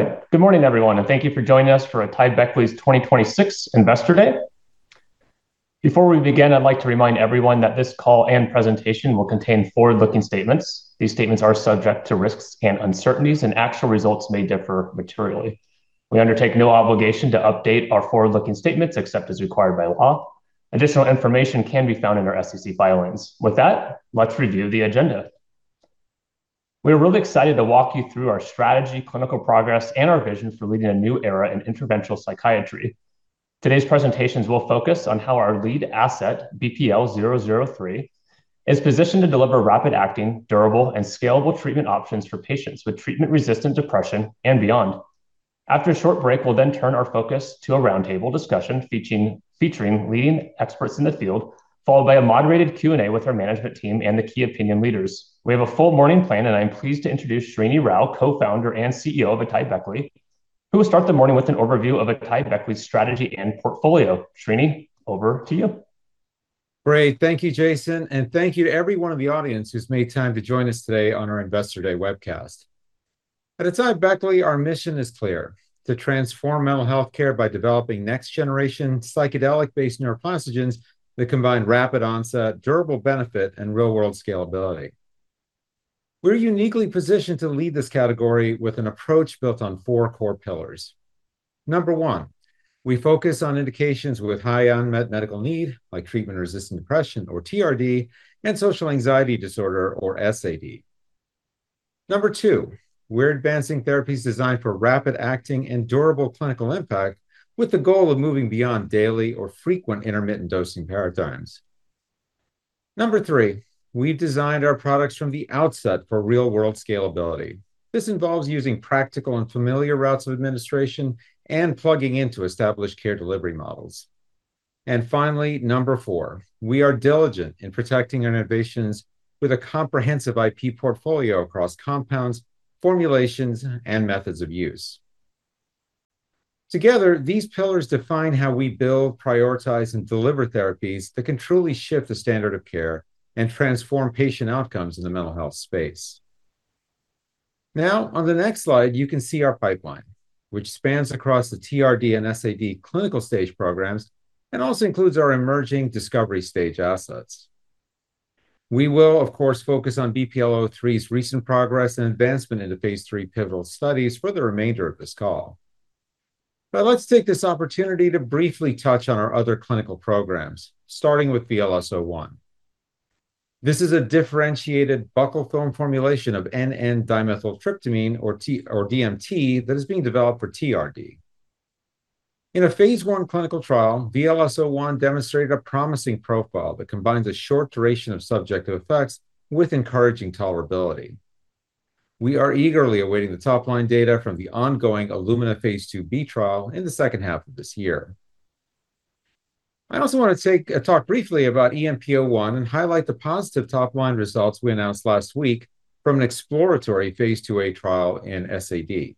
All right. Good morning, everyone, and thank you for joining us for AtaiBeckley's 2026 Investor Day. Before we begin, I'd like to remind everyone that this call and presentation will contain forward-looking statements. These statements are subject to risks and uncertainties, and actual results may differ materially. We undertake no obligation to update our forward-looking statements except as required by law. Additional information can be found in our SEC filings. With that, let's review the agenda. We are really excited to walk you through our strategy, clinical progress, and our vision for leading a new era in interventional psychiatry. Today's presentations will focus on how our lead asset, BPL-003, is positioned to deliver rapid-acting, durable, and scalable treatment options for patients with treatment-resistant depression and beyond. After a short break, we'll then turn our focus to a roundtable discussion featuring leading experts in the field, followed by a moderated Q&A with our management team and the key opinion leaders. We have a full morning plan. I am pleased to introduce Srini Rao, co-founder and CEO of AtaiBeckley, who will start the morning with an overview of AtaiBeckley's strategy and portfolio. Srini, over to you. Great. Thank you, Jason, thank you to everyone in the audience who's made time to join us today on our Investor Day webcast. At AtaiBeckley, our mission is clear: to transform mental health care by developing next-generation psychedelic-based neuroplastogens that combine rapid onset, durable benefit, and real-world scalability. We're uniquely positioned to lead this category with an approach built on four core pillars. Number 1, we focus on indications with high unmet medical need, like treatment-resistant depression, or TRD, and social anxiety disorder, or SAD. Number 2, we're advancing therapies designed for rapid-acting and durable clinical impact with the goal of moving beyond daily or frequent intermittent dosing paradigms. Number 3, we've designed our products from the outset for real-world scalability. This involves using practical and familiar routes of administration and plugging into established care delivery models. Finally, 4, we are diligent in protecting our innovations with a comprehensive IP portfolio across compounds, formulations, and methods of use. Together, these pillars define how we build, prioritize, and deliver therapies that can truly shift the standard of care and transform patient outcomes in the mental health space. On the next slide, you can see our pipeline, which spans across the TRD and SAD clinical-stage programs and also includes our emerging discovery stage assets. We will, of course, focus on BPL-003's recent progress and advancement into phase III pivotal studies for the remainder of this call. Let's take this opportunity to briefly touch on our other clinical programs, starting with VLS-01. This is a differentiated buccal film formulation of N,N-dimethyltryptamine, or DMT, that is being developed for TRD. In a phase I clinical trial, VLS-01 demonstrated a promising profile that combines a short duration of subjective effects with encouraging tolerability. We are eagerly awaiting the top-line data from the ongoing Elumina phase IIb trial in the second half of this year. I also want to talk briefly about EMP-01 and highlight the positive top-line results we announced last week from an exploratory phase IIa trial in SAD.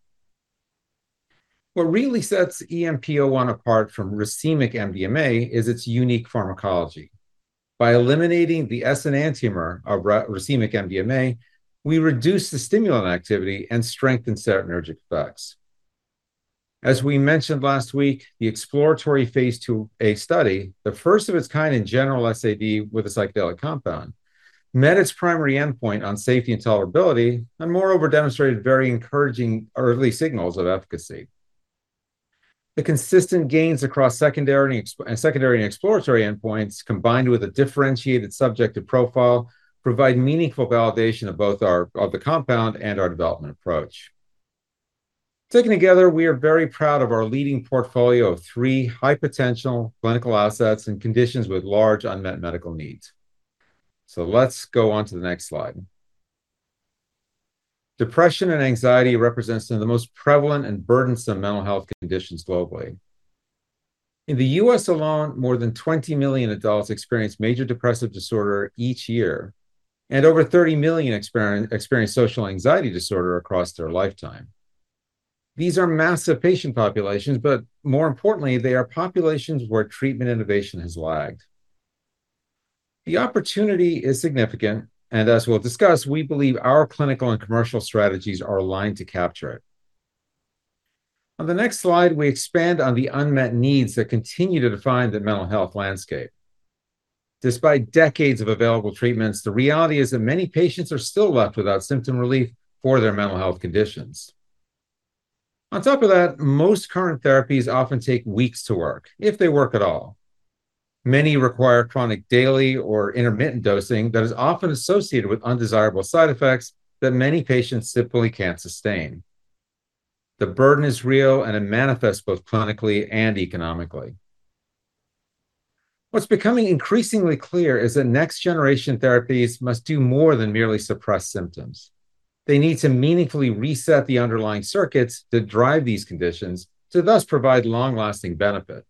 What really sets EMP-01 apart from racemic MDMA is its unique pharmacology. By eliminating the S-enantiomer of racemic MDMA, we reduce the stimulant activity and strengthen serotonergic effects. As we mentioned last week, the exploratory phase IIa study, the first of its kind in general SAD with a psychedelic compound, met its primary endpoint on safety and tolerability, and moreover demonstrated very encouraging early signals of efficacy. The consistent gains across secondary and exploratory endpoints, combined with a differentiated subjective profile, provide meaningful validation of both of the compound and our development approach. Taken together, we are very proud of our leading portfolio of three high-potential clinical assets and conditions with large unmet medical needs. Let's go on to the next slide. Depression and anxiety represents some of the most prevalent and burdensome mental health conditions globally. In the U.S. alone, more than 20 million adults experience major depressive disorder each year, and over 30 million experience social anxiety disorder across their lifetime. These are massive patient populations, more importantly, they are populations where treatment innovation has lagged. The opportunity is significant, as we'll discuss, we believe our clinical and commercial strategies are aligned to capture it. On the next slide, we expand on the unmet needs that continue to define the mental health landscape. Despite decades of available treatments, the reality is that many patients are still left without symptom relief for their mental health conditions. Most current therapies often take weeks to work, if they work at all. Many require chronic daily or intermittent dosing that is often associated with undesirable side effects that many patients simply can't sustain. The burden is real, and it manifests both clinically and economically. What's becoming increasingly clear is next-generation therapies must do more than merely suppress symptoms. They need to meaningfully reset the underlying circuits that drive these conditions to thus provide long-lasting benefit.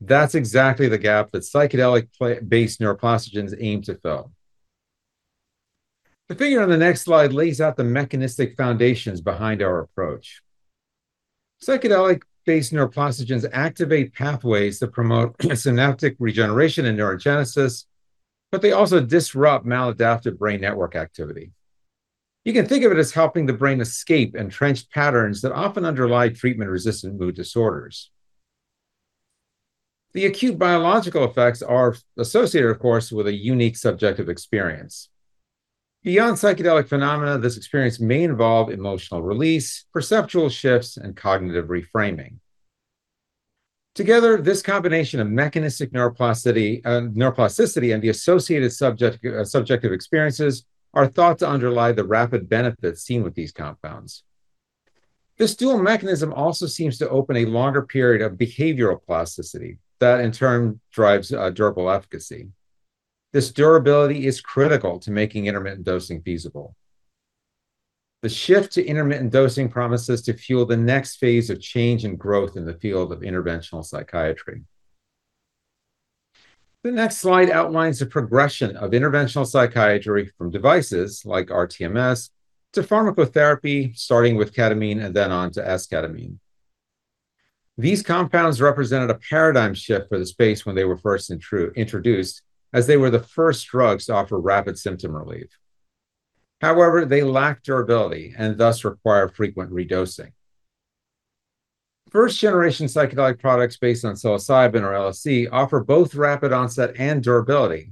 That's exactly the gap that psychedelic based neuroplastogens aim to fill. The figure on the next slide lays out the mechanistic foundations behind our approach. Psychedelic-based neuroplastogens activate pathways that promote synaptic regeneration and neurogenesis, but they also disrupt maladaptive brain network activity. You can think of it as helping the brain escape entrenched patterns that often underlie treatment-resistant mood disorders. The acute biological effects are associated, of course, with a unique subjective experience. Beyond psychedelic phenomena, this experience may involve emotional release, perceptual shifts, and cognitive reframing. Together, this combination of mechanistic neuroplasticity and the associated subjective experiences are thought to underlie the rapid benefits seen with these compounds. This dual mechanism also seems to open a longer period of behavioral plasticity that in turn drives durable efficacy. This durability is critical to making intermittent dosing feasible. The shift to intermittent dosing promises to fuel the next phase of change and growth in the field of interventional psychiatry. The next slide outlines the progression of interventional psychiatry from devices like rTMS to pharmacotherapy, starting with Ketamine and then on to Esketamine. These compounds represented a paradigm shift for the space when they were first introduced, as they were the first drugs to offer rapid symptom relief. However, they lack durability and thus require frequent re-dosing. First-generation psychedelic products based on psilocybin or LSD offer both rapid onset and durability.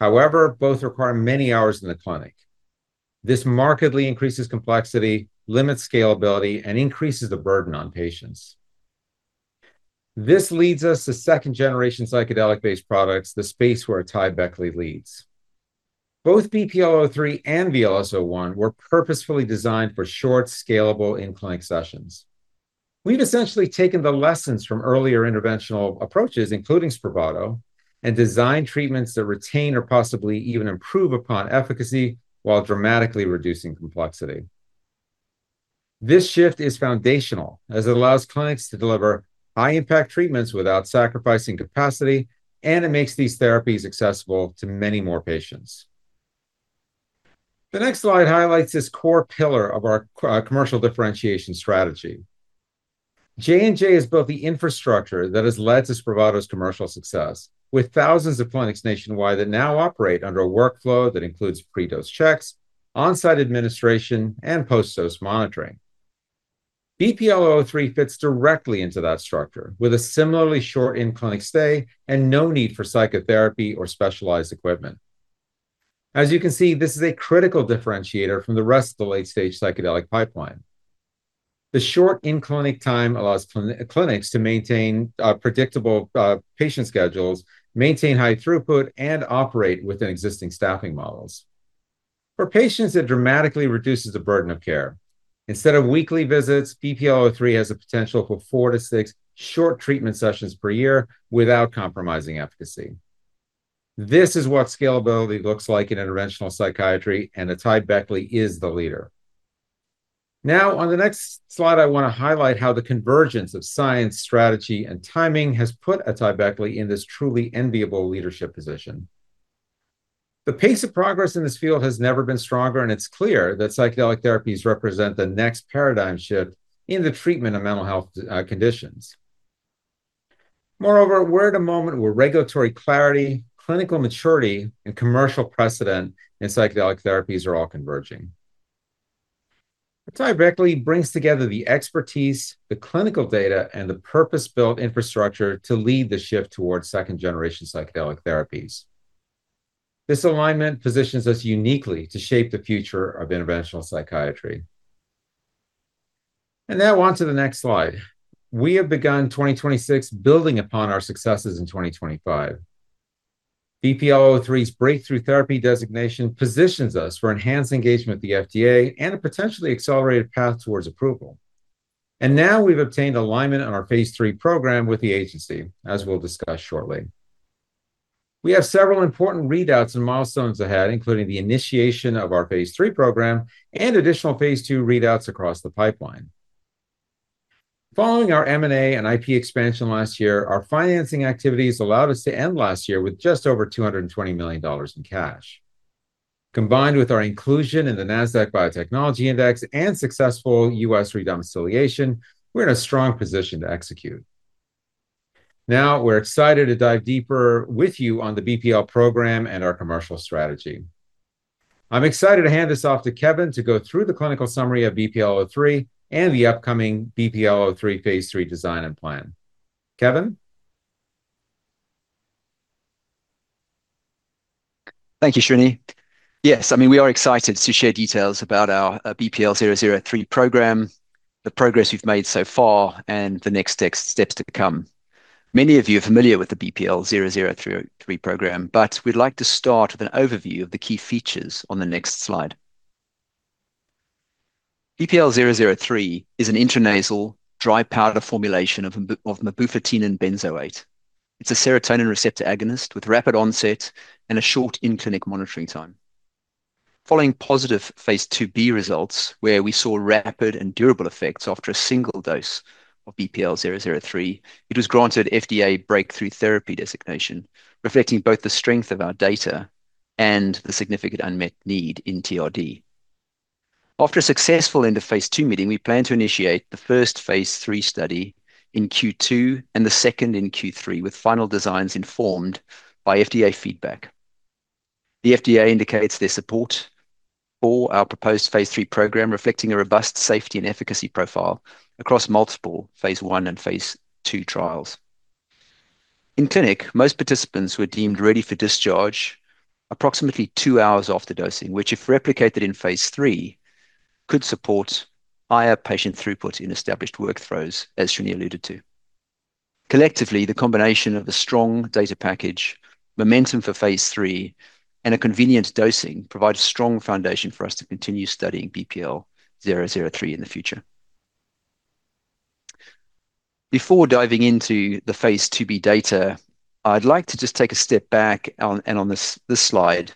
However, both require many hours in the clinic. This markedly increases complexity, limits scalability, and increases the burden on patients. This leads us to second-generation psychedelic-based products, the space where AtaiBeckley leads. Both BPL-003 and VLS-01 were purposefully designed for short, scalable in-clinic sessions. We've essentially taken the lessons from earlier interventional approaches, including Spravato, and designed treatments that retain or possibly even improve upon efficacy while dramatically reducing complexity. This shift is foundational as it allows clinics to deliver high-impact treatments without sacrificing capacity, and it makes these therapies accessible to many more patients. The next slide highlights this core pillar of our commercial differentiation strategy. J&J has built the infrastructure that has led to Spravato's commercial success, with thousands of clinics nationwide that now operate under a workflow that includes pre-dose checks, on-site administration, and post-dose monitoring. BPL-003 fits directly into that structure with a similarly short in-clinic stay and no need for psychotherapy or specialized equipment. As you can see, this is a critical differentiator from the rest of the late-stage psychedelic pipeline. The short in-clinic time allows clinics to maintain predictable patient schedules, maintain high throughput, and operate within existing staffing models. For patients, it dramatically reduces the burden of care. Instead of weekly visits, BPL-003 has the potential for four to six short treatment sessions per year without compromising efficacy. This is what scalability looks like in interventional psychiatry, and AtaiBeckley is the leader. On the next slide, I wanna highlight how the convergence of science, strategy, and timing has put AtaiBeckley in this truly enviable leadership position. The pace of progress in this field has never been stronger, and it's clear that psychedelic therapies represent the next paradigm shift in the treatment of mental health conditions. Moreover, we're at a moment where regulatory clarity, clinical maturity, and commercial precedent in psychedelic therapies are all converging. AtaiBeckley brings together the expertise, the clinical data, and the purpose-built infrastructure to lead the shift towards second-generation psychedelic therapies. This alignment positions us uniquely to shape the future of interventional psychiatry. Now on to the next slide. We have begun 2026 building upon our successes in 2025. BPL-003's breakthrough therapy designation positions us for enhanced engagement with the FDA and a potentially accelerated path towards approval. Now we've obtained alignment on our phase III program with the agency, as we'll discuss shortly. We have several important readouts and milestones ahead, including the initiation of our phase III program and additional phase II readouts across the pipeline. Following our M&A and IP expansion last year, our financing activities allowed us to end last year with just over $220 million in cash. Combined with our inclusion in the Nasdaq Biotechnology Index and successful U.S. re-domiciliation, we're in a strong position to execute. We're excited to dive deeper with you on the BPL program and our commercial strategy. I'm excited to hand this off to Kevin to go through the clinical summary of BPL-003 and the upcoming BPL-003 phase III design and plan. Kevin? Thank you, Srini. Yes, I mean, we are excited to share details about our BPL-003 program, the progress we've made so far, and the next steps to come. Many of you are familiar with the BPL-003 program, we'd like to start with an overview of the key features on the next slide. BPL-003 is an intranasal dry powder formulation of mebufotenin benzoate. It's a serotonin receptor agonist with rapid onset and a short in-clinic monitoring time. Following positive phase IIb results, where we saw rapid and durable effects after a single dose of BPL-003, it was granted FDA breakthrough therapy designation, reflecting both the strength of our data and the significant unmet need in TRD. After a successful end of phase II meeting, we plan to initiate the first phase III study in Q2 and the second in Q3 with final designs informed by FDA feedback. The FDA indicates their support for our proposed phase III program, reflecting a robust safety and efficacy profile across multiple phase I and phase II trials. In clinic, most participants were deemed ready for discharge approximately two hours after dosing, which if replicated in phase III, could support higher patient throughput in established workflows, as Srini alluded to. Collectively, the combination of a strong data package, momentum for phase III, and a convenient dosing provide a strong foundation for us to continue studying BPL-003 in the future. Before diving into the phase IIb data, I'd like to just take a step back on this slide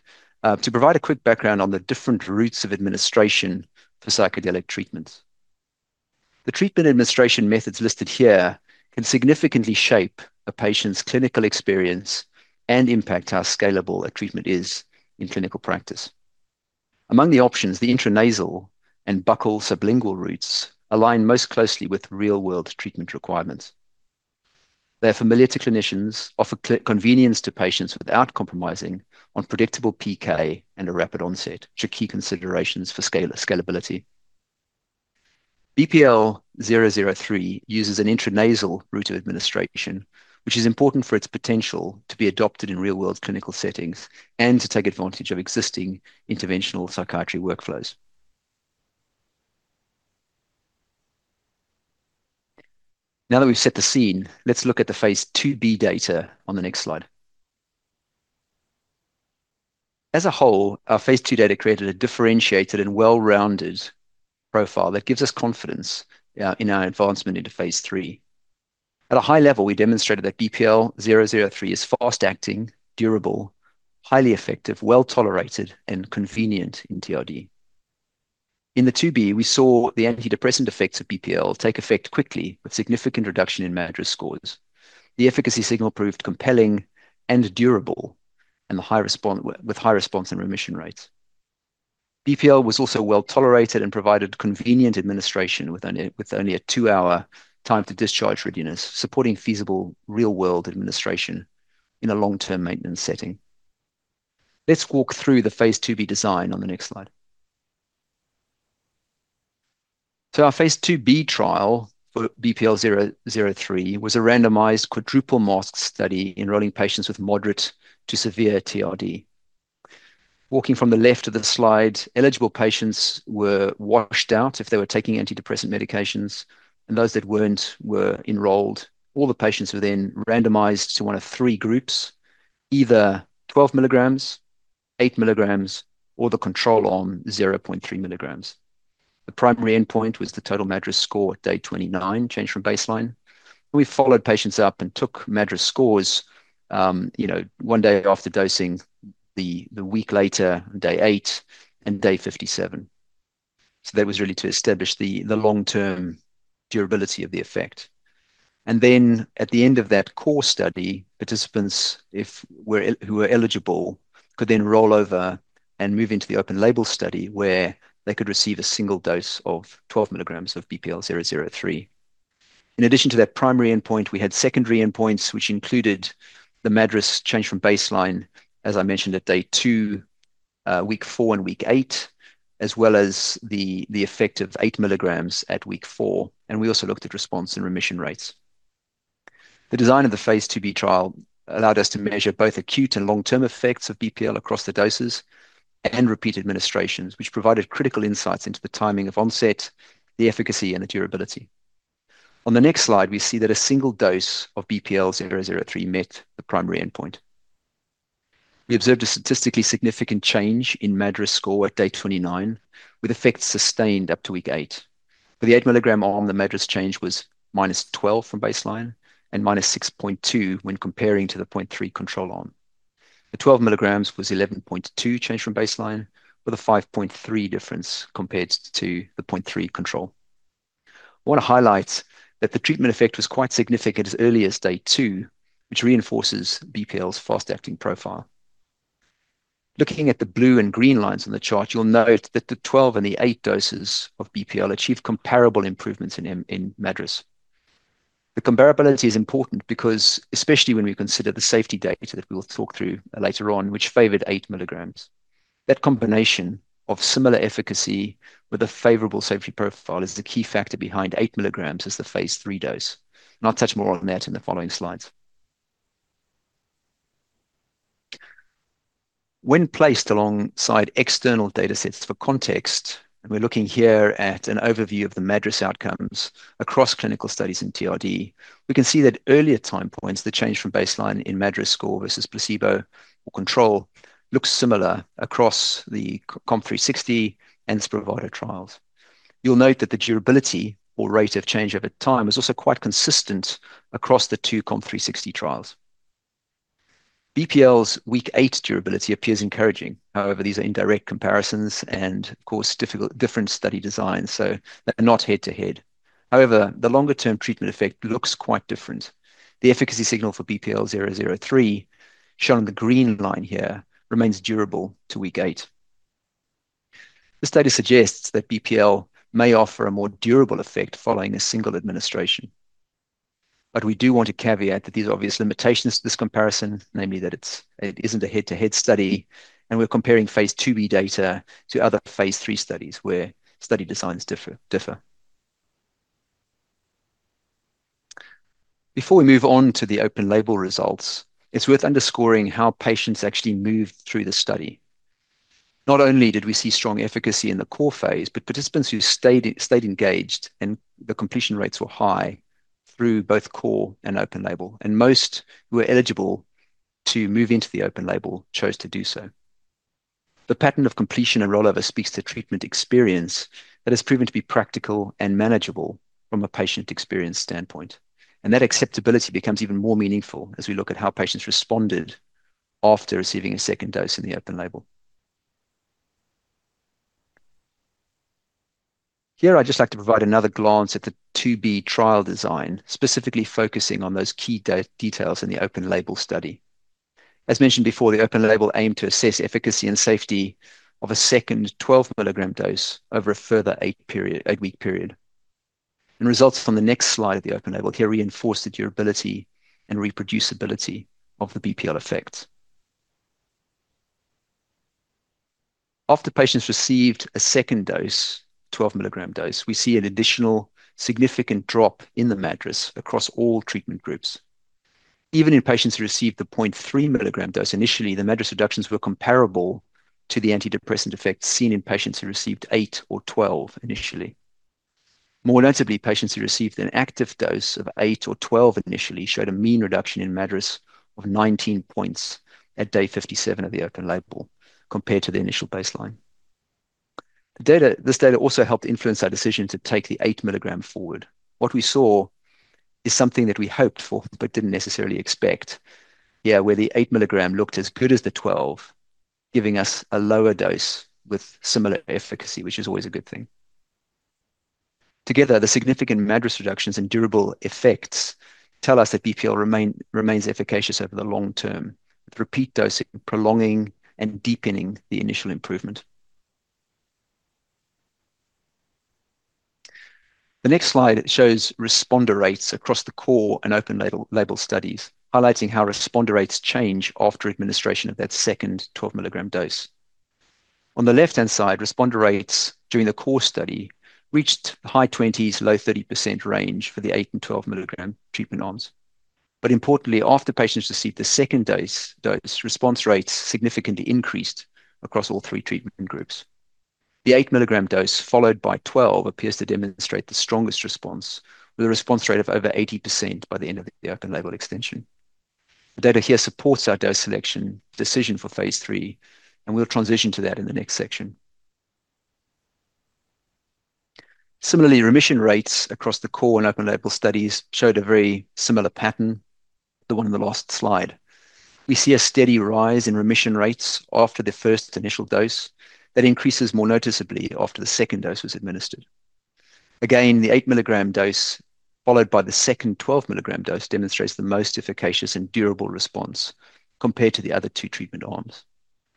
to provide a quick background on the different routes of administration for psychedelic treatments. The treatment administration methods listed here can significantly shape a patient's clinical experience and impact how scalable a treatment is in clinical practice. Among the options, the intranasal and buccal sublingual routes align most closely with real-world treatment requirements. They're familiar to clinicians, offer convenience to patients without compromising on predictable PK and a rapid onset, which are key considerations for scalability. BPL-003 uses an intranasal route of administration, which is important for its potential to be adopted in real-world clinical settings and to take advantage of existing interventional psychiatry workflows. Now that we've set the scene, let's look at the phase IIb data on the next slide. As a whole, our phase II data created a differentiated and well-rounded profile that gives us confidence in our advancement into phase III. At a high level, we demonstrated that BPL-003 is fast-acting, durable, highly effective, well-tolerated, and convenient in TRD. In the 2b, we saw the antidepressant effects of BPL take effect quickly with significant reduction in MADRS scores. The efficacy signal proved compelling and durable, with high response and remission rates. BPL was also well-tolerated and provided convenient administration with only a 2-hour time to discharge readiness, supporting feasible real-world administration in a long-term maintenance setting. Let's walk through the phase IIb design on the next slide. Our phase IIb trial for BPL-003 was a randomized quadruple masked study enrolling patients with moderate to severe TRD. Walking from the left of the slide, eligible patients were washed out if they were taking antidepressant medications, and those that weren't were enrolled. All the patients were randomized to 1 of 3 groups, either 12 milligrams, 8 milligrams, or the control arm, 0.3 milligrams. The primary endpoint was the total MADRS score at day 29, change from baseline. We followed patients up and took MADRS scores, you know, 1 day after dosing, the week later, day 8, and day 57. That was really to establish the long-term durability of the effect. At the end of that core study, participants, who were eligible, could then roll over and move into the open label study where they could receive a single dose of 12 milligrams of BPL-003. In addition to that primary endpoint, we had secondary endpoints, which included the MADRS change from baseline, as I mentioned at day 2, week 4 and week 8, as well as the effect of 8 milligrams at week 4. We also looked at response and remission rates. The design of the phase IIb trial allowed us to measure both acute and long-term effects of BPL across the doses and repeat administrations, which provided critical insights into the timing of onset, the efficacy, and the durability. On the next slide, we see that a single dose of BPL-003 met the primary endpoint. We observed a statistically significant change in MADRS score at day 29, with effects sustained up to week 8. For the 8-milligram arm, the MADRS change was minus 12 from baseline and minus 6.2 when comparing to the 0.3 control arm. The 12 mg was 11.2 change from baseline, with a 5.3 difference compared to the 0.3 control. I wanna highlight that the treatment effect was quite significant as early as day 2, which reinforces BPL's fast-acting profile. Looking at the blue and green lines on the chart, you'll note that the 12 and the 8 doses of BPL achieve comparable improvements in MADRS. The comparability is important because especially when we consider the safety data that we will talk through later on, which favored 8 mg. That combination of similar efficacy with a favorable safety profile is the key factor behind 8 mg as the phase III dose, and I'll touch more on that in the following slides. When placed alongside external datasets for context, we're looking here at an overview of the MADRS outcomes across clinical studies in TRD, we can see that earlier time points, the change from baseline in MADRS score versus placebo or control looks similar across the COMP360 and Spravato trials. You'll note that the durability or rate of change over time is also quite consistent across the two COMP360 trials. BPL's week 8 durability appears encouraging. These are indirect comparisons and of course difficult, different study designs, so they're not head-to-head. The longer-term treatment effect looks quite different. The efficacy signal for BPL-003, shown in the green line here, remains durable to week 8. The study suggests that BPL may offer a more durable effect following a single administration. We do want to caveat that there's obvious limitations to this comparison, namely that it isn't a head-to-head study, we're comparing phase IIb data to other phase III studies where study designs differ. Before we move on to the open label results, it's worth underscoring how patients actually moved through the study. Not only did we see strong efficacy in the core phase, but participants who stayed engaged and the completion rates were high through both core and open label. Most who were eligible to move into the open label chose to do so. The pattern of completion and rollover speaks to treatment experience that has proven to be practical and manageable from a patient experience standpoint. That acceptability becomes even more meaningful as we look at how patients responded after receiving a second dose in the open label. Here I'd just like to provide another glance at the 2b trial design, specifically focusing on those key details in the open label study. As mentioned before, the open label aimed to assess efficacy and safety of a second 12 milligram dose over a further 8-week period. Results from the next slide of the open label here reinforce the durability and reproducibility of the BPL effect. After patients received a second dose, 12 milligram dose, we see an additional significant drop in the MADRS across all treatment groups. Even in patients who received the 0.3 milligram dose initially, the MADRS reductions were comparable to the antidepressant effect seen in patients who received 8 or 12 initially. More notably, patients who received an active dose of 8 or 12 initially showed a mean reduction in MADRS of 19 points at day 57 of the open label compared to the initial baseline. This data also helped influence our decision to take the 8 milligram forward. Where the 8 milligram looked as good as the 12, giving us a lower dose with similar efficacy, which is always a good thing. Together, the significant MADRS reductions and durable effects tell us that BPL remains efficacious over the long term, with repeat dosing prolonging and deepening the initial improvement. The next slide shows responder rates across the core and open label studies, highlighting how responder rates change after administration of that second 12 milligram dose. On the left-hand side, responder rates during the core study reached the high 20s, low 30% range for the 8 and 12 milligram treatment arms. Importantly, after patients received the second dose, response rates significantly increased across all 3 treatment groups. The 8 milligram dose followed by 12 appears to demonstrate the strongest response, with a response rate of over 80% by the end of the open label extension. The data here supports our dose selection decision for phase III. We'll transition to that in the next section. Similarly, remission rates across the core and open label studies showed a very similar pattern to the one in the last slide. We see a steady rise in remission rates after the first initial dose that increases more noticeably after the second dose was administered. The 8 milligram dose followed by the second 12 milligram dose demonstrates the most efficacious and durable response compared to the other 2 treatment arms.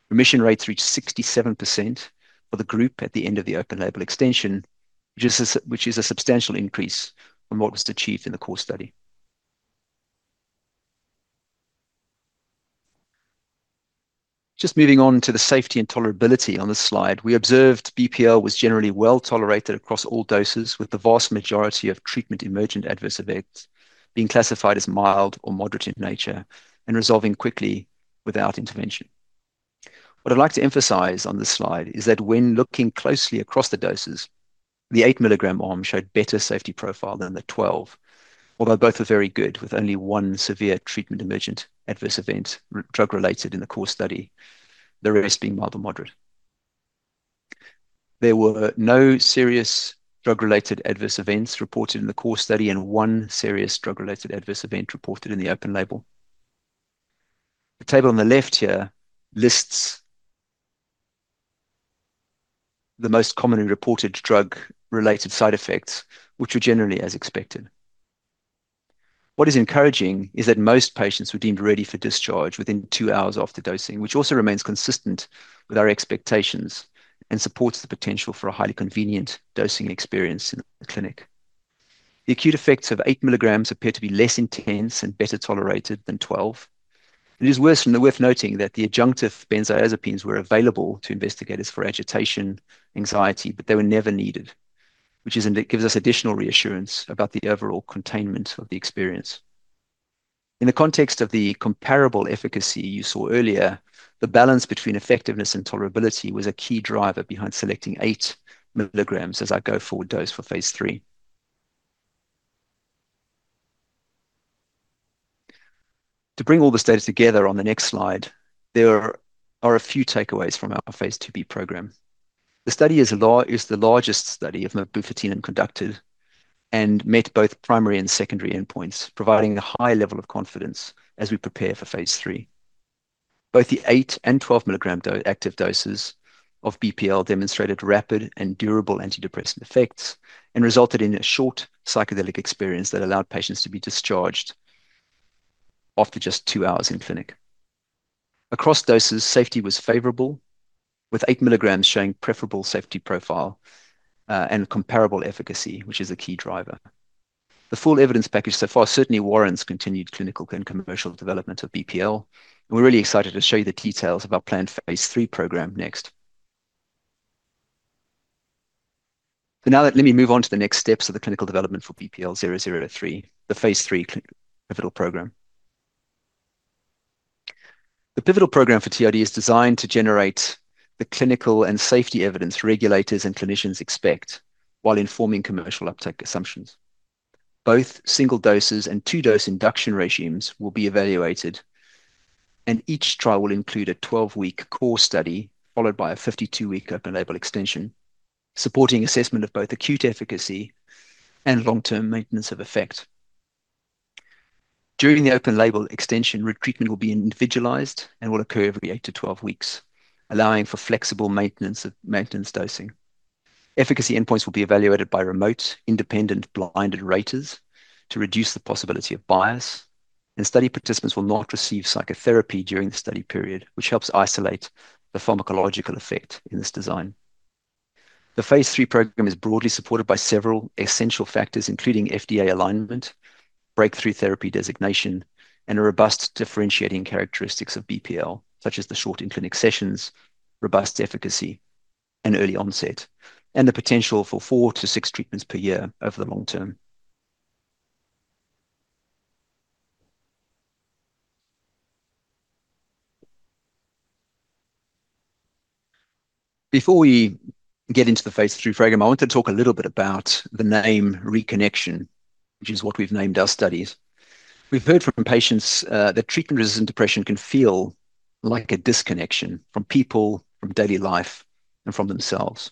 Remission rates reached 67% for the group at the end of the open label extension, which is a substantial increase from what was achieved in the core study. Moving on to the safety and tolerability on this slide. We observed BPL was generally well-tolerated across all doses, with the vast majority of treatment-emergent adverse events being classified as mild or moderate in nature and resolving quickly without intervention. What I'd like to emphasize on this slide is that when looking closely across the doses, the 8 milligram arm showed better safety profile than the 12, although both were very good, with only 1 severe treatment-emergent adverse event drug-related in the core study, the rest being mild to moderate. There were no serious drug-related adverse events reported in the core study and 1 serious drug-related adverse event reported in the open label. The table on the left here lists the most commonly reported drug-related side effects, which were generally as expected. What is encouraging is that most patients were deemed ready for discharge within 2 hours after dosing, which also remains consistent with our expectations and supports the potential for a highly convenient dosing experience in the clinic. The acute effects of 8 milligrams appear to be less intense and better tolerated than 12. It is worth noting that the adjunctive benzodiazepines were available to investigators for agitation, anxiety, but they were never needed, which gives us additional reassurance about the overall containment of the experience. In the context of the comparable efficacy you saw earlier, the balance between effectiveness and tolerability was a key driver behind selecting 8 milligrams as our go-forward dose for phase III. To bring all this data together on the next slide, there are a few takeaways from our phase IIb program. The study is the largest study of mebufotenin conducted and met both primary and secondary endpoints, providing a high level of confidence as we prepare for phase III. Both the 8 and 12 milligram active doses of BPL demonstrated rapid and durable antidepressant effects and resulted in a short psychedelic experience that allowed patients to be discharged after just 2 hours in clinic. Across doses, safety was favorable, with 8 milligrams showing preferable safety profile and comparable efficacy, which is a key driver. The full evidence package so far certainly warrants continued clinical and commercial development of BPL. We're really excited to show you the details of our planned phase III program next. Now let me move on to the next steps of the clinical development for BPL-003, the phase III pivotal program. The pivotal program for TRD is designed to generate the clinical and safety evidence regulators and clinicians expect while informing commercial uptake assumptions. Both single doses and 2-dose induction regimes will be evaluated, and each trial will include a 12-week core study followed by a 52-week open-label extension, supporting assessment of both acute efficacy and long-term maintenance of effect. During the open-label extension, retreatment will be individualized and will occur every 8 to 12 weeks, allowing for flexible maintenance dosing. Efficacy endpoints will be evaluated by remote, independent, blinded raters to reduce the possibility of bias, and study participants will not receive psychotherapy during the study period, which helps isolate the pharmacological effect in this design. The phase III program is broadly supported by several essential factors, including FDA alignment, breakthrough therapy designation, and a robust differentiating characteristics of BPL, such as the short in-clinic sessions, robust efficacy and early onset, and the potential for four to six treatments per year over the long term. Before we get into the phase III fragment, I want to talk a little bit about the name ReConnection, which is what we've named our studies. We've heard from patients that treatment-resistant depression can feel like a disconnection from people, from daily life, and from themselves.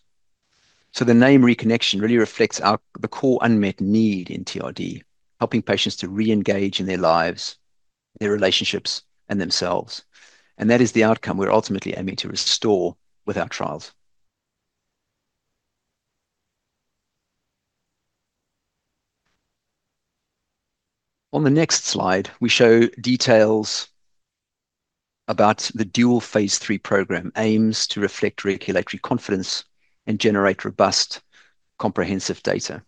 The name ReConnection really reflects the core unmet need in TRD, helping patients to reengage in their lives, their relationships, and themselves. That is the outcome we're ultimately aiming to restore with our trials. On the next slide, we show details about the dual phase III program aims to reflect regulatory confidence and generate robust comprehensive data.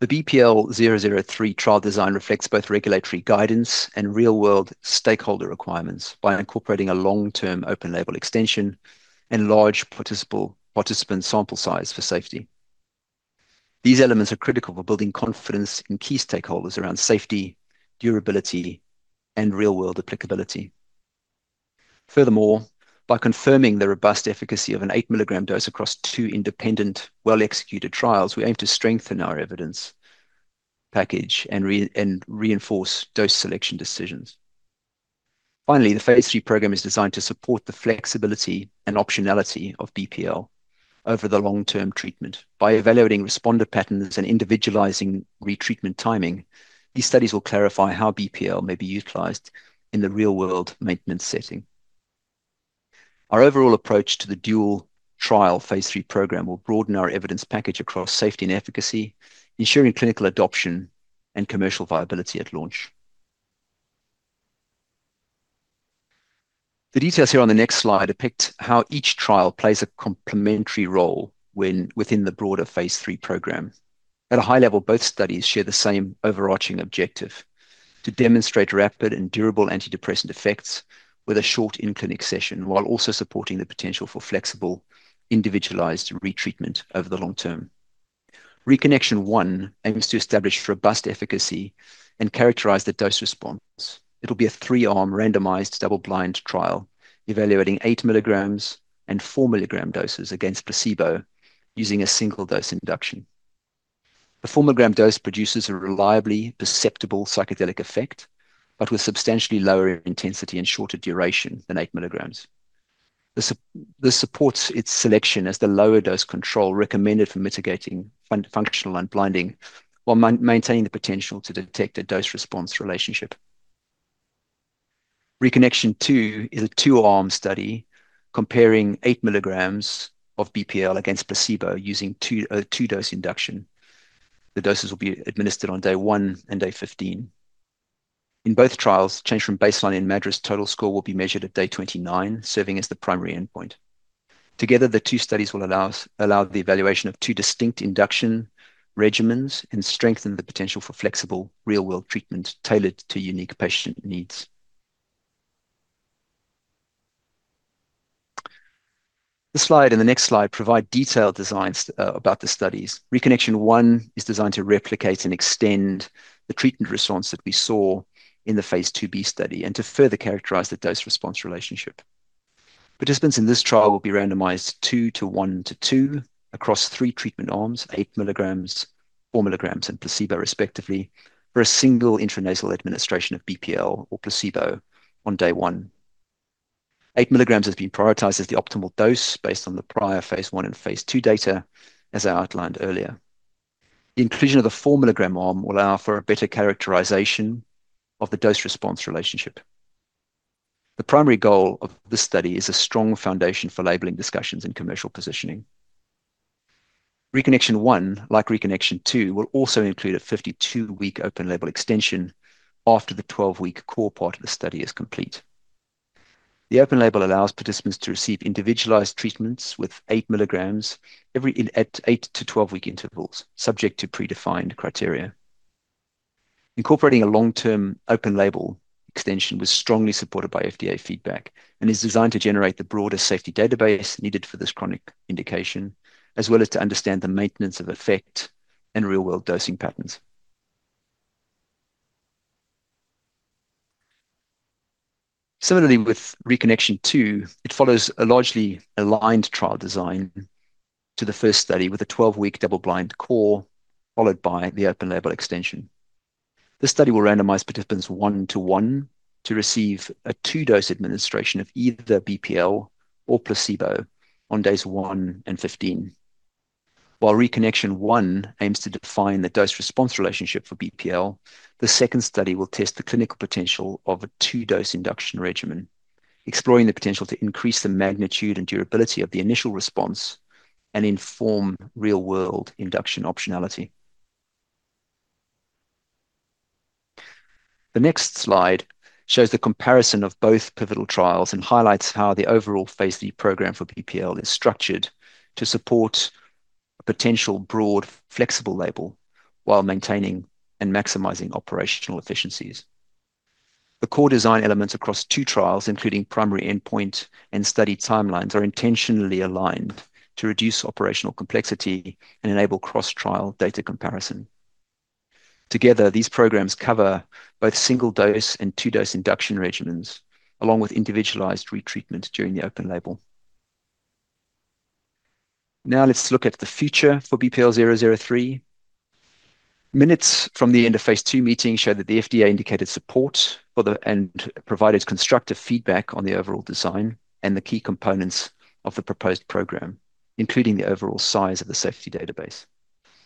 The BPL-003 trial design reflects both regulatory guidance and real-world stakeholder requirements by incorporating a long-term open-label extension and large participant sample size for safety. These elements are critical for building confidence in key stakeholders around safety, durability, and real-world applicability. Furthermore, by confirming the robust efficacy of an 8 mg dose across 2 independent, well-executed trials, we aim to strengthen our evidence package and reinforce dose selection decisions. The phase III program is designed to support the flexibility and optionality of BPL over the long-term treatment. By evaluating responder patterns and individualizing retreatment timing, these studies will clarify how BPL may be utilized in the real-world maintenance setting. Our overall approach to the dual trial phase III program will broaden our evidence package across safety and efficacy, ensuring clinical adoption and commercial viability at launch. The details here on the next slide depict how each trial plays a complementary role when within the broader phase III program. At a high level, both studies share the same overarching objective: to demonstrate rapid and durable antidepressant effects with a short in-clinic session while also supporting the potential for flexible, individualized retreatment over the long term. ReConnection 1 aims to establish robust efficacy and characterize the dose response. It'll be a 3-arm randomized, double-blind trial evaluating 8 milligrams and 4-milligram doses against placebo using a single dose induction. The 4-milligram dose produces a reliably perceptible psychedelic effect, but with substantially lower intensity and shorter duration than 8 milligrams. This supports its selection as the lower dose control recommended for mitigating functional unblinding while maintaining the potential to detect a dose-response relationship. ReConnection 2 is a 2-arm study comparing 8 milligrams of BPL against placebo using a 2-dose induction. The doses will be administered on day 1 and day 15. In both trials, change from baseline in MADRS total score will be measured at day 29, serving as the primary endpoint. Together, the 2 studies will allow the evaluation of 2 distinct induction regimens and strengthen the potential for flexible real-world treatment tailored to unique patient needs. This slide and the next slide provide detailed designs about the studies. ReConnection 1 is designed to replicate and extend the treatment response that we saw in the phase IIb study and to further characterize the dose-response relationship. Participants in this trial will be randomized 2 to 1 to 2 across 3 treatment arms, 8 milligrams, 4 milligrams and placebo respectively, for a single intranasal administration of BPL or placebo on day 1. 8 milligrams has been prioritized as the optimal dose based on the prior phase I and phase II data, as I outlined earlier. The inclusion of the 4-milligram arm will allow for a better characterization of the dose-response relationship. The primary goal of this study is a strong foundation for labeling discussions and commercial positioning. ReConnection 1, like ReConnection 2, will also include a 52-week open-label extension after the 12-week core part of the study is complete. The open label allows participants to receive individualized treatments with 8 milligrams at 8 to 12-week intervals, subject to predefined criteria. Incorporating a long-term open label extension was strongly supported by FDA feedback and is designed to generate the broader safety database needed for this chronic indication, as well as to understand the maintenance of effect in real-world dosing patterns. Similarly with ReConnection 2, it follows a largely aligned trial design to the first study with a 12-week double-blind core followed by the open label extension. This study will randomize participants 1-to-1 to receive a 2-dose administration of either BPL or placebo on days 1 and 15. ReConnection 1 aims to define the dose response relationship for BPL, the second study will test the clinical potential of a 2-dose induction regimen, exploring the potential to increase the magnitude and durability of the initial response and inform real-world induction optionality. The next slide shows the comparison of both pivotal trials and highlights how the overall phase D program for BPL is structured to support a potential broad flexible label while maintaining and maximizing operational efficiencies. The core design elements across 2 trials, including primary endpoint and study timelines, are intentionally aligned to reduce operational complexity and enable cross-trial data comparison. Together, these programs cover both single-dose and 2-dose induction regimens, along with individualized retreatment during the open label. Now let's look at the future for BPL-003. Minutes from the end of phase II meeting show that the FDA indicated support for and provided constructive feedback on the overall design and the key components of the proposed program, including the overall size of the safety database.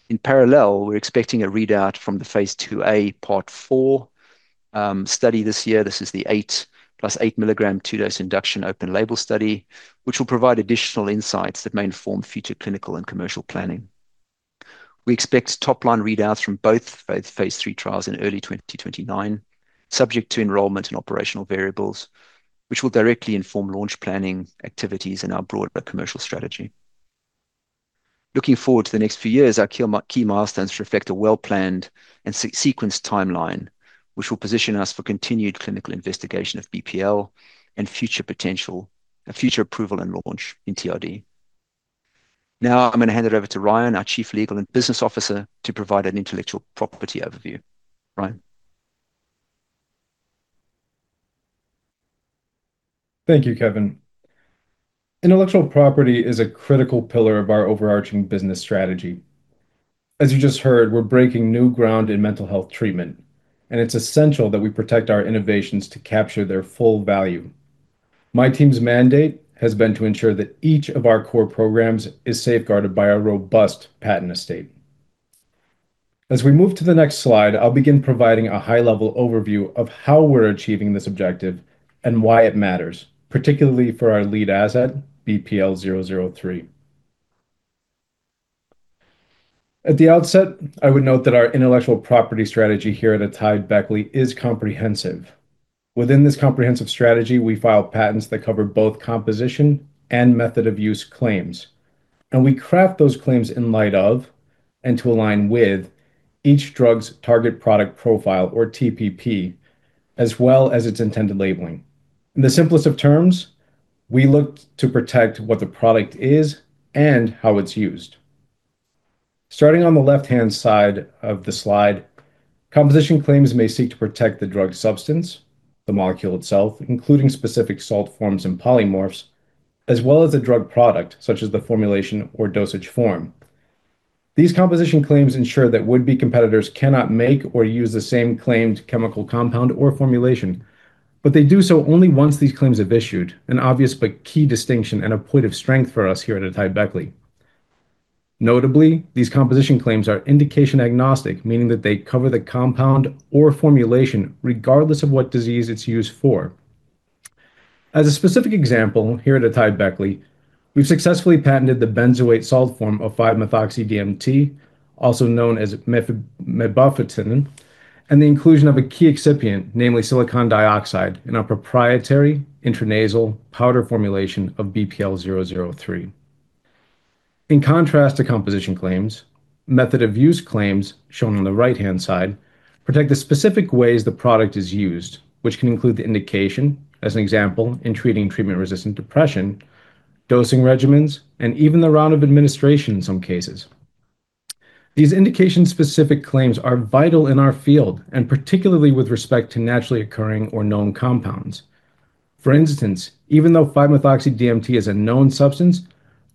In parallel, we're expecting a readout from the phase IIa Part 4 study this year. This is the 8 plus 8 milligram two-dose induction open label study, which will provide additional insights that may inform future clinical and commercial planning. We expect top-line readouts from both phase III trials in early 2029, subject to enrollment and operational variables, which will directly inform launch planning activities and our broader commercial strategy. Looking forward to the next few years, our key milestones reflect a well-planned and sequence timeline, which will position us for continued clinical investigation of BPL and a future approval and launch in TRD. I'm going to hand it over to Ryan, our Chief Legal and Business Officer, to provide an intellectual property overview. Ryan. Thank you, Kevin. Intellectual property is a critical pillar of our overarching business strategy. As you just heard, we're breaking new ground in mental health treatment, it's essential that we protect our innovations to capture their full value. My team's mandate has been to ensure that each of our core programs is safeguarded by a robust patent estate. As we move to the next slide, I'll begin providing a high-level overview of how we're achieving this objective and why it matters, particularly for our lead asset, BPL-003. At the outset, I would note that our intellectual property strategy here at AtaiBeckley is comprehensive. Within this comprehensive strategy, we file patents that cover both composition and method of use claims, we craft those claims in light of and to align with each drug's target product profile, or TPP, as well as its intended labeling. In the simplest of terms, we look to protect what the product is and how it's used. Starting on the left-hand side of the slide, composition claims may seek to protect the drug substance, the molecule itself, including specific salt forms and polymorphs, as well as the drug product, such as the formulation or dosage form. They do so only once these claims have issued, an obvious but key distinction and a point of strength for us here at AtaiBeckley. Notably, these composition claims are indication agnostic, meaning that they cover the compound or formulation regardless of what disease it's used for. As a specific example, here at AtaiBeckley, we've successfully patented the benzoate salt form of 5-methoxy-DMT, also known as meth-mebufotenin, and the inclusion of a key excipient, namely silicon dioxide in our proprietary intranasal powder formulation of BPL-003. In contrast to composition claims, method of use claims, shown on the right-hand side, protect the specific ways the product is used, which can include the indication as an example in treating treatment-resistant depression, dosing regimens, and even the route of administration in some cases. These indication-specific claims are vital in our field, and particularly with respect to naturally occurring or known compounds. For instance, even though 5-methoxy-DMT is a known substance,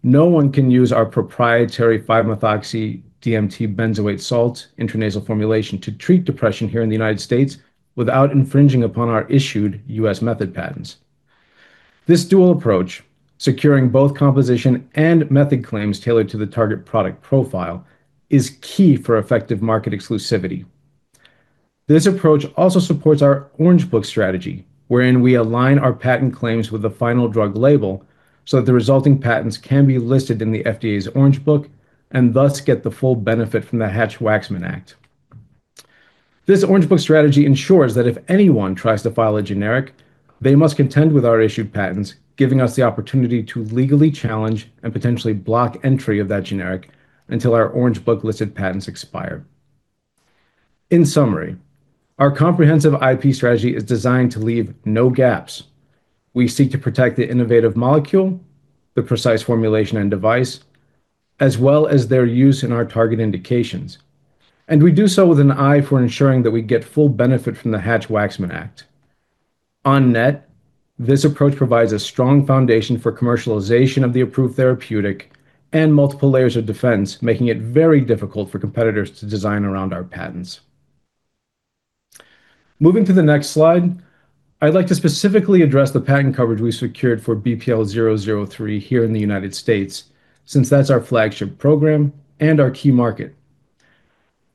no one can use our proprietary 5-methoxy-DMT benzoate salt intranasal formulation to treat depression here in the United States without infringing upon our issued U.S. method patents. This dual approach, securing both composition and method claims tailored to the target product profile, is key for effective market exclusivity. This approach also supports our Orange Book strategy, wherein we align our patent claims with the final drug label so that the resulting patents can be listed in the FDA's Orange Book and thus get the full benefit from the Hatch-Waxman Act. This Orange Book strategy ensures that if anyone tries to file a generic, they must contend with our issued patents, giving us the opportunity to legally challenge and potentially block entry of that generic until our Orange Book-listed patents expire. In summary, our comprehensive IP strategy is designed to leave no gaps. We seek to protect the innovative molecule, the precise formulation and device, as well as their use in our target indications. We do so with an eye for ensuring that we get full benefit from the Hatch-Waxman Act. On net, this approach provides a strong foundation for commercialization of the approved therapeutic and multiple layers of defense, making it very difficult for competitors to design around our patents. Moving to the next slide, I'd like to specifically address the patent coverage we secured for BPL-003 here in the United States, since that's our flagship program and our key market.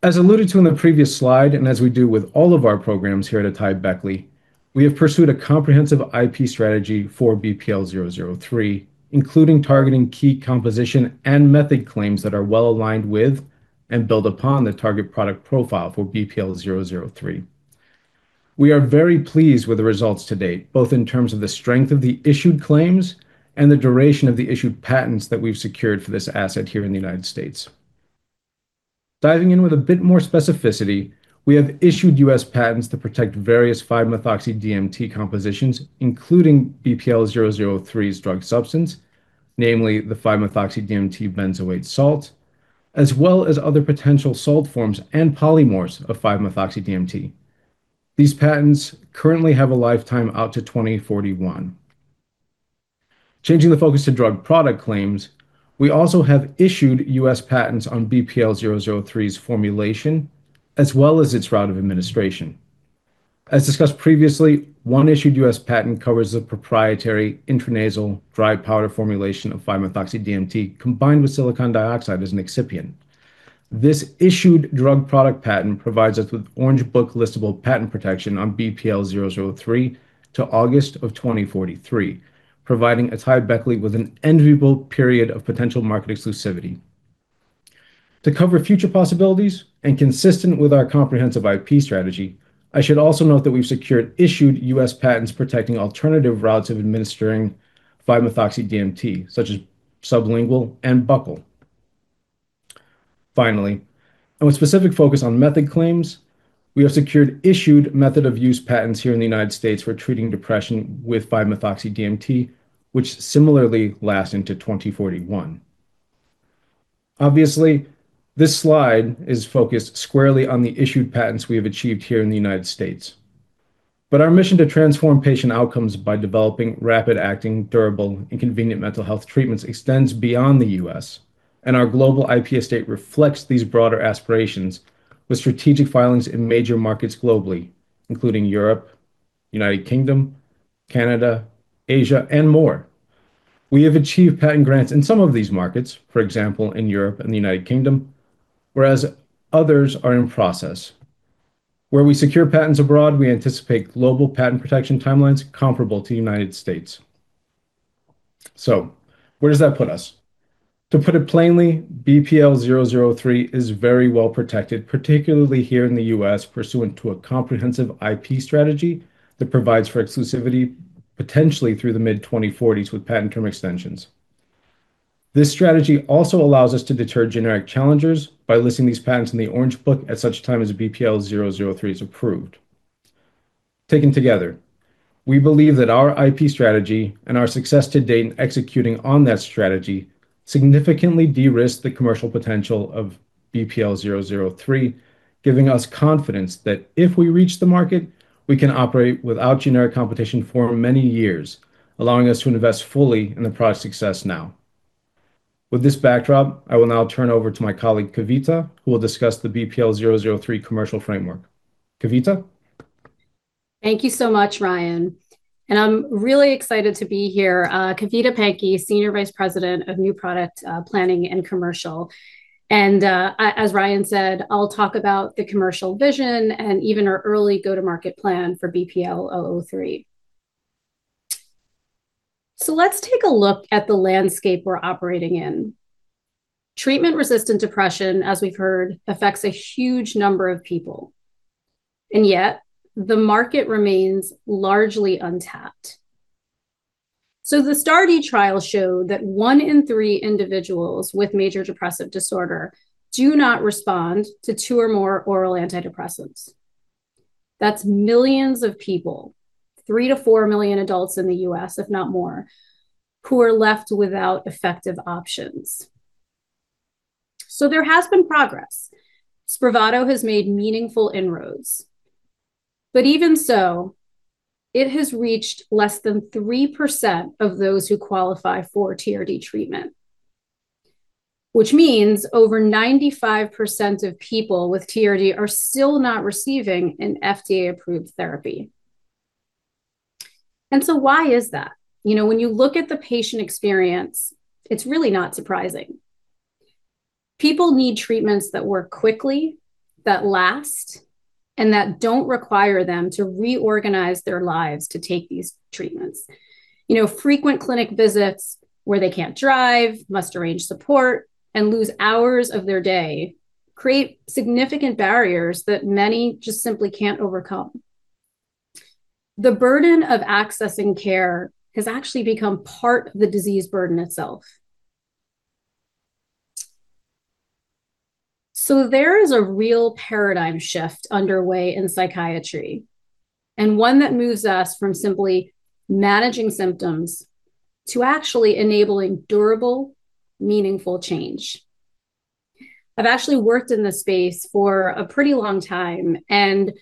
As alluded to in the previous slide, and as we do with all of our programs here at AtaiBeckley, we have pursued a comprehensive IP strategy for BPL-003, including targeting key composition and method claims that are well aligned with and build upon the target product profile for BPL-003. We are very pleased with the results to date, both in terms of the strength of the issued claims and the duration of the issued patents that we've secured for this asset here in the U.S. Diving in with a bit more specificity, we have issued U.S. patents to protect various 5-methoxy-DMT compositions, including BPL-003's drug substance, namely the 5-methoxy-DMT benzoate salt, as well as other potential salt forms and polymorphs of 5-methoxy-DMT. These patents currently have a lifetime out to 2041. Changing the focus to drug product claims, we also have issued U.S. patents on BPL-003's formulation as well as its route of administration. As discussed previously, one issued U.S. patent covers the proprietary intranasal dry powder formulation of 5-methoxy-DMT combined with silicon dioxide as an excipient. This issued drug product patent provides us with Orange Book listable patent protection on BPL-003 to August of 2043, providing AtaiBeckley with an enviable period of potential market exclusivity. Cover future possibilities and consistent with our comprehensive IP strategy, I should also note that we've secured issued U.S. patents protecting alternative routes of administering 5-methoxy-DMT, such as sublingual and buccal. Finally, with specific focus on method claims, we have secured issued method of use patents here in the United States for treating depression with 5-methoxy-DMT, which similarly last into 2041. Obviously, this slide is focused squarely on the issued patents we have achieved here in the United States. Our mission to transform patient outcomes by developing rapid-acting, durable, and convenient mental health treatments extends beyond the U.S., and our global IP estate reflects these broader aspirations with strategic filings in major markets globally, including Europe, United Kingdom, Canada, Asia, and more. We have achieved patent grants in some of these markets, for example, in Europe and the United Kingdom, whereas others are in process. Where we secure patents abroad, we anticipate global patent protection timelines comparable to United States. Where does that put us? To put it plainly, BPL-003 is very well protected, particularly here in the U.S., pursuant to a comprehensive IP strategy that provides for exclusivity potentially through the mid 2040s with patent term extensions. This strategy also allows us to deter generic challengers by listing these patents in the Orange Book at such time as BPL-003 is approved. Taken together, we believe that our IP strategy and our success to date in executing on that strategy significantly de-risk the commercial potential of BPL-003, giving us confidence that if we reach the market, we can operate without generic competition for many years, allowing us to invest fully in the product's success now. With this backdrop, I will now turn over to my colleague, Kavita, who will discuss the BPL-003 commercial framework. Kavita? Thank you so much, Ryan. I'm really excited to be here. Kavita Pankey, Senior Vice President of New Product, Planning and Commercial. As Ryan said, I'll talk about the commercial vision and even our early go-to-market plan for BPL-003. Let's take a look at the landscape we're operating in. Treatment-resistant depression, as we've heard, affects a huge number of people, and yet the market remains largely untapped. The STAR*D trial showed that 1 in 3 individuals with major depressive disorder do not respond to 2 or more oral antidepressants. That's millions of people, $3 million-$4 million adults in the U.S., if not more, who are left without effective options. There has been progress. Spravato has made meaningful inroads. Even so, it has reached less than 3% of those who qualify for TRD treatment, which means over 95% of people with TRD are still not receiving an FDA-approved therapy. Why is that? You know, when you look at the patient experience, it's really not surprising. People need treatments that work quickly, that last, and that don't require them to reorganize their lives to take these treatments. You know, frequent clinic visits where they can't drive, must arrange support, and lose hours of their day create significant barriers that many just simply can't overcome. The burden of accessing care has actually become part of the disease burden itself. There is a real paradigm shift underway in psychiatry, and one that moves us from simply managing symptoms to actually enabling durable, meaningful change. I've actually worked in this space for a pretty long time, and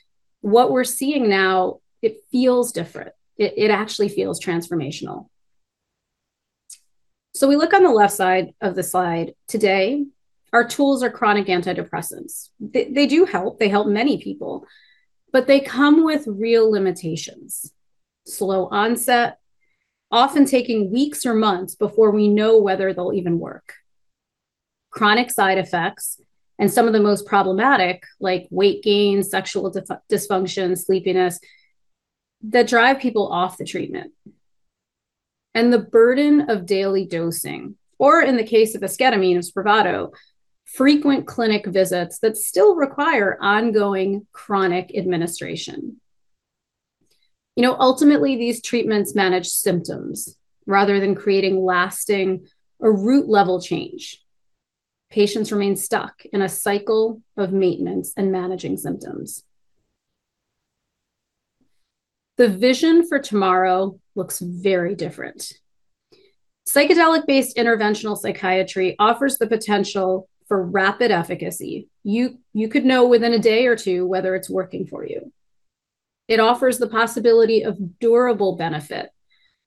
what we're seeing now, it feels different. It actually feels transformational. We look on the left side of the slide today. Our tools are chronic antidepressants. They do help. They help many people. They come with real limitations. Slow onset, often taking weeks or months before we know whether they'll even work. Chronic side effects, and some of the most problematic, like weight gain, sexual dysfunction, sleepiness, that drive people off the treatment. The burden of daily dosing, or in the case of Esketamine Spravato, frequent clinic visits that still require ongoing chronic administration. You know, ultimately, these treatments manage symptoms rather than creating lasting or root-level change. Patients remain stuck in a cycle of maintenance and managing symptoms. The vision for tomorrow looks very different. Psychedelic-based interventional psychiatry offers the potential for rapid efficacy. You could know within a day or two whether it's working for you. It offers the possibility of durable benefit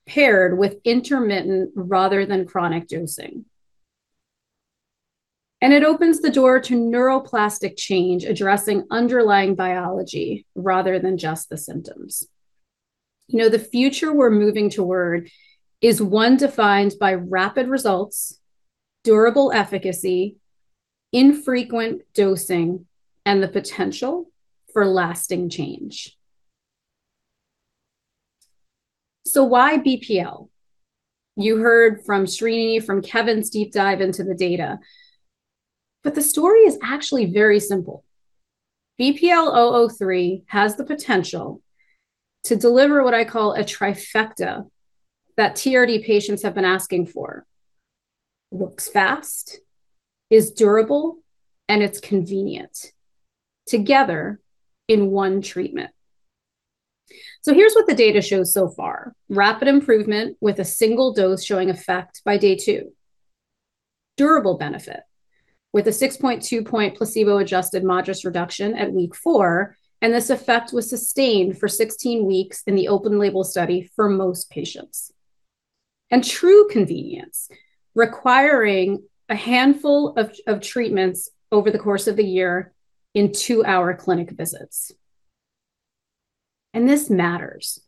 paired with intermittent rather than chronic dosing. It opens the door to neuroplastic change addressing underlying biology rather than just the symptoms. You know, the future we're moving toward is one defined by rapid results, durable efficacy, infrequent dosing, and the potential for lasting change. Why BPL? You heard from Srini, from Kevin's deep dive into the data. The story is actually very simple. BPL-003 has the potential to deliver what I call a trifecta that TRD patients have been asking for. Works fast, is durable, and it's convenient together in one treatment. Here's what the data shows so far. Rapid improvement with a single dose showing effect by day two. Durable benefit with a 6.2-point placebo-adjusted MADRS reduction at week 4. This effect was sustained for 16 weeks in the open-label study for most patients. True convenience, requiring a handful of treatments over the course of the year in 2-hour clinic visits. This matters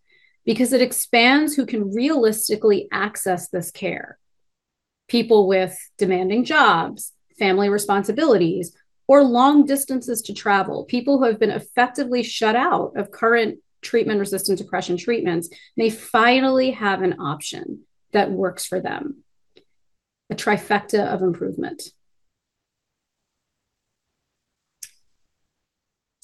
because it expands who can realistically access this care. People with demanding jobs, family responsibilities, or long distances to travel. People who have been effectively shut out of current treatment-resistant depression treatments may finally have an option that works for them. A trifecta of improvement.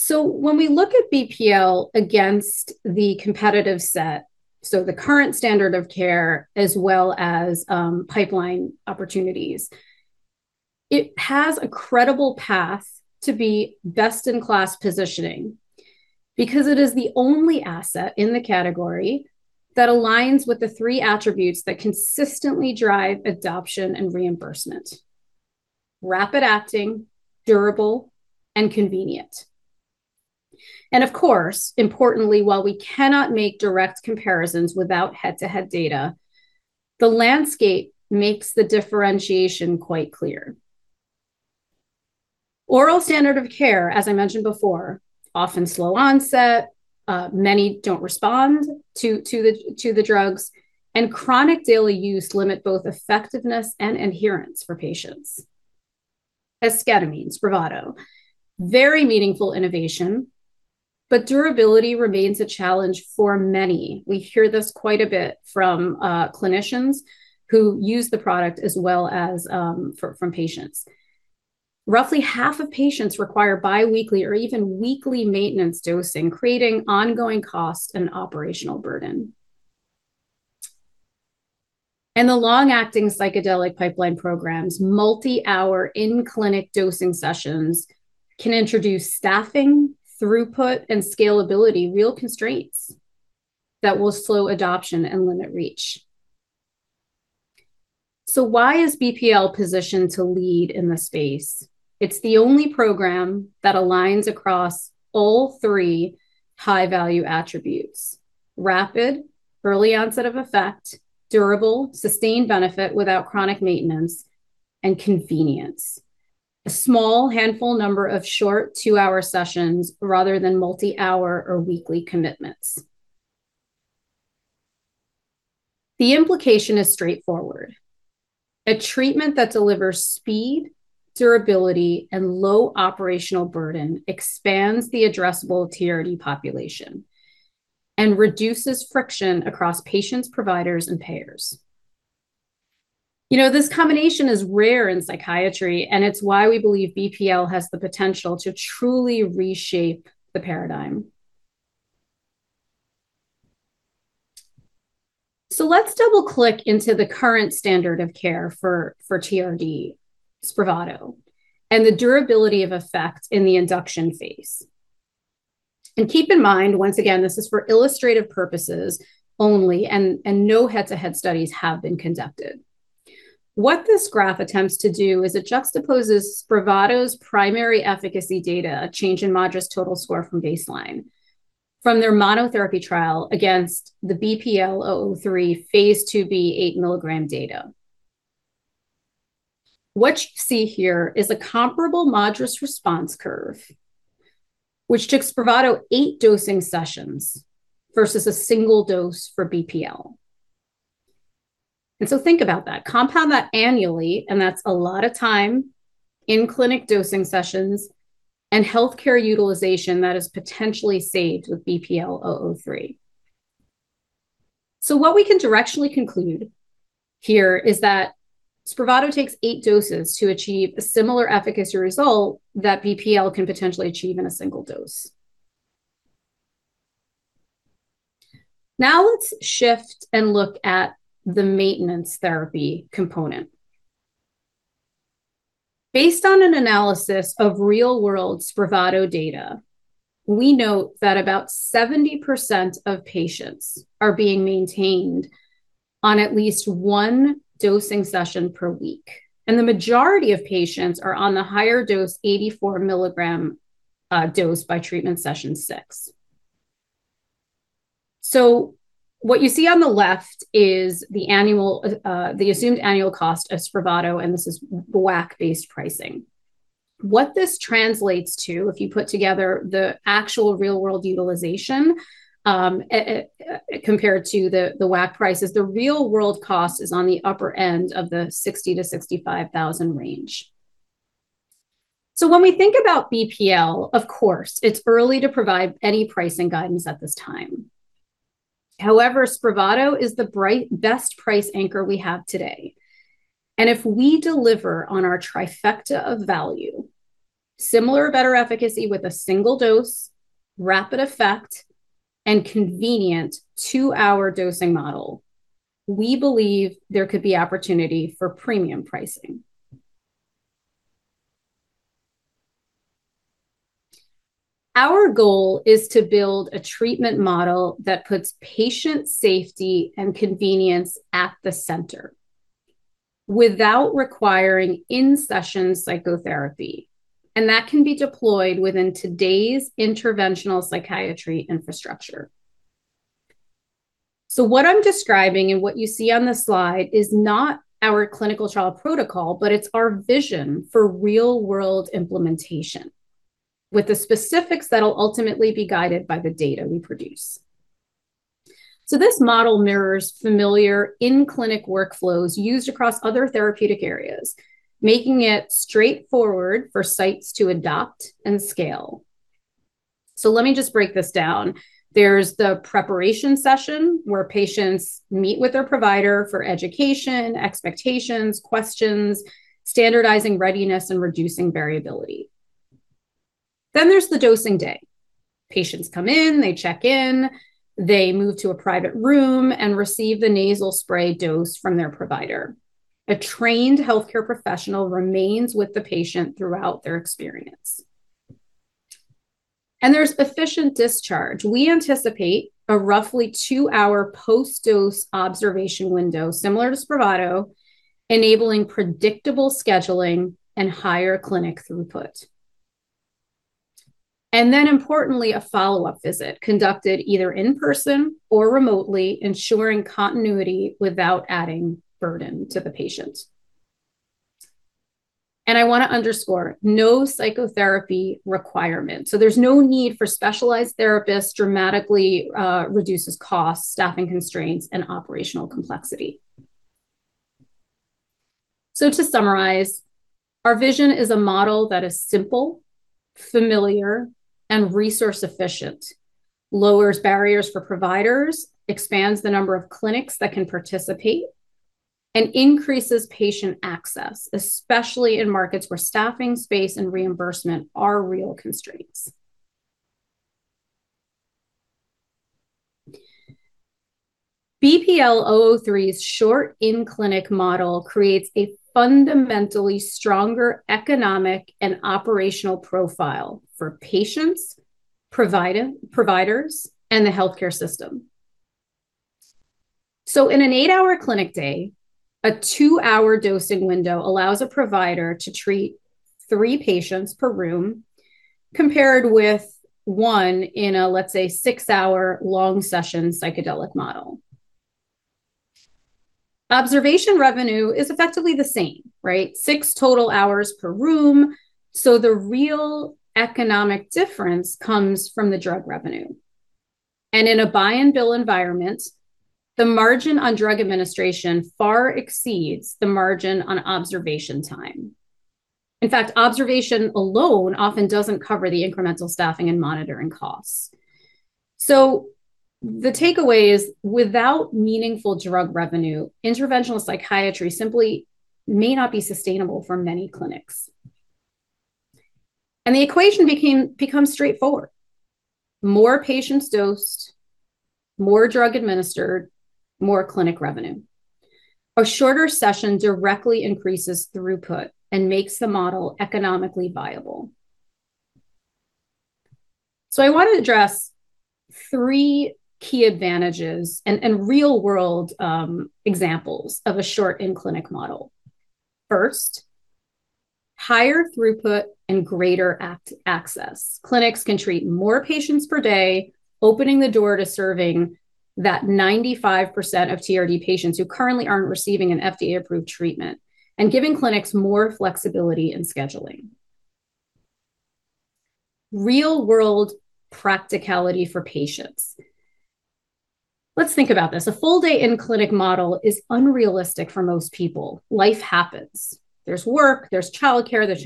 When we look at BPL against the competitive set, so the current standard of care as well as pipeline opportunities, it has a credible path to be best-in-class positioning because it is the only asset in the category that aligns with the 3 attributes that consistently drive adoption and reimbursement. Rapid acting, durable, and convenient. Of course, importantly, while we cannot make direct comparisons without head-to-head data, the landscape makes the differentiation quite clear. Oral standard of care, as I mentioned before, often slow onset, many don't respond to the drugs. Chronic daily use limit both effectiveness and adherence for patients. Esketamine Spravato. Very meaningful innovation, but durability remains a challenge for many. We hear this quite a bit from clinicians who use the product as well as from patients. Roughly half of patients require biweekly or even weekly maintenance dosing, creating ongoing cost and operational burden. The long-acting psychedelic pipeline programs, multi-hour in-clinic dosing sessions can introduce staffing, throughput, and scalability real constraints that will slow adoption and limit reach. Why is BPL positioned to lead in the space? It's the only program that aligns across all three high-value attributes. Rapid, early onset of effect. Durable, sustained benefit without chronic maintenance. Convenience. A small handful number of short two-hour sessions rather than multi-hour or weekly commitments. The implication is straightforward. A treatment that delivers speed, durability, and low operational burden expands the addressable TRD population and reduces friction across patients, providers, and payers. You know, this combination is rare in psychiatry, and it's why we believe BPL has the potential to truly reshape the paradigm. Let's double-click into the current standard of care for TRD, Spravato, and the durability of effect in the induction phase. Keep in mind, once again, this is for illustrative purposes only and no head-to-head studies have been conducted. What this graph attempts to do is it juxtaposes Spravato's primary efficacy data, a change in MADRS total score from baseline, from their monotherapy trial against the BPL-003 phase IIb 8 mg data. What you see here is a comparable MADRS response curve, which took Spravato 8 dosing sessions versus a single dose for BPL. Think about that. Compound that annually, that's a lot of time in clinic dosing sessions and healthcare utilization that is potentially saved with BPL-003. What we can directionally conclude here is that Spravato takes 8 doses to achieve a similar efficacy result that BPL can potentially achieve in a single dose. Now let's shift and look at the maintenance therapy component. Based on an analysis of real-world Spravato data, we know that about 70% of patients are being maintained on at least one dosing session per week, and the majority of patients are on the higher dose, 84 milligram dose by treatment session 6. What you see on the left is the annual, the assumed annual cost of Spravato, and this is WAC-based pricing. What this translates to, if you put together the actual real-world utilization compared to the WAC prices, the real-world cost is on the upper end of the $60,000-$65,000 range. When we think about BPL, of course, it's early to provide any pricing guidance at this time. However, Spravato is the best price anchor we have today. If we deliver on our trifecta of value, similar or better efficacy with a single dose, rapid effect, and convenient 2-hour dosing model, we believe there could be opportunity for premium pricing. Our goal is to build a treatment model that puts patient safety and convenience at the center without requiring in-session psychotherapy, and that can be deployed within today's interventional psychiatry infrastructure. What I'm describing and what you see on the slide is not our clinical trial protocol, but it's our vision for real-world implementation, with the specifics that'll ultimately be guided by the data we produce. This model mirrors familiar in-clinic workflows used across other therapeutic areas, making it straightforward for sites to adopt and scale. Let me just break this down. There's the preparation session, where patients meet with their provider for education, expectations, questions, standardizing readiness, and reducing variability. There's the dosing day. Patients come in, they check in, they move to a private room and receive the nasal spray dose from their provider. A trained healthcare professional remains with the patient throughout their experience. There's efficient discharge. We anticipate a roughly two-hour post-dose observation window, similar to Spravato, enabling predictable scheduling and higher clinic throughput. Importantly, a follow-up visit conducted either in person or remotely, ensuring continuity without adding burden to the patient. I wanna underscore, no psychotherapy requirement. There's no need for specialized therapists, dramatically reduces costs, staffing constraints, and operational complexity. To summarize, our vision is a model that is simple, familiar, and resource-efficient, lowers barriers for providers, expands the number of clinics that can participate, and increases patient access, especially in markets where staffing, space, and reimbursement are real constraints. BPL-003's short in-clinic model creates a fundamentally stronger economic and operational profile for patients, providers, and the healthcare system. In an 8-hour clinic day, a 2-hour dosing window allows a provider to treat 3 patients per room compared with 1 in a, let's say, 6-hour long session psychedelic model. Observation revenue is effectively the same, right? 6 total hours per room. The real economic difference comes from the drug revenue. In a buy and bill environment, the margin on drug administration far exceeds the margin on observation time. In fact, observation alone often doesn't cover the incremental staffing and monitoring costs. The takeaway is, without meaningful drug revenue, interventional psychiatry simply may not be sustainable for many clinics. The equation becomes straightforward. More patients dosed, more drug administered, more clinic revenue. A shorter session directly increases throughput and makes the model economically viable. I want to address three key advantages and real-world examples of a short in-clinic model. First, higher throughput and greater access. Clinics can treat more patients per day, opening the door to serving that 95% of TRD patients who currently aren't receiving an FDA-approved treatment and giving clinics more flexibility in scheduling. Real-world practicality for patients. Let's think about this. A full day in-clinic model is unrealistic for most people. Life happens. There's work, there's childcare, there's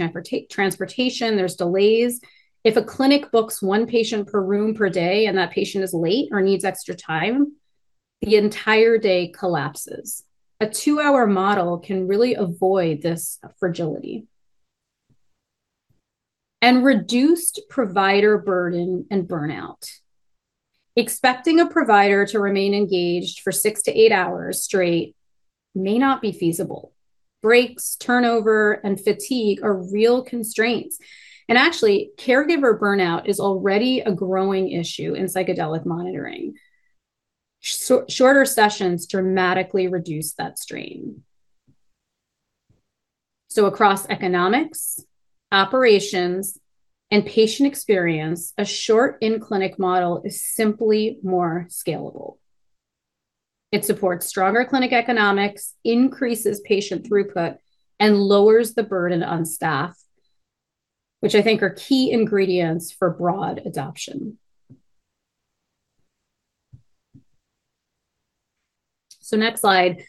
transportation, there's delays. If a clinic books one patient per room per day and that patient is late or needs extra time, the entire day collapses. A two-hour model can really avoid this fragility. Reduced provider burden and burnout. Expecting a provider to remain engaged for six to eight hours straight may not be feasible. Breaks, turnover, and fatigue are real constraints. Actually, caregiver burnout is already a growing issue in psychedelic monitoring. Shorter sessions dramatically reduce that strain. Across economics, operations, and patient experience, a short in-clinic model is simply more scalable. It supports stronger clinic economics, increases patient throughput, and lowers the burden on staff, which I think are key ingredients for broad adoption. Next slide.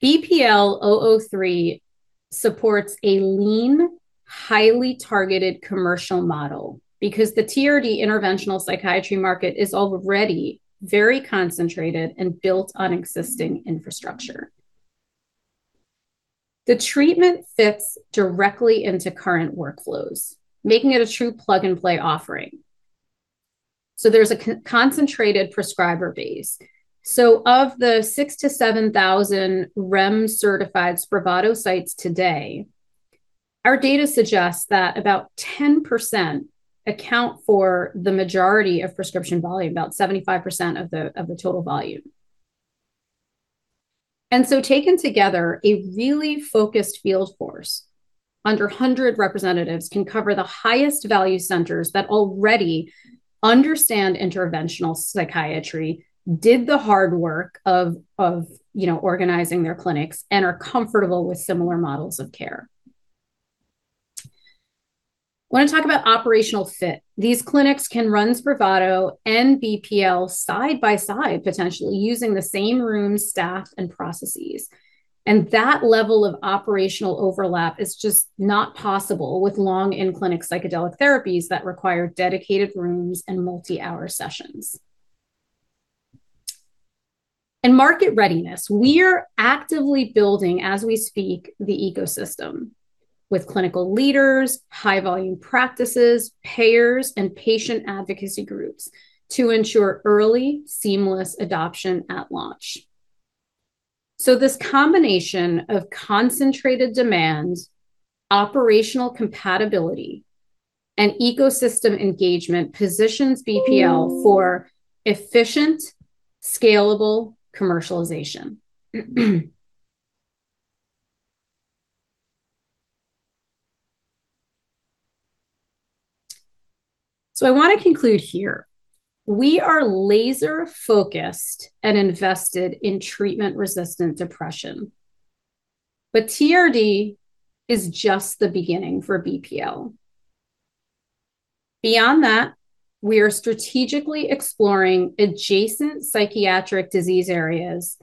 BPL-003 supports a lean, highly targeted commercial model because the TRD interventional psychiatry market is already very concentrated and built on existing infrastructure. The treatment fits directly into current workflows, making it a true plug-and-play offering. There's a concentrated prescriber base. Of the 6,000-7,000 REMS-certified Spravato sites today, our data suggests that about 10% account for the majority of prescription volume, about 75% of the total volume. Taken together, a really focused field force, under 100 representatives can cover the highest value centers that already understand interventional psychiatry, did the hard work of, you know, organizing their clinics, and are comfortable with similar models of care. I want to talk about operational fit. These clinics can run Spravato and BPL side by side, potentially using the same room, staff, and processes. That level of operational overlap is just not possible with long in-clinic psychedelic therapies that require dedicated rooms and multi-hour sessions. In market readiness, we are actively building as we speak the ecosystem with clinical leaders, high volume practices, payers, and patient advocacy groups to ensure early seamless adoption at launch. This combination of concentrated demand, operational compatibility, and ecosystem engagement positions BPL for efficient, scalable commercialization. I want to conclude here. We are laser-focused and invested in treatment-resistant depression. TRD is just the beginning for BPL. Beyond that, we are strategically exploring adjacent psychiatric disease areas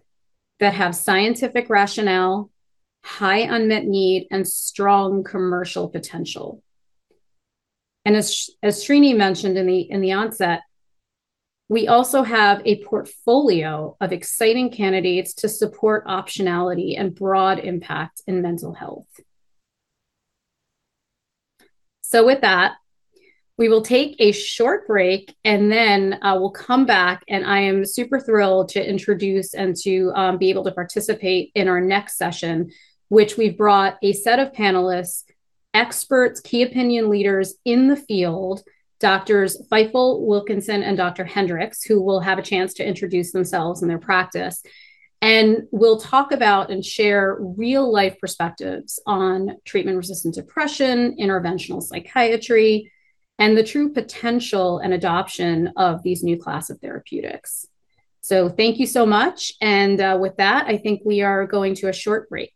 that have scientific rationale, high unmet need, and strong commercial potential. As Srini mentioned in the onset, we also have a portfolio of exciting candidates to support optionality and broad impact in mental health. With that, we will take a short break, we'll come back, and I am super thrilled to introduce and to be able to participate in our next session, which we've brought a set of panelists, experts, key opinion leaders in the field, Doctors Feifel, Wilkinson, and Dr. Hendricks, who will have a chance to introduce themselves and their practice. We'll talk about and share real-life perspectives on treatment-resistant depression, interventional psychiatry and the true potential and adoption of these new class of therapeutics. Thank you so much. With that, I think we are going to a short break.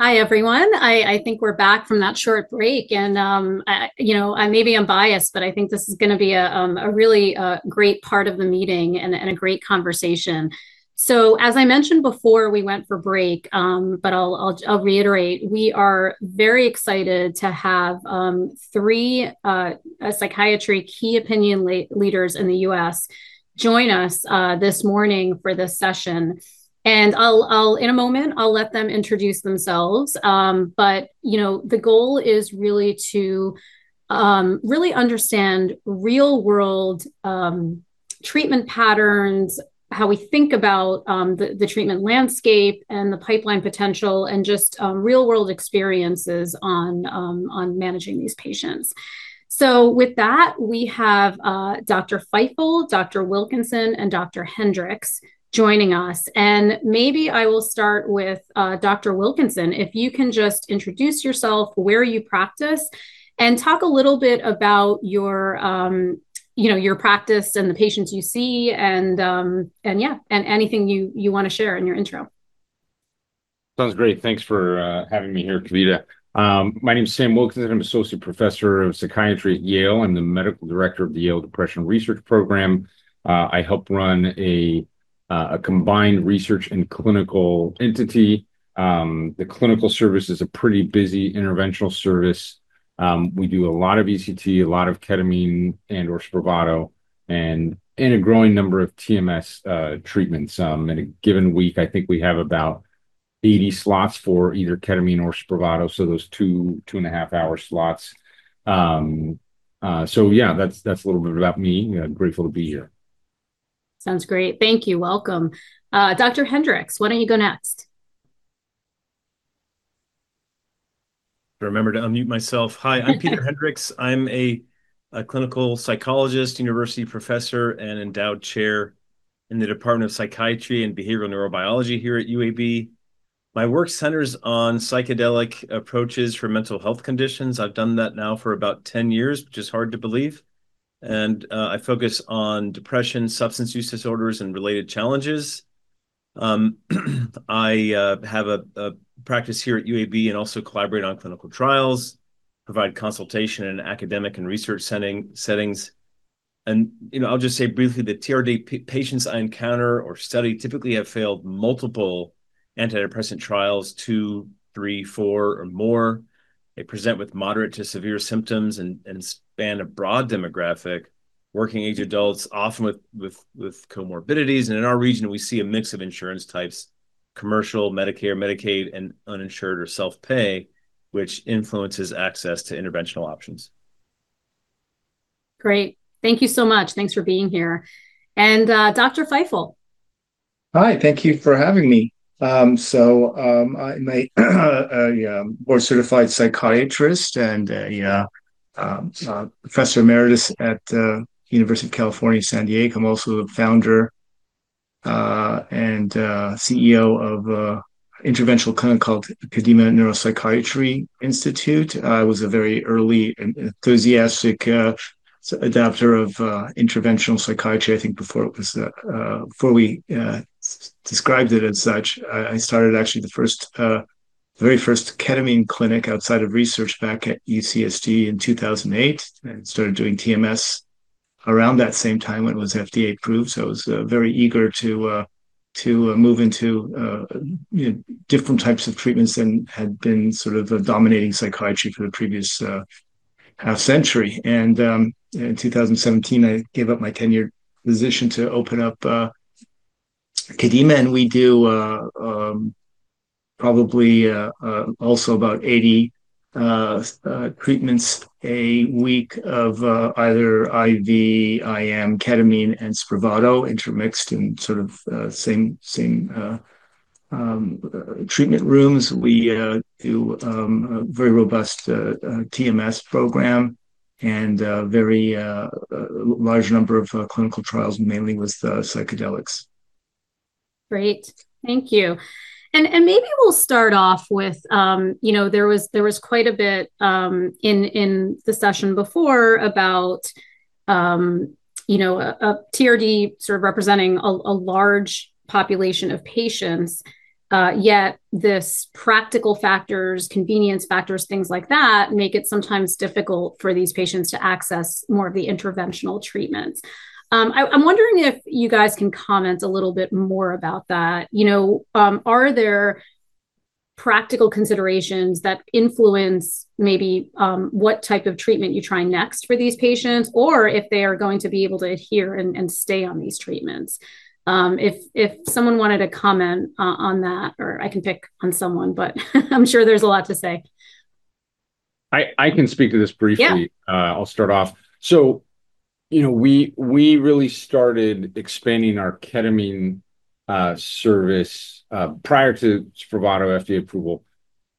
Hi, everyone. I think we're back from that short break, and you know, I may be unbiased, but I think this is going to be a really great part of the meeting and a great conversation. As I mentioned before we went for break, but I'll reiterate, we are very excited to have three psychiatry key opinion leaders in the U.S. join us this morning for this session. In a moment, I'll let them introduce themselves. But, you know, the goal is really to really understand real-world treatment patterns, how we think about the treatment landscape, and the pipeline potential, and just real-world experiences on managing these patients. With that, we have Dr. Feifel, Dr. Wilkinson, and Dr. Hendricks joining us. Maybe I will start with Dr. Wilkinson. If you can just introduce yourself, where you practice, and talk a little bit about your, you know, your practice and the patients you see, and yeah, and anything you wanna share in your intro. Sounds great. Thanks for having me here, Kavita. My name is Sam Wilkinson. I'm Associate Professor of Psychiatry at Yale. I'm the Medical Director of the Yale Depression Research Program. I help run a combined research and clinical entity. The clinical service is a pretty busy interventional service. We do a lot of ECT, a lot of Ketamine and or Spravato, and a growing number of TMS treatments. In a given week, I think we have about 80 slots for either Ketamine or Spravato, so those two and a half hour slots. Yeah, that's a little bit about me. I'm grateful to be here. Sounds great. Thank you. Welcome. Dr. Hendricks, why don't you go next? Remember to unmute myself. Hi. I'm Peter Hendricks. I'm a clinical psychologist, university professor, and endowed chair in the Department of Psychiatry and Behavioral Neurobiology here at UAB. My work centers on psychedelic approaches for mental health conditions. I've done that now for about 10 years, which is hard to believe. I focus on depression, substance use disorders, and related challenges. I have a practice here at UAB and also collaborate on clinical trials, provide consultation in academic and research settings. You know, I'll just say briefly, the TRD patients I encounter or study typically have failed multiple antidepressant trials, II, III, IV or more. They present with moderate to severe symptoms and span a broad demographic, working age adults, often with comorbidities. In our region, we see a mix of insurance types, commercial, Medicare, Medicaid, and uninsured or self-pay, which influences access to interventional options. Great. Thank you so much. Thanks for being here. Dr. Feifel. Hi. Thank you for having me. I'm a board-certified psychiatrist and a professor emeritus at University of California, San Diego. I'm also the founder and CEO of an interventional clinic called Kadima Neuropsychiatry Institute. I was a very early and enthusiastic adapter of interventional psychiatry, I think before it was before we described it as such. I started actually the first, the very first Ketamine clinic outside of research back at UCSD in 2008, and started doing TMS around that same time when it was FDA approved. I was very eager to move into, you know, different types of treatments than had been sort of dominating psychiatry for the previous half century. In 2017, I gave up my tenured position to open up Kadima, and we do probably also about 80 treatments a week of either IV, IM Ketamine and Spravato intermixed in sort of same treatment rooms. We do a very robust TMS program and very large number of clinical trials, mainly with psychedelics. Thank you. Maybe we'll start off with, you know, there was quite a bit in the session before about, you know, TRD sort of representing a large population of patients, yet this practical factors, convenience factors, things like that make it sometimes difficult for these patients to access more of the interventional treatments. I'm wondering if you guys can comment a little bit more about that. You know, are there practical considerations that influence maybe what type of treatment you try next for these patients, or if they are going to be able to adhere and stay on these treatments? If someone wanted to comment on that, or I can pick on someone, but I'm sure there's a lot to say. I can speak to this briefly. Yeah. I'll start off. You know, we really started expanding our Ketamine service prior to Spravato FDA approval,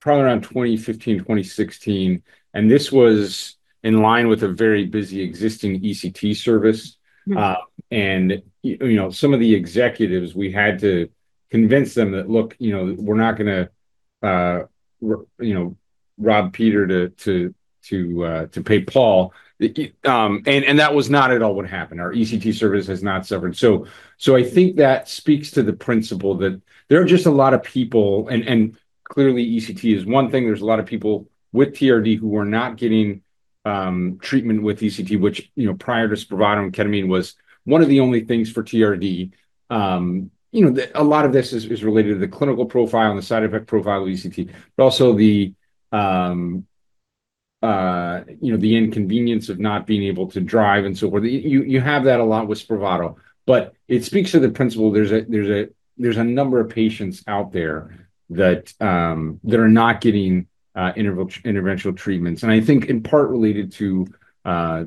probably around 2015, 2016. This was in line with a very busy existing ECT service. Mm-hmm. You know, some of the executives, we had to convince them that, look, you know, we're not gonna, you know, rob Peter to pay Paul. That was not at all what happened. Our ECT service has not suffered. I think that speaks to the principle that there are just a lot of people, and clearly ECT is one thing. There's a lot of people with TRD who are not getting treatment with ECT, which, you know, prior to Spravato and Ketamine was one of the only things for TRD. You know, the, a lot of this is related to the clinical profile and the side effect profile of ECT, but also the, you know, the inconvenience of not being able to drive and so forth. You, you have that a lot with Spravato, but it speaks to the principle there's a number of patients out there that are not getting interventional treatments, and I think in part related to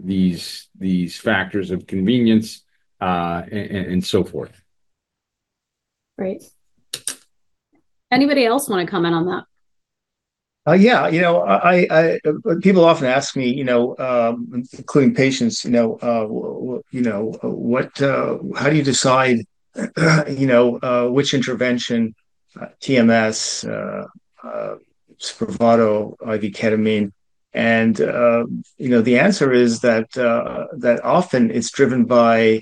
these factors of convenience, and so forth. Right. Anybody else want to comment on that? Yeah. You know, I, people often ask me, you know, including patients, you know, what, how do you decide, you know, which intervention, TMS, Spravato, IV Ketamine, and, you know, the answer is that often it's driven by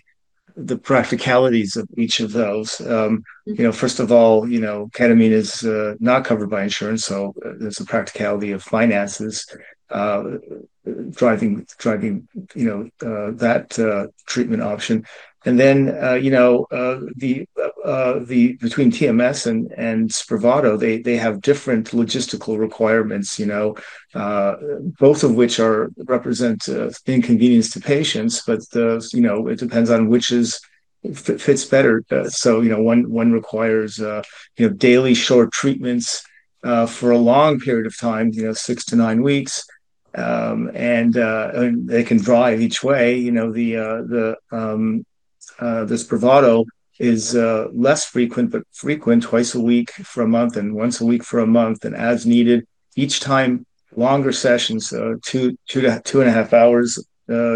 the practicalities of each of those. Mm-hmm you know, first of all, you know, Ketamine is not covered by insurance, so there's a practicality of finances, driving, you know, that treatment option. You know, between TMS and Spravato, they have different logistical requirements, you know, both of which represent inconvenience to patients, but, you know, it depends on which fits better. You know, one requires, you know, daily short treatments for a long period of time, you know, six to nine weeks. And they can drive each way. You know, the Spravato is less frequent, but frequent twice a week for a month and once a week for a month and as needed each time, longer sessions, 2 to 2 and a half hours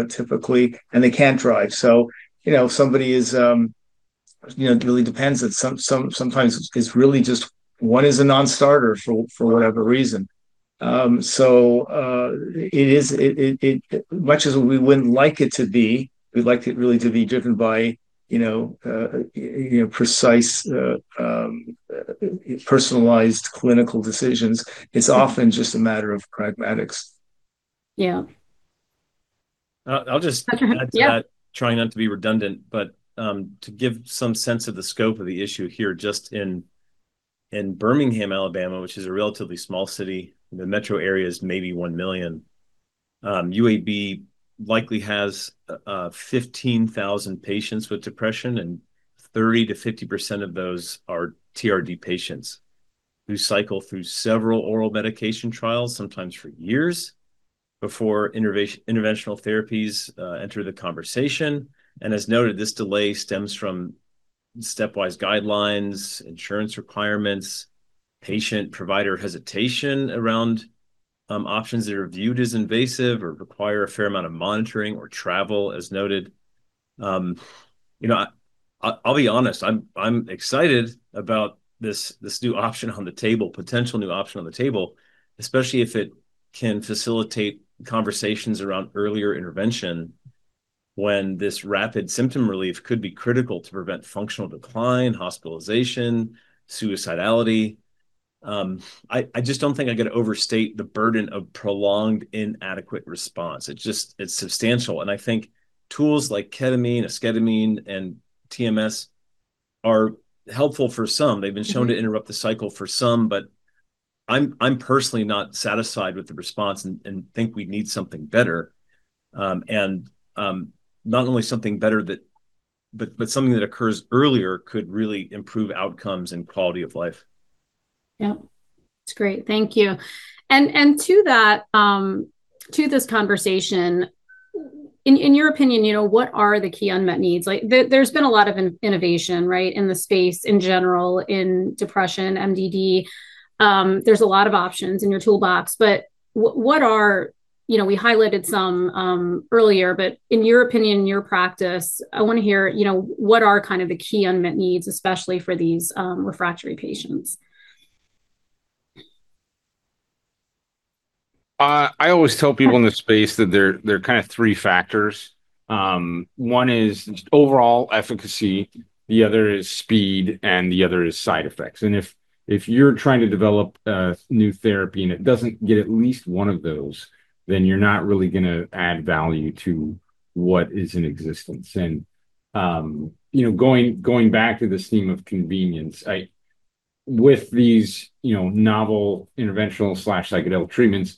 typically, and they can't drive. You know, somebody is, you know, it really depends. At sometimes it's really just one is a non-starter for whatever reason. It is much as we wouldn't like it to be, we'd like it really to be driven by, you know, precise, personalized clinical decisions. It's often just a matter of pragmatics. Yeah. I'll just add to that. Yeah. Trying not to be redundant, but to give some sense of the scope of the issue here, just in Birmingham, Alabama, which is a relatively small city, the metro area is maybe 1 million. UAB likely has 15,000 patients with depression, and 30%-50% of those are TRD patients who cycle through several oral medication trials, sometimes for years, before interventional therapies enter the conversation. As noted, this delay stems from stepwise guidelines, insurance requirements, patient-provider hesitation around options that are viewed as invasive or require a fair amount of monitoring or travel, as noted. You know, I'll be honest, I'm excited about this new option on the table, potential new option on the table, especially if it can facilitate conversations around earlier intervention when this rapid symptom relief could be critical to prevent functional decline, hospitalization, suicidality. I just don't think I'm gonna overstate the burden of prolonged inadequate response. It's just, it's substantial. I think tools like Ketamine, Esketamine, and TMS are helpful for some. They've been shown to interrupt the cycle for some, but I'm personally not satisfied with the response and think we need something better. Not only something better, but something that occurs earlier could really improve outcomes and quality of life. Yeah. That's great. Thank you. To that, to this conversation, in your opinion, you know, what are the key unmet needs? Like, there's been a lot of innovation, right, in the space in general, in depression, MDD. There's a lot of options in your toolbox. What are... You know, we highlighted some earlier, but in your opinion, in your practice, I want to hear, you know, what are kind of the key unmet needs, especially for these refractory patients? I always tell people in this space that there are kind of three factors. 1 is overall efficacy, the other is speed, and the other is side effects. If you're trying to develop a new therapy and it doesn't get at least 1 of those, then you're not really gonna add value to what is in existence. Going back to this theme of convenience, with these novel interventional/psychedelic treatments,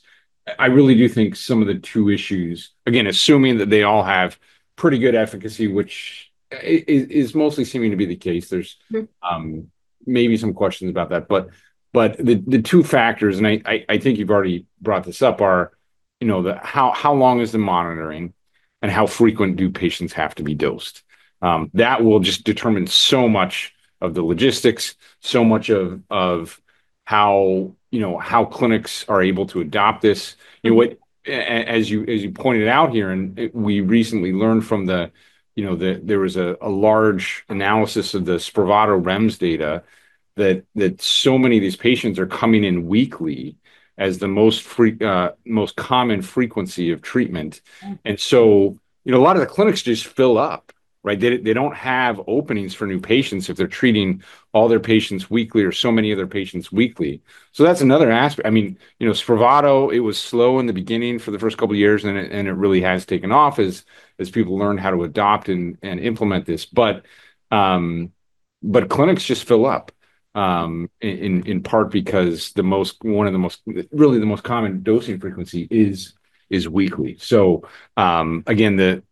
I really do think some of the two issues, again, assuming that they all have pretty good efficacy, which is mostly seeming to be the case. Mm-hmm maybe some questions about that. The two factors, and I think you've already brought this up, are, you know, how long is the monitoring and how frequent do patients have to be dosed? That will just determine so much of the logistics, so much of how, you know, how clinics are able to adopt this. You know what, as you pointed out here, and we recently learned from the, there was a large analysis of the Spravato REMS data that so many of these patients are coming in weekly as the most common frequency of treatment. You know, a lot of the clinics just fill up, right? They don't have openings for new patients if they're treating all their patients weekly or so many of their patients weekly. That's another aspect. I mean, you know, Spravato, it was slow in the beginning for the first couple of years, and it really has taken off as people learn how to adopt and implement this. Clinics just fill up in part because the most, one of the most, really the most common dosing frequency is weekly. Again,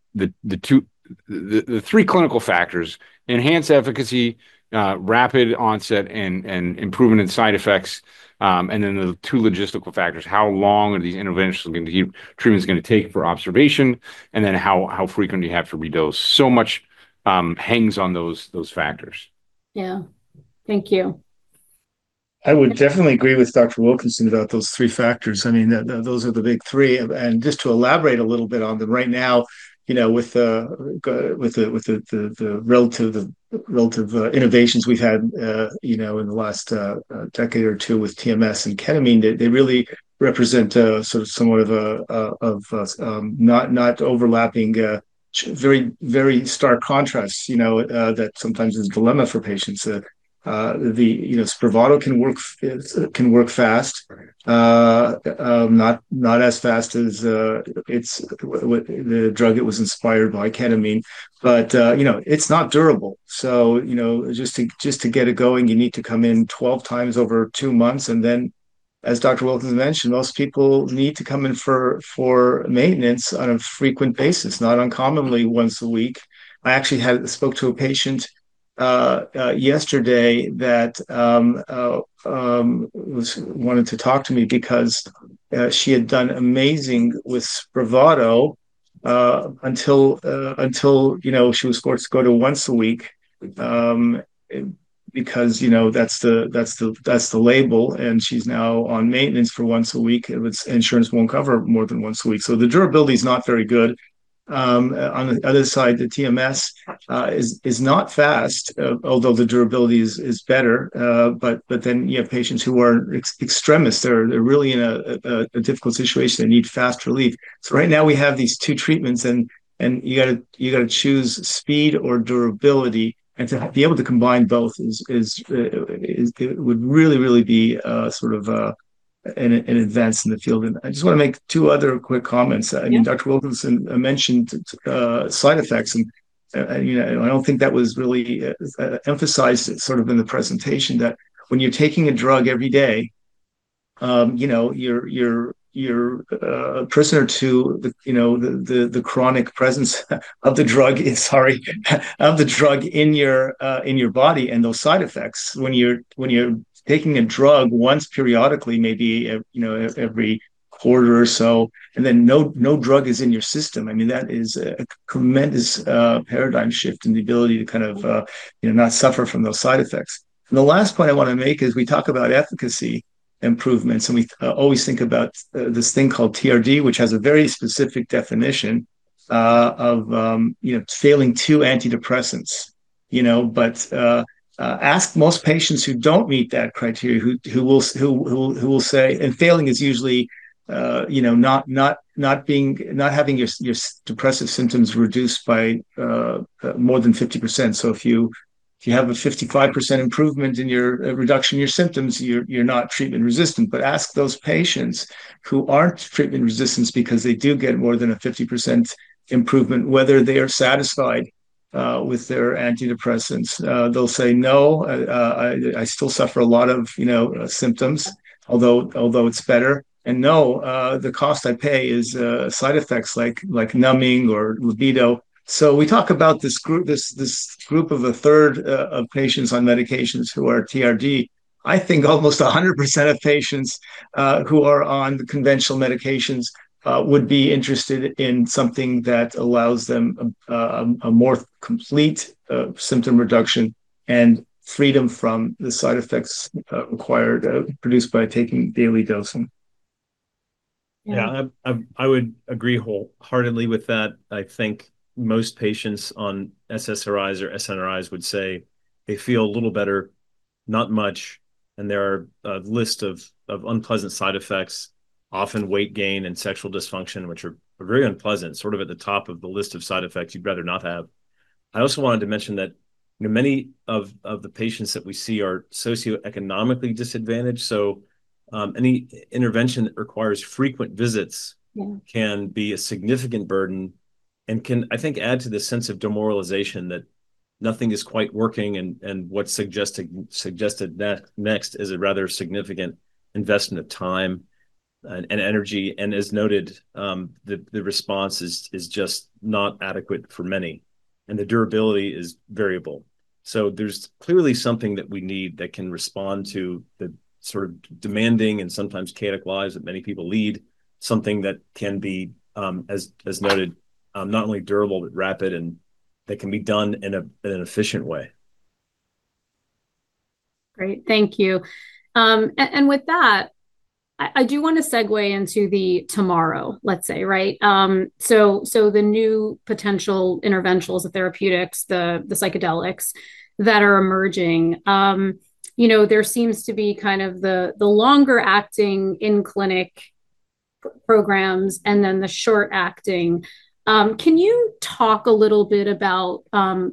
the three clinical factors, enhanced efficacy, rapid onset, and improvement in side effects, the two logistical factors, how long are these interventional treatment is gonna take for observation, how frequent do you have to redose? Much hangs on those factors. Yeah. Thank you. I would definitely agree with Dr. Wilkinson about those three factors. I mean, those are the big three. Just to elaborate a little bit on them, right now, you know, with the relative innovations we've had, you know, in the last decade or two with TMS and Ketamine, they really represent sort of somewhat of a of not overlapping, very stark contrasts, you know, that sometimes is a dilemma for patients. You know, Spravato can work fast. Right. Not as fast as the drug it was inspired by, Ketamine. You know, it's not durable. You know, just to get it going, you need to come in 12 times over 2 months. As Dr. Wilkinson mentioned, most people need to come in for maintenance on a frequent basis, not uncommonly once a week. I actually had spoke to a patient yesterday that wanted to talk to me because she had done amazing with Spravato until, you know, she was forced to go to once a week because, you know, that's the label. She's now on maintenance for once a week. Its insurance won't cover more than once a week. The durability is not very good. On the other side, the TMS is not fast, although the durability is better. Then you have patients who are in extremists. They're really in a difficult situation. They need fast relief. Right now we have these two treatments and you gotta choose speed or durability. To be able to combine both is, would really, really be, sort of, an advance in the field. I just want to make two other quick comments. Yeah. I mean, Dr. Wilkinson mentioned side effects, and you know, I don't think that was really emphasized sort of in the presentation that when you're taking a drug every day, you know, you're a prisoner to the, you know, the chronic presence of the drug, sorry, of the drug, in your body and those side effects. When you're taking a drug once periodically, maybe, you know, every quarter or so, and then no drug is in your system, I mean, that is a tremendous paradigm shift in the ability to kind of, you know, not suffer from those side effects. The last point I want to make is we talk about efficacy improvements, and we always think about this thing called TRD, which has a very specific definition of, you know, failing 2 antidepressants. You know? Ask most patients who don't meet that criteria who will say. Failing is usually, you know, not being, not having your depressive symptoms reduced by more than 50%. So if you have a 55% improvement in your reduction in your symptoms, you're not treatment resistant. Ask those patients who aren't treatment resistant because they do get more than a 50% improvement, whether they are satisfied with their antidepressants. They'll say, "No, I still suffer a lot of, you know, symptoms, although it's better." "No, the cost I pay is, side effects like numbing or libido." We talk about this group of a third of patients on medications who are TRD. I think almost 100% of patients who are on conventional medications would be interested in something that allows them a more complete symptom reduction and freedom from the side effects acquired produced by taking daily dosing. Yeah. Yeah. I would agree wholeheartedly with that. I think most patients on SSRIs or SNRIs would say they feel a little better, not much, and there are a list of unpleasant side effects, often weight gain and sexual dysfunction, which are very unpleasant, sort of at the top of the list of side effects you'd rather not have. I also wanted to mention that, you know, many of the patients that we see are socioeconomically disadvantaged. Any intervention that requires frequent visits- Yeah can be a significant burden and can, I think, add to this sense of demoralization that nothing is quite working and what's suggested next is a rather significant investment of time and energy. As noted, the response is just not adequate for many, and the durability is variable. There's clearly something that we need that can respond to the sort of demanding and sometimes chaotic lives that many people lead, something that can be, as noted, not only durable, but rapid, and that can be done in an efficient way. Great. Thank you. With that, I do want to segue into the tomorrow, let's say, right? The new potential interventions, the therapeutics, the psychedelics that are emerging. Can you talk a little bit about,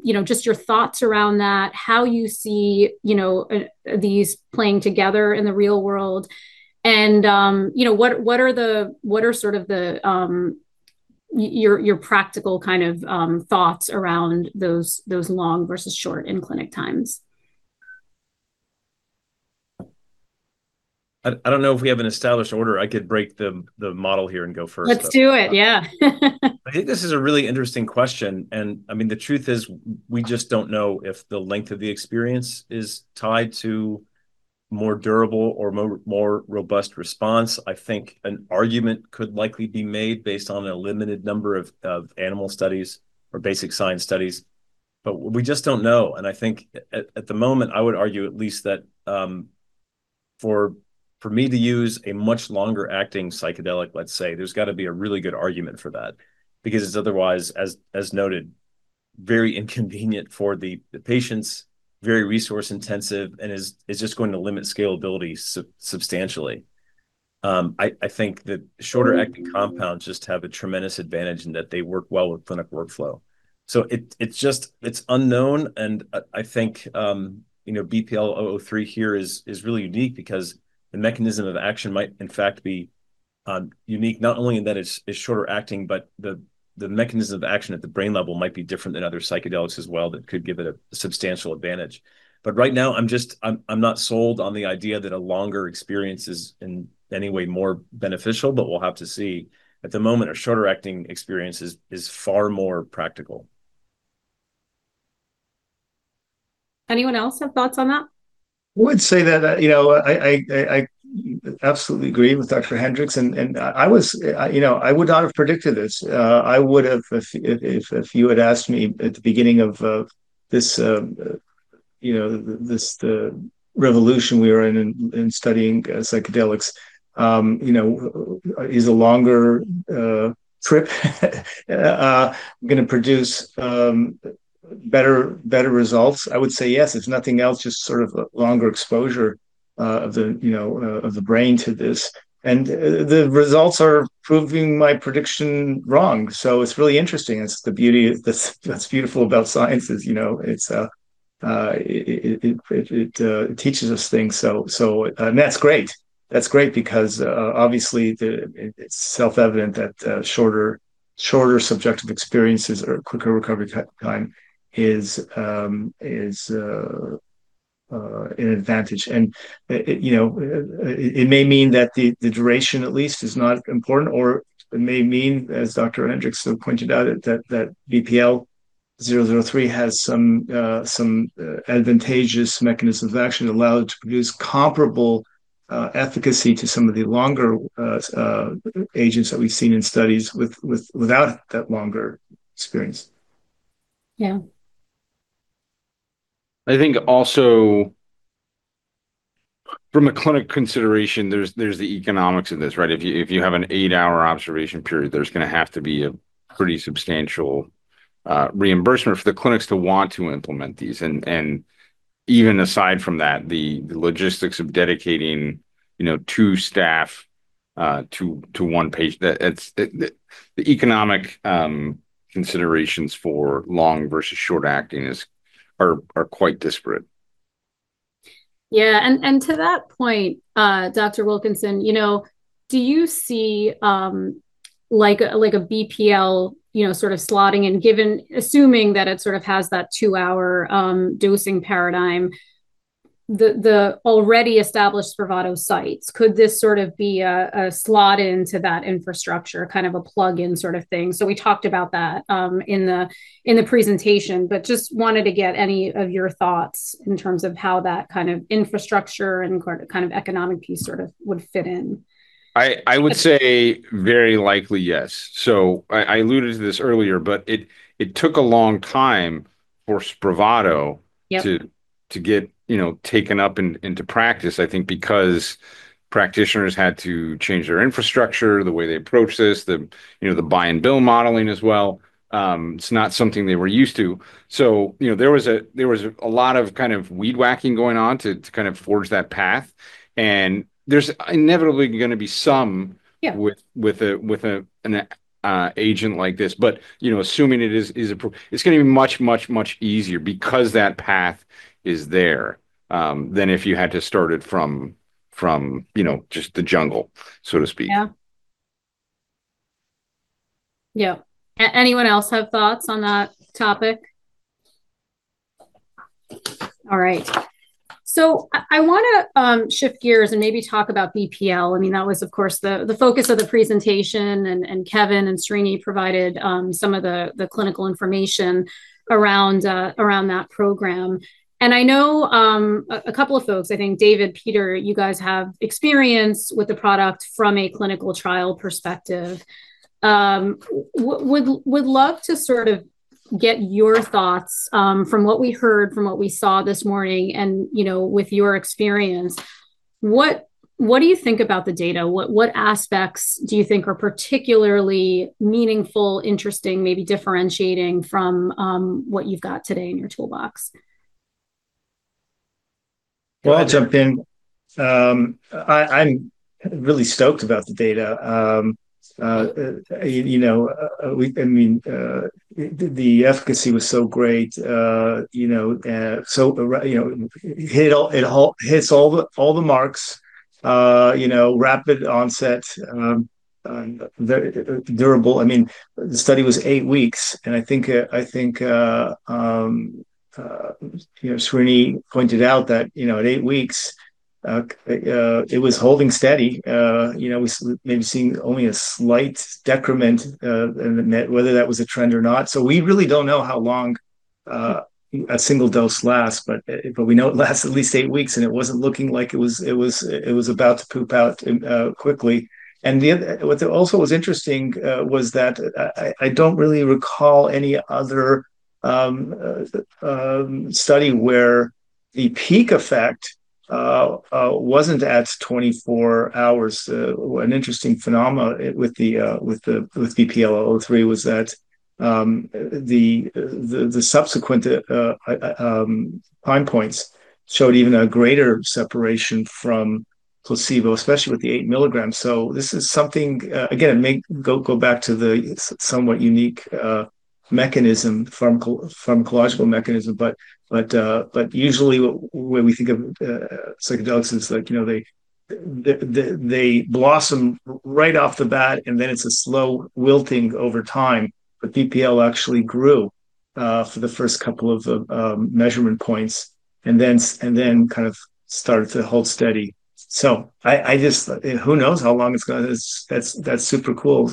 you know, just your thoughts around that, how you see, you know, these playing together in the real world? You know, what are the, what are sort of the, your practical kind of, thoughts around those long versus short in-clinic times? I don't know if we have an established order. I could break the model here and go first. Let's do it. Yeah. I think this is a really interesting question. I mean, the truth is we just don't know if the length of the experience is tied to more durable or more robust response. I think an argument could likely be made based on a limited number of animal studies or basic science studies. We just don't know. I think at the moment, I would argue at least that, for me to use a much longer acting psychedelic, let's say, there's got to be a really good argument for that because it's otherwise as noted, very inconvenient for the patients, very resource intensive, and is just going to limit scalability substantially. I think that shorter acting compounds just have a tremendous advantage in that they work well with clinic workflow. It's unknown. I think, you know, BPL-003 here is really unique because the mechanism of action might in fact be unique not only in that it's shorter acting, but the mechanism of action at the brain level might be different than other psychedelics as well that could give it a substantial advantage. Right now, I'm not sold on the idea that a longer experience is in any way more beneficial, but we'll have to see. At the moment, a shorter acting experience is far more practical. Anyone else have thoughts on that? I would say that, you know, I absolutely agree with Dr. Hendricks, and I was. You know, I would not have predicted this. I would have if you had asked me at the beginning of this, you know, this, the revolution we are in studying psychedelics, you know, is a longer trip gonna produce better results? I would say yes. If nothing else, just sort of a longer exposure of the, you know, of the brain to this. The results are proving my prediction wrong. It's really interesting. It's the beauty. That's beautiful about science is, you know, it teaches us things. That's great. That's great because, obviously it's self-evident that, shorter subjective experiences or quicker recovery time is an advantage. It, you know, it may mean that the duration at least is not important, or it may mean, as Dr. Hendricks pointed out, that BPL-003 has some advantageous mechanisms that actually allow it to produce comparable efficacy to some of the longer agents that we've seen in studies without that longer experience. Yeah. I think also from a clinic consideration, there's the economics of this, right? If you, if you have an eight-hour observation period, there's going to have to be a pretty substantial reimbursement for the clinics to want to implement these. Even aside from that, the logistics of dedicating, you know, 2 staff to 1 patient. The economic considerations for long versus short acting are quite disparate. Yeah. To that point, Dr. Wilkinson, you know, do you see, like a BPL, you know, sort of slotting assuming that it sort of has that two-hour dosing paradigm, the already established Spravato sites, could this sort of be a slot into that infrastructure, kind of a plug-in sort of thing? We talked about that in the presentation, but just wanted to get any of your thoughts in terms of how that kind of infrastructure and kind of economic piece sort of would fit in. I would say very likely yes. I alluded to this earlier, but it took a long time for Spravato. Yep... to get, you know, taken up into practice, I think, because practitioners had to change their infrastructure, the way they approach this, the, you know, the buy and bill modeling as well. It's not something they were used to. You know, there was a lot of kind of weed whacking going on to kind of forge that path. There's inevitably going to be some- Yeah... with an agent like this. You know, assuming it is it's going to be much easier because that path is there than if you had to start it from, you know, just the jungle, so to speak. Yeah. Yeah. Anyone else have thoughts on that topic? All right. I want to shift gears and maybe talk about BPL. I mean, that was of course the focus of the presentation, and Kevin and Srini provided some of the clinical information around that program. I know a couple of folks, I think David, Peter, you guys have experience with the product from a clinical trial perspective. Would love to sort of get your thoughts from what we heard, from what we saw this morning and, you know, with your experience. What do you think about the data? What aspects do you think are particularly meaningful, interesting, maybe differentiating from what you've got today in your toolbox? Well, I'll jump in. I'm really stoked about the data. you know, I mean, the efficacy was so great. you know, so, you know, it hit all, hits all the, all the marks. you know, rapid onset, durable. I mean, the study was eight weeks, and I think, you know, Srini pointed out that, you know, at eight weeks, it was holding steady. you know, we maybe seeing only a slight decrement, and whether that was a trend or not. We really don't know how long, a single dose lasts, but we know it lasts at least eight weeks, and it wasn't looking like it was about to poop out, quickly. The other... What also was interesting, was that I don't really recall any other study where the peak effect wasn't at 24 hours. An interesting phenomena with BPL-003 was that the subsequent time points showed even a greater separation from placebo, especially with the 8 milligrams. This is something, again, may go back to the somewhat unique pharmacological mechanism, but usually when we think of psychedelics is like, you know, they blossom right off the bat, and then it's a slow wilting over time. BPL actually grew for the first couple of measurement points and then kind of started to hold steady. I just Who knows how long it's gonna... It's, that's super cool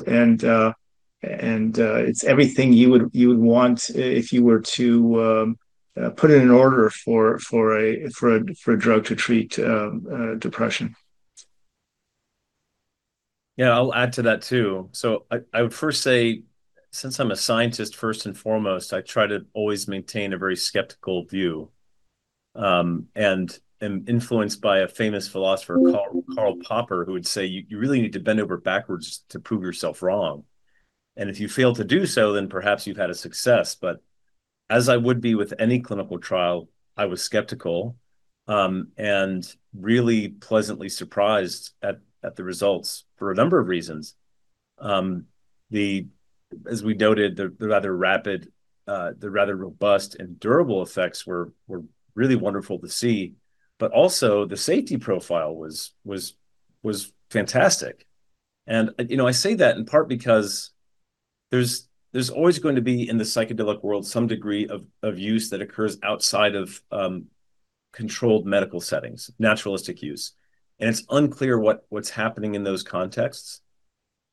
and it's everything you would want if you were to put in an order for a drug to treat depression. Yeah. I'll add to that too. I would first say, since I'm a scientist first and foremost, I try to always maintain a very skeptical view, and am influenced by a famous philosopher, Karl Popper, who would say, "You really need to bend over backwards to prove yourself wrong. If you fail to do so, then perhaps you've had a success." As I would be with any clinical trial, I was skeptical, and really pleasantly surprised at the results for a number of reasons. As we noted, the rather rapid, the rather robust and durable effects were really wonderful to see, but also the safety profile was fantastic. You know, I say that in part because there's always going to be in the psychedelic world some degree of use that occurs outside of controlled medical settings, naturalistic use. It's unclear what's happening in those contexts.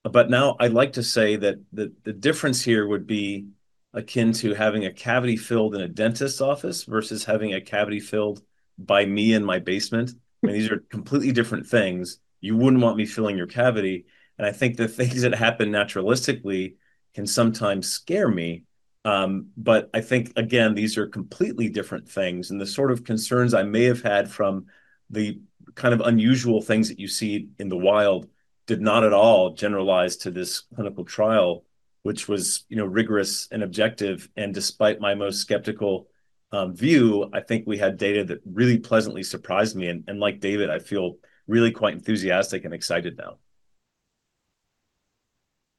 Now I'd like to say that the difference here would be akin to having a cavity filled in a dentist office versus having a cavity filled by me in my basement. I mean, these are completely different things. You wouldn't want me filling your cavity, and I think the things that happen naturalistically can sometimes scare me. I think again, these are completely different things, and the sort of concerns I may have had from the kind of unusual things that you see in the wild did not at all generalize to this clinical trial, which was, you know, rigorous and objective. Despite my most skeptical view, I think we had data that really pleasantly surprised me. Like David, I feel really quite enthusiastic and excited now.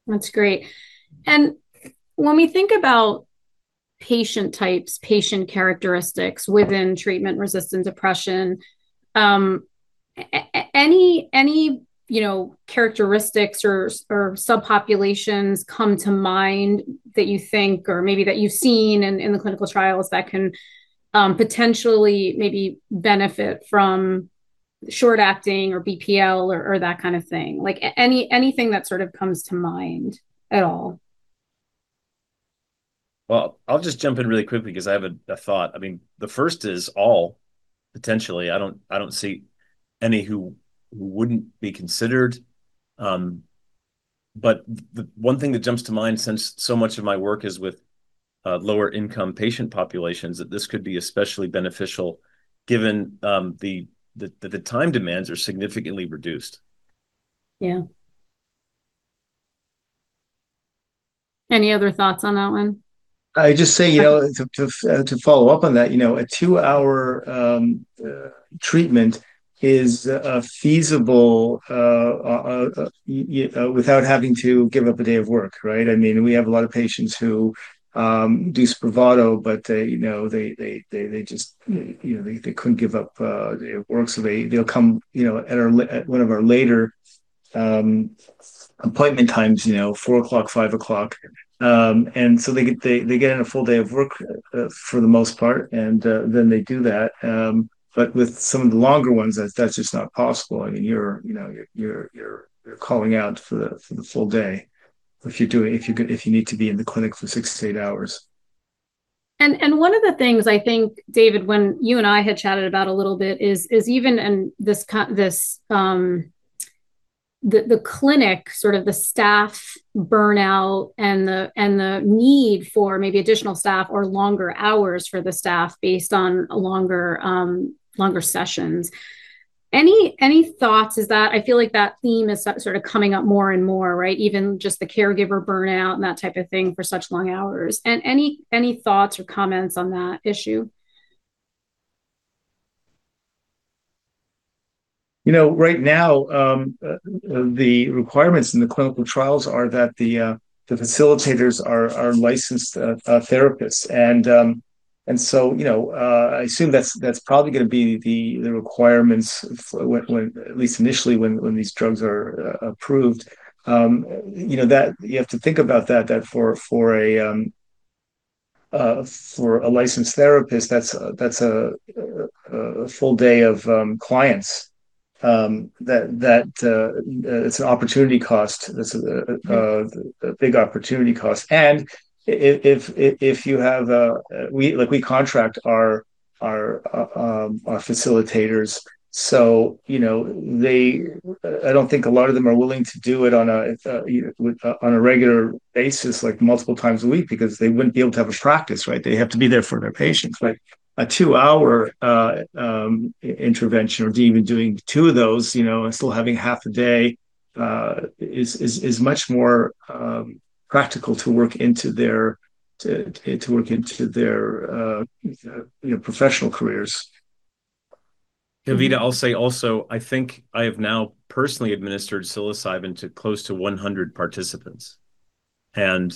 That's great. When we think about patient types, patient characteristics within treatment-resistant depression, any, you know, characteristics or subpopulations come to mind that you think or maybe that you've seen in the clinical trials that can potentially maybe benefit from short-acting or BPL or that kind of thing? Like anything that sort of comes to mind at all. Well, I'll just jump in really quickly 'cause I have a thought. I mean, the first is all potentially. I don't see any who wouldn't be considered. The one thing that jumps to mind, since so much of my work is with lower income patient populations, that this could be especially beneficial given the time demands are significantly reduced. Yeah. Any other thoughts on that one? I just say, you know, to follow up on that, you know, a two-hour treatment is feasible without having to give up a day of work, right? I mean, we have a lot of patients who do Spravato, but they, you know, they just, you know, they couldn't give up their work. They'll come, you know, at one of our later appointment times, you know, 4:00 P.M., 5:00 P.M. They get in a full day of work for the most part, and then they do that. With some of the longer ones, that's just not possible. I mean, you know, you're calling out for the full day if you need to be in the clinic for six to eight hours. One of the things I think, David, when you and I had chatted about a little bit is even in this, the clinic, sort of the staff burnout and the need for maybe additional staff or longer hours for the staff based on longer sessions. Any thoughts? I feel like that theme is sort of coming up more and more, right? Even just the caregiver burnout and that type of thing for such long hours. Any thoughts or comments on that issue? You know, right now, the requirements in the clinical trials are that the facilitators are licensed therapists. You know, I assume that's probably gonna be the requirements when at least initially when these drugs are approved. You know, that you have to think about that for a for a licensed therapist, that's a full day of clients that it's an opportunity cost. That's a big opportunity cost. If you have, like we contract our facilitators. You know, I don't think a lot of them are willing to do it on a regular basis, like multiple times a week because they wouldn't be able to have a practice, right? They have to be there for their patients, right? A two-hour intervention or even doing two of those, you know, and still having half a day is much more practical to work into their, you know, professional careers. Kavita, I'll say also, I think I have now personally administered psilocybin to close to 100 participants, and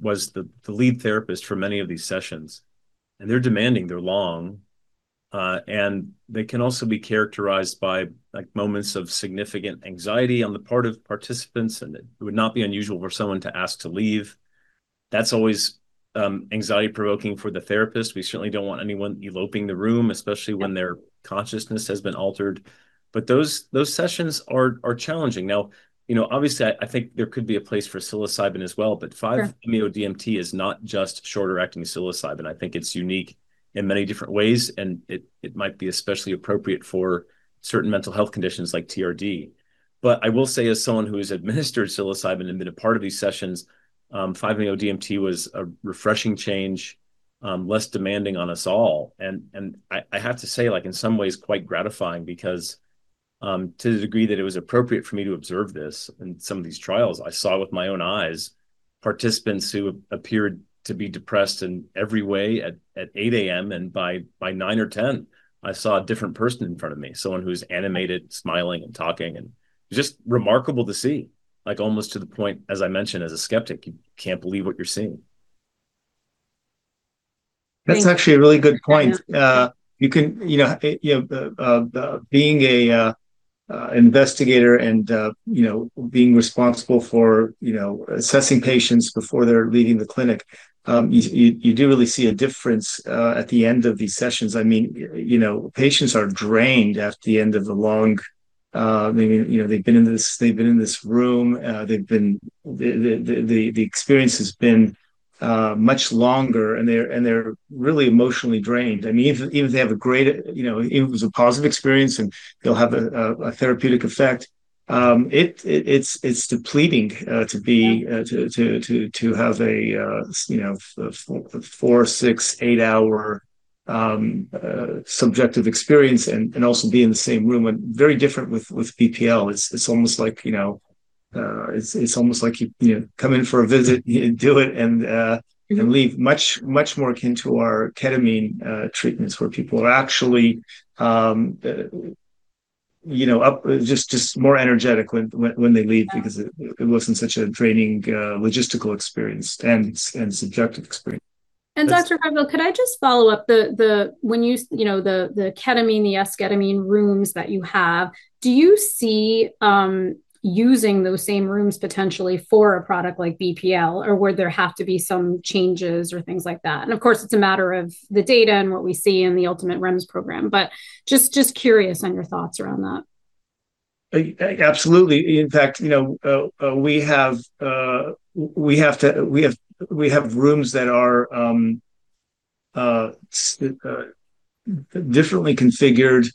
was the lead therapist for many of these sessions, and they're demanding, they're long, and they can also be characterized by, like, moments of significant anxiety on the part of participants, and it would not be unusual for someone to ask to leave. That's always anxiety-provoking for the therapist. We certainly don't want anyone eloping the room, especially when their consciousness has been altered. But those sessions are challenging. You know, obviously I think there could be a place for psilocybin as well- Sure 5-MeO-DMT is not just shorter-acting psilocybin. I think it's unique in many different ways, and it might be especially appropriate for certain mental health conditions like TRD. I will say as someone who has administered psilocybin and been a part of these sessions, 5-MeO-DMT was a refreshing change, less demanding on us all, and I have to say, like, in some ways quite gratifying because to the degree that it was appropriate for me to observe this in some of these trials, I saw with my own eyes participants who appeared to be depressed in every way at 8:00 A.M., and by 9:00 or 10:00, I saw a different person in front of me, someone who's animated, smiling, and talking, and just remarkable to see, like almost to the point, as I mentioned, as a skeptic, you can't believe what you're seeing. Thank you. That's actually a really good point. You can, you know, you know, being a investigator and, you know, being responsible for, you know, assessing patients before they're leaving the clinic, you do really see a difference at the end of these sessions. I mean, you know, patients are drained at the end of the long, I mean, you know, they've been in this room, the experience has been much longer, and they're really emotionally drained. I mean, even if they have a great, you know, it was a positive experience, and they'll have a therapeutic effect, it's depleting to be to have a, you know, 4, 6, 8-hour subjective experience and also be in the same room. Very different with BPL. It's almost like, you know, it's almost like you know, come in for a visit, you do it, and, you know, leave much more akin to our Ketamine treatments where people are actually, you know, up, just more energetic when they leave because it wasn't such a draining logistical experience and subjective experience. Dr. Feifel, could I just follow up? When you know, the Ketamine, the Esketamine rooms that you have, do you see using those same rooms potentially for a product like BPL? Would there have to be some changes or things like that? Of course, it's a matter of the data and what we see in the ultimate REMS program. Just curious on your thoughts around that. Absolutely. In fact, you know, we have rooms that are differently configured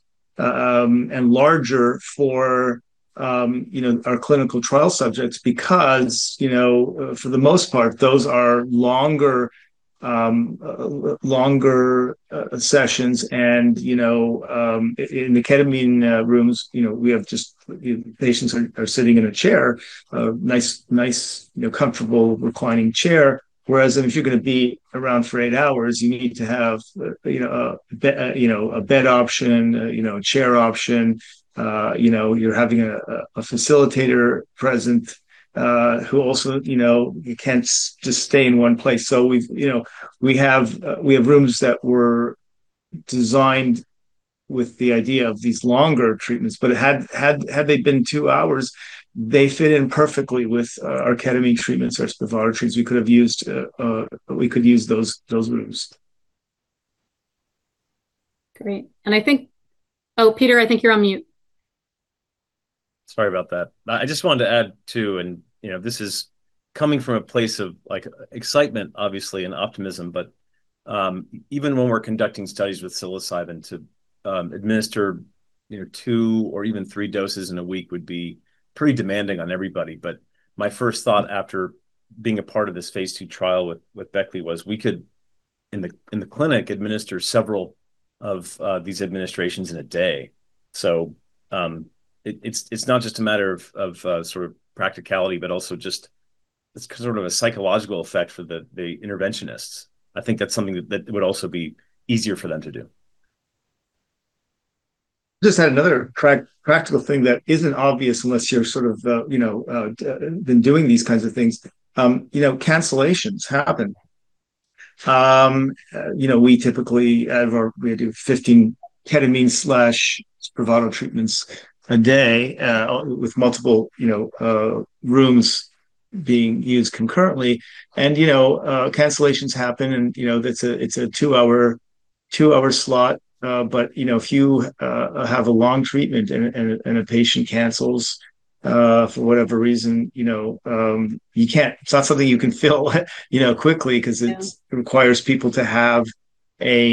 and larger for, you know, our clinical trial subjects because, you know, for the most part, those are longer sessions. You know, in the Ketamine rooms, you know, we have just, you know, patients are sitting in a chair, a nice, you know, comfortable reclining chair. Whereas if you're gonna be around for 8 hours, you need to have, you know, a bed option, you know, a chair option. You know, you're having a facilitator present, who also, you know, you can't just stay in one place. We've, you know, we have rooms that were designed with the idea of these longer treatments. Had they been two hours, they fit in perfectly with our Ketamine treatments, our Spravato treatments. We could use those rooms. Great. Oh, Peter, I think you're on mute. Sorry about that. I just wanted to add, too, and, you know, this is coming from a place of, like, excitement, obviously, and optimism. Even when we're conducting studies with psilocybin to administer, you know, two or even three doses in a week would be pretty demanding on everybody. My first thought after being a part of this phase II trial with Beckley was we could, in the clinic, administer several of these administrations in a day. It's not just a matter of sort of practicality, but also just it's sort of a psychological effect for the interventionists. I think that would also be easier for them to do. Just had another practical thing that isn't obvious unless you're sort of, you know, been doing these kinds of things. You know, cancellations happen. You know, we typically do 15 Ketamine/Spravato treatments a day with multiple, you know, rooms being used concurrently. You know, cancellations happen and, you know, that's a, it's a two-hour slot. You know, if you have a long treatment and a patient cancels for whatever reason, you know, it's not something you can fill, you know, quickly 'cause. Yeah... requires people to have a,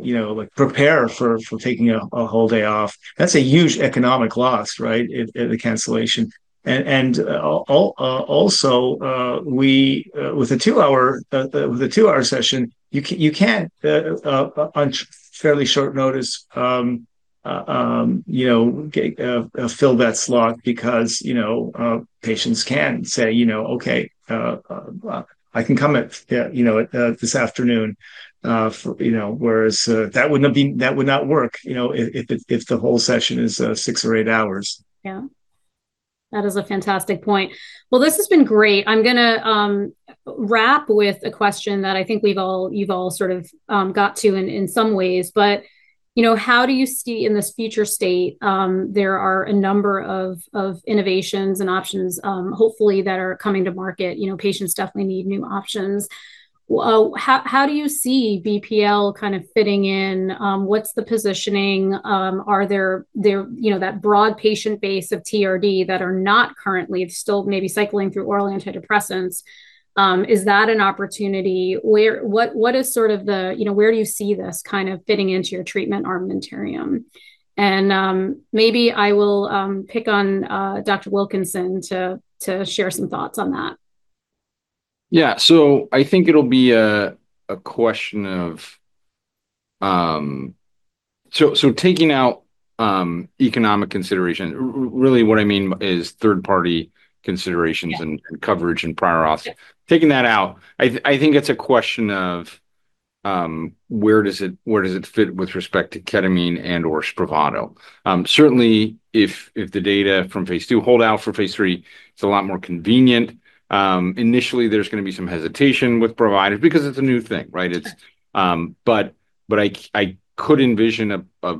you know, like prepare for taking a whole day off. That's a huge economic loss, right? If a cancellation. Also, we with the two-hour, the two-hour session, you can on fairly short notice fill that slot because, you know, patients can say, "Okay, I can come at this afternoon for," whereas that would not work, you know, if the whole session is six or eight hours. Yeah. That is a fantastic point. Well, this has been great. I'm gonna wrap with a question that I think we've all sort of got to in some ways, you know, how do you see in this future state, there are a number of innovations and options, hopefully that are coming to market, you know, patients definitely need new options. Well, how do you see BPL kind of fitting in? What's the positioning? Are there, you know, that broad patient base of TRD that are not currently still maybe cycling through oral antidepressants, is that an opportunity? What is sort of the, you know, where do you see this kind of fitting into your treatment armamentarium? Maybe I will pick on Dr. Wilkinson to share some thoughts on that. Yeah. I think it'll be a question of, so taking out economic consideration, really what I mean is third-party considerations. Yeah and coverage and prior auth. Yeah. Taking that out, I think it's a question of, where does it fit with respect to Ketamine and or Spravato? Certainly if the data from phase II hold out for phase III, it's a lot more convenient. Initially there's gonna be some hesitation with providers because it's a new thing, right? Sure. It's, I could envision a,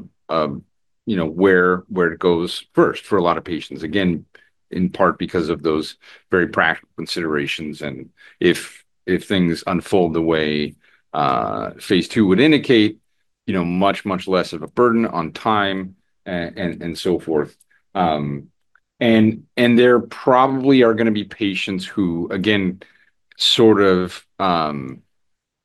you know, where it goes first for a lot of patients, again, in part because of those very practical considerations and if things unfold the way phase II would indicate, you know, much less of a burden on time and so forth. There probably are gonna be patients who, again, sort of,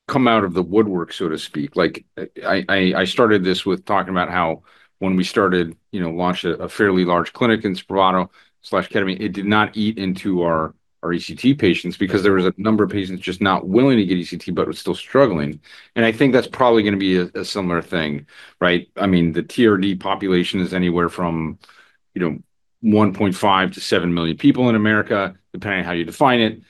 come out of the woodwork, so to speak. Like I started this with talking about how when we started, you know, launched a fairly large clinic in Spravato/Ketamine, it did not eat into our ECT patients because there was a number of patients just not willing to get ECT but were still struggling. I think that's probably gonna be a similar thing, right? I mean, the TRD population is anywhere from, you know, 1.5 million-7 million people in America, depending on how you define it.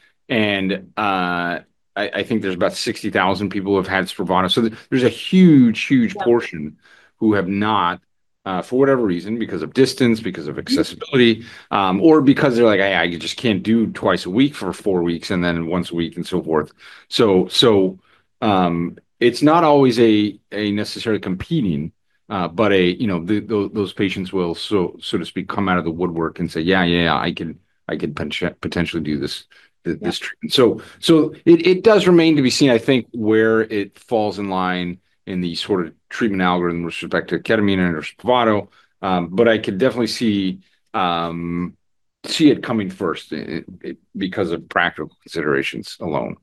I think there's about 60,000 people who have had Spravato. There's a huge portion who have not, for whatever reason, because of distance, because of accessibility, or because they're like, "I just can't do twice a week for 4 weeks, and then once a week," and so forth. It's not always a necessarily competing, but a... you know, those patients will so to speak come out of the woodwork and say, "Yeah, I can potentially do this treatment. Yeah. It does remain to be seen, I think, where it falls in line in the sort of treatment algorithm with respect to Ketamine and or Spravato. But I could definitely see it coming first because of practical considerations alone.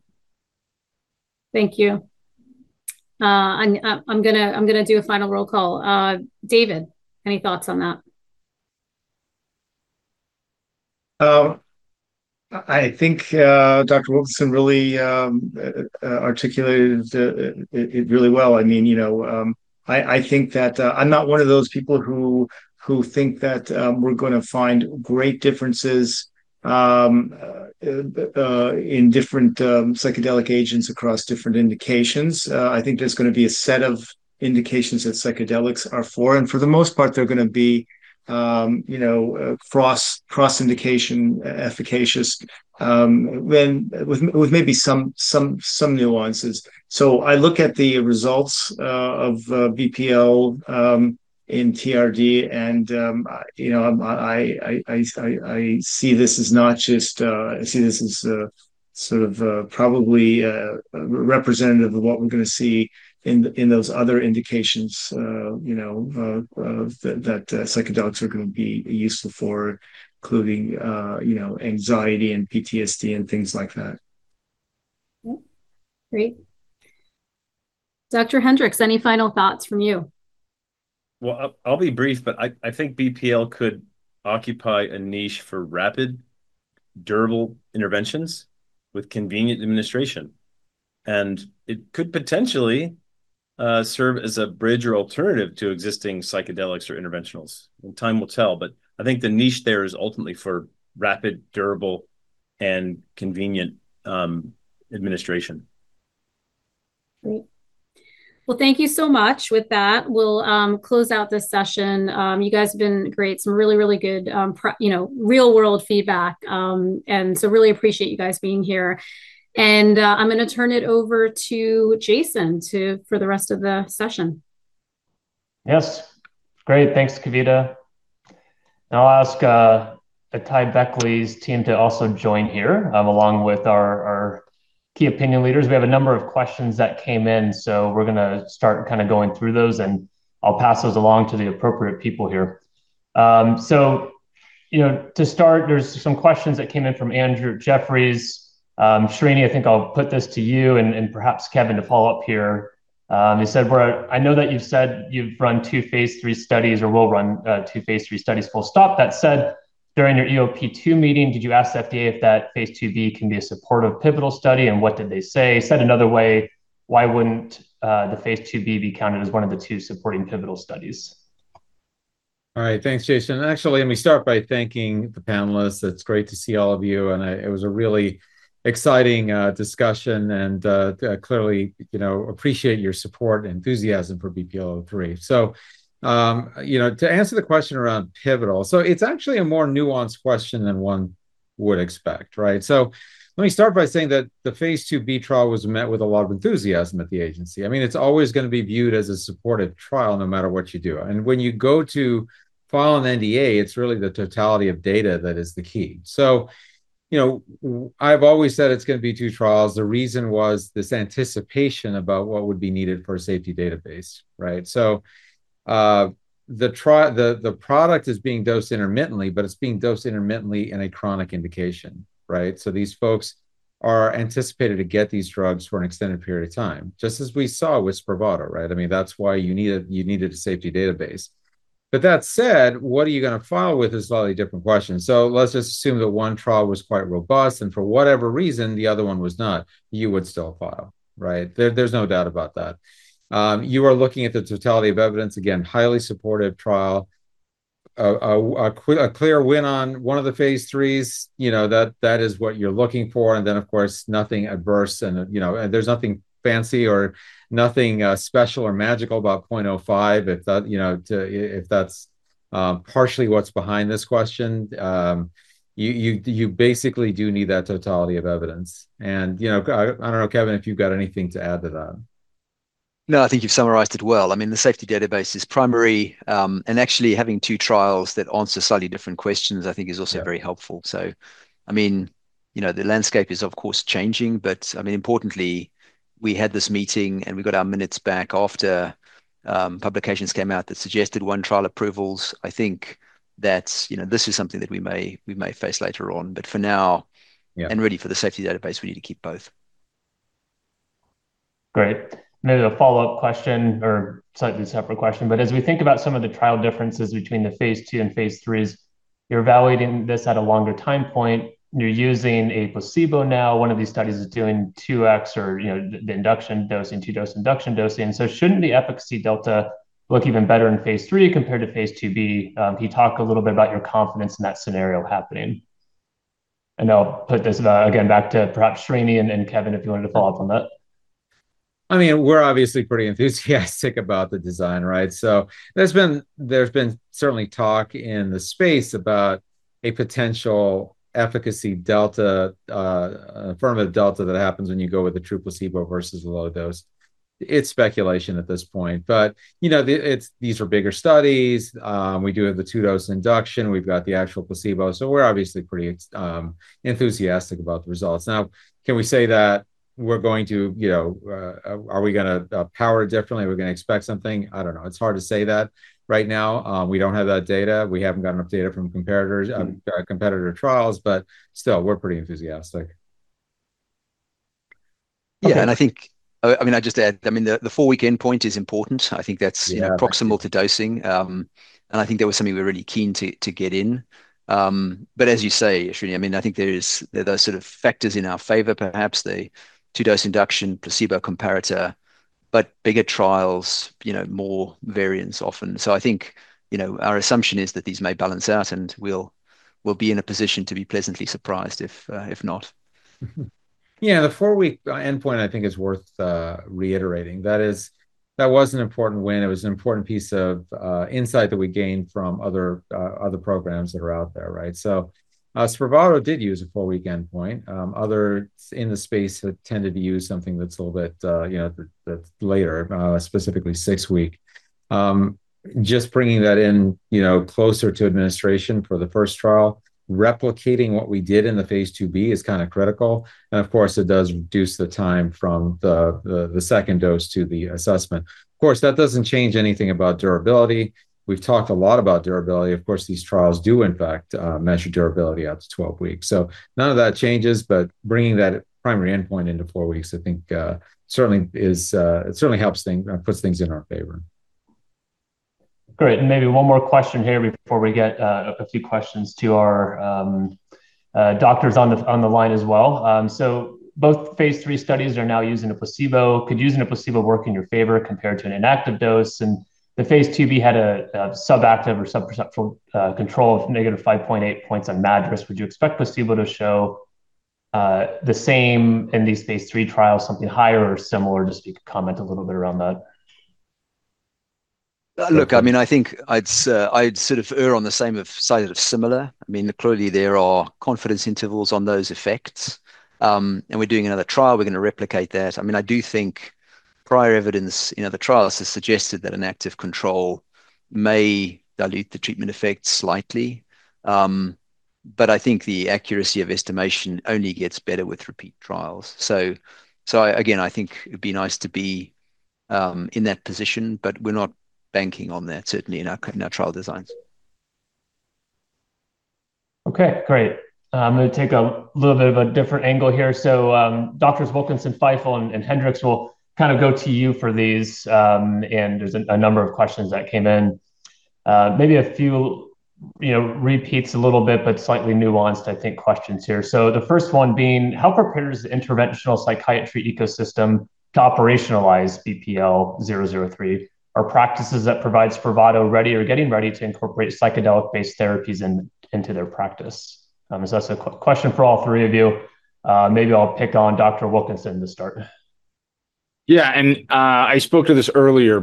Thank you. I'm gonna do a final roll call. David, any thoughts on that? I think Dr. Wilkinson really articulated it really well. I mean, you know, I think that, I'm not one of those people who think that we're gonna find great differences in different psychedelic agents across different indications. I think there's gonna be a set of indications that psychedelics are for. For the most part they're gonna be, you know, cross indication efficacious, with maybe some nuances. I look at the results of BPL in TRD and, you know, I see this as not just... I see this as a sort of, representative of what we're gonna see in those other indications, you know, that psychedelics are gonna be useful for including, you know, anxiety and PTSD and things like that. Great. Dr. Hendricks, any final thoughts from you? I'll be brief. I think BPL could occupy a niche for rapid, durable interventions with convenient administration. It could potentially serve as a bridge or alternative to existing psychedelics or interventionals. Time will tell. I think the niche there is ultimately for rapid, durable, and convenient administration. Great. Thank you so much. With that, we'll close out this session. You guys have been great. Some really, really good, you know, real world feedback, and so really appreciate you guys being here. I'm gonna turn it over to Jason to for the rest of the session. Yes. Great. Thanks, Kavita. I'll ask AtaiBeckley's team to also join here, along with our key opinion leaders. We have a number of questions that came in, we're gonna start kind of going through those, and I'll pass those along to the appropriate people here. You know, to start, there's some questions that came in from Andrew Jeffries. Srini, I think I'll put this to you, perhaps Kevin to follow up here. He said, "Well, I know that you've said you've run 2 phase III studies or will run 2 phase III studies full stop. During your EOP2 meeting, did you ask FDA if that phase IIb can be a supportive pivotal study, what did they say? Said another way, why wouldn't the phase IIb be counted as 1 of the 2 supporting pivotal studies? All right. Thanks, Jason. Actually, let me start by thanking the panelists. It's great to see all of you, and it was a really exciting discussion, and clearly, you know, appreciate your support and enthusiasm for BPL-003. You know, to answer the question around pivotal. It's actually a more nuanced question than one would expect, right? Let me start by saying that the phase IIb trial was met with a lot of enthusiasm at the agency. I mean, it's always gonna be viewed as a supported trial no matter what you do. When you go to file an NDA, it's really the totality of data that is the key. You know, I've always said it's gonna be two trials. The reason was this anticipation about what would be needed for a safety database, right? The product is being dosed intermittently, but it's being dosed intermittently in a chronic indication, right? These folks are anticipated to get these drugs for an extended period of time, just as we saw with Spravato, right? I mean, that's why you needed a safety database. That said, what are you gonna file with is a slightly different question. Let's just assume that one trial was quite robust, and for whatever reason, the other one was not, you would still file, right? There's no doubt about that. You are looking at the totality of evidence. Again, highly supportive trial. A clear win on one of the phase IIIs, you know, that is what you're looking for. Of course, nothing adverse, you know, there's nothing fancy or nothing special or magical about 0.05 if that, you know, if that's partially what's behind this question. You basically do need that totality of evidence. You know, I don't know, Kevin, if you've got anything to add to that. No, I think you've summarized it well. I mean, the safety database is primary, and actually having two trials that answer slightly different questions, I think is also very helpful. I mean, you know, the landscape is, of course, changing, but I mean, importantly, we had this meeting, and we got our minutes back after publications came out that suggested one-trial approvals. I think that, you know, this is something that we may face later on. For now. Yeah Really for the safety database, we need to keep both. Great. Maybe a follow-up question or slightly separate question. As we think about some of the trial differences between the phase II and phase IIIs, you're evaluating this at a longer time point. You're using a placebo now. One of these studies is doing 2X or, you know, the induction dosing, 2-dose induction dosing. Shouldn't the efficacy delta look even better in phase III compared to phase IIb? Can you talk a little bit about your confidence in that scenario happening? I'll put this again back to perhaps Srini and then Kevin, if you wanted to follow up on that. I mean, we're obviously pretty enthusiastic about the design, right? There's been certainly talk in the space about a potential efficacy delta, affirmative delta that happens when you go with a true placebo versus a low dose. It's speculation at this point, but, you know, these are bigger studies. We do have the two-dose induction. We've got the actual placebo. We're obviously pretty enthusiastic about the results. Now, can we say that we're going to, you know, are we gonna power differently? Are we gonna expect something? I don't know. It's hard to say that right now. We don't have that data. We haven't got enough data from comparators, competitor trials, but still, we're pretty enthusiastic. Yeah. I mean, I just add, I mean, the four-week endpoint is important. I think that's. Yeah... you know, proximal to dosing. I think that was something we were really keen to get in. As you say, Srini, I mean, I think there are those sort of factors in our favor, perhaps the two-dose induction placebo comparator, but bigger trials, you know, more variance often. I think, you know, our assumption is that these may balance out, and we'll be in a position to be pleasantly surprised if not. The four-week endpoint I think is worth reiterating. That was an important win. It was an important piece of insight that we gained from other programs that are out there, right? Spravato did use a four-week endpoint. Others in the space had tended to use something that's a little bit, you know, that's later, specifically six-week. Just bringing that in, you know, closer to administration for the first trial, replicating what we did in the phase IIb is kinda critical. Of course, it does reduce the time from the second dose to the assessment. Of course, that doesn't change anything about durability. We've talked a lot about durability. Of course, these trials do in fact measure durability out to 12 weeks. none of that changes, but bringing that primary endpoint into four weeks, I think, certainly is, it certainly helps puts things in our favor. Great. Maybe one more question here before we get a few questions to our doctors on the line as well. Both phase III studies are now using a placebo. Could using a placebo work in your favor compared to an inactive dose? The phase IIb had a sub-active or sub-perceptual control of -5.8 points on MADRS. Would you expect placebo to show the same in these phase III trials, something higher or similar? Just if you could comment a little bit around that. Look, I mean, I think I'd sort of err on the same side of similar. I mean, clearly, there are confidence intervals on those effects. We're doing another trial. We're gonna replicate that. I mean, I do think prior evidence in other trials has suggested that an active control may dilute the treatment effects slightly. I think the accuracy of estimation only gets better with repeat trials. Again, I think it'd be nice to be in that position, we're not banking on that certainly in our trial designs. Okay. Great. I'm gonna take a little bit of a different angle here. Doctors Wilkinson, Feifel, and Hendricks will kind of go to you for these, and there's a number of questions that came in. Maybe a few, you know, repeats a little bit, but slightly nuanced, I think, questions here. The first one being, how prepared is the interventional psychiatry ecosystem to operationalize BPL-003? Are practices that provides Spravato ready or getting ready to incorporate psychedelic-based therapies into their practice? That's a question for all three of you. Maybe I'll pick on Dr. Wilkinson to start. Yeah. I spoke to this earlier.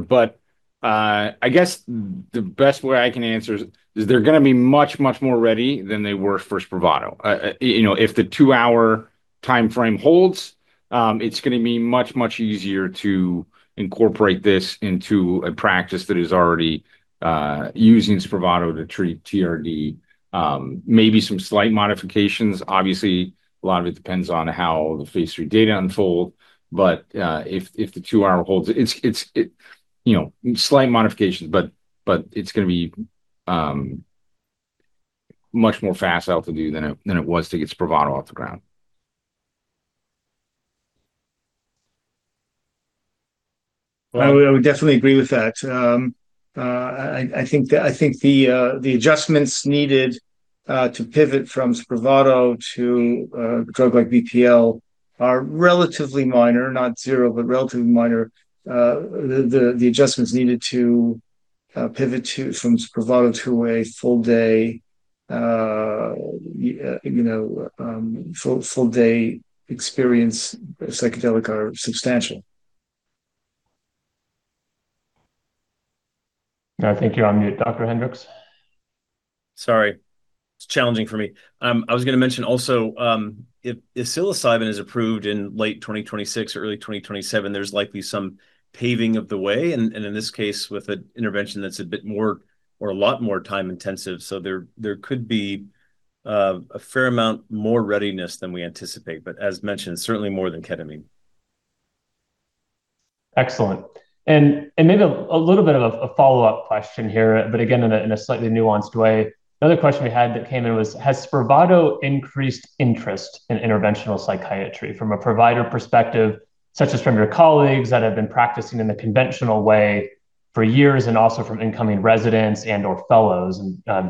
I guess the best way I can answer is they're gonna be much, much more ready than they were for Spravato. You know, if the two-hour timeframe holds, it's gonna be much, much easier to incorporate this into a practice that is already using Spravato to treat TRD. Maybe some slight modifications. Obviously, a lot of it depends on how the phase III data unfold. If the two-hour holds, it's, you know, slight modifications, but it's gonna be much more fast to do than it, than it was to get Spravato off the ground. Well- I would definitely agree with that. I think the adjustments needed to pivot from Spravato to a drug like BPL are relatively minor, not zero, but relatively minor. The adjustments needed to pivot from Spravato to a full day, you know, full day experience psychedelic are substantial. I think you're on mute, Dr. Hendricks. Sorry. It's challenging for me. I was gonna mention also, if psilocybin is approved in late 2026 or early 2027, there's likely some paving of the way. In this case, with an intervention that's a bit more or a lot more time intensive. There could be a fair amount more readiness than we anticipate. As mentioned, certainly more than Ketamine. Excellent. Maybe a little bit of a follow-up question here, but again, in a slightly nuanced way. Another question we had that came in was, has Spravato increased interest in interventional psychiatry from a provider perspective, such as from your colleagues that have been practicing in the conventional way for years, and also from incoming residents and or fellows?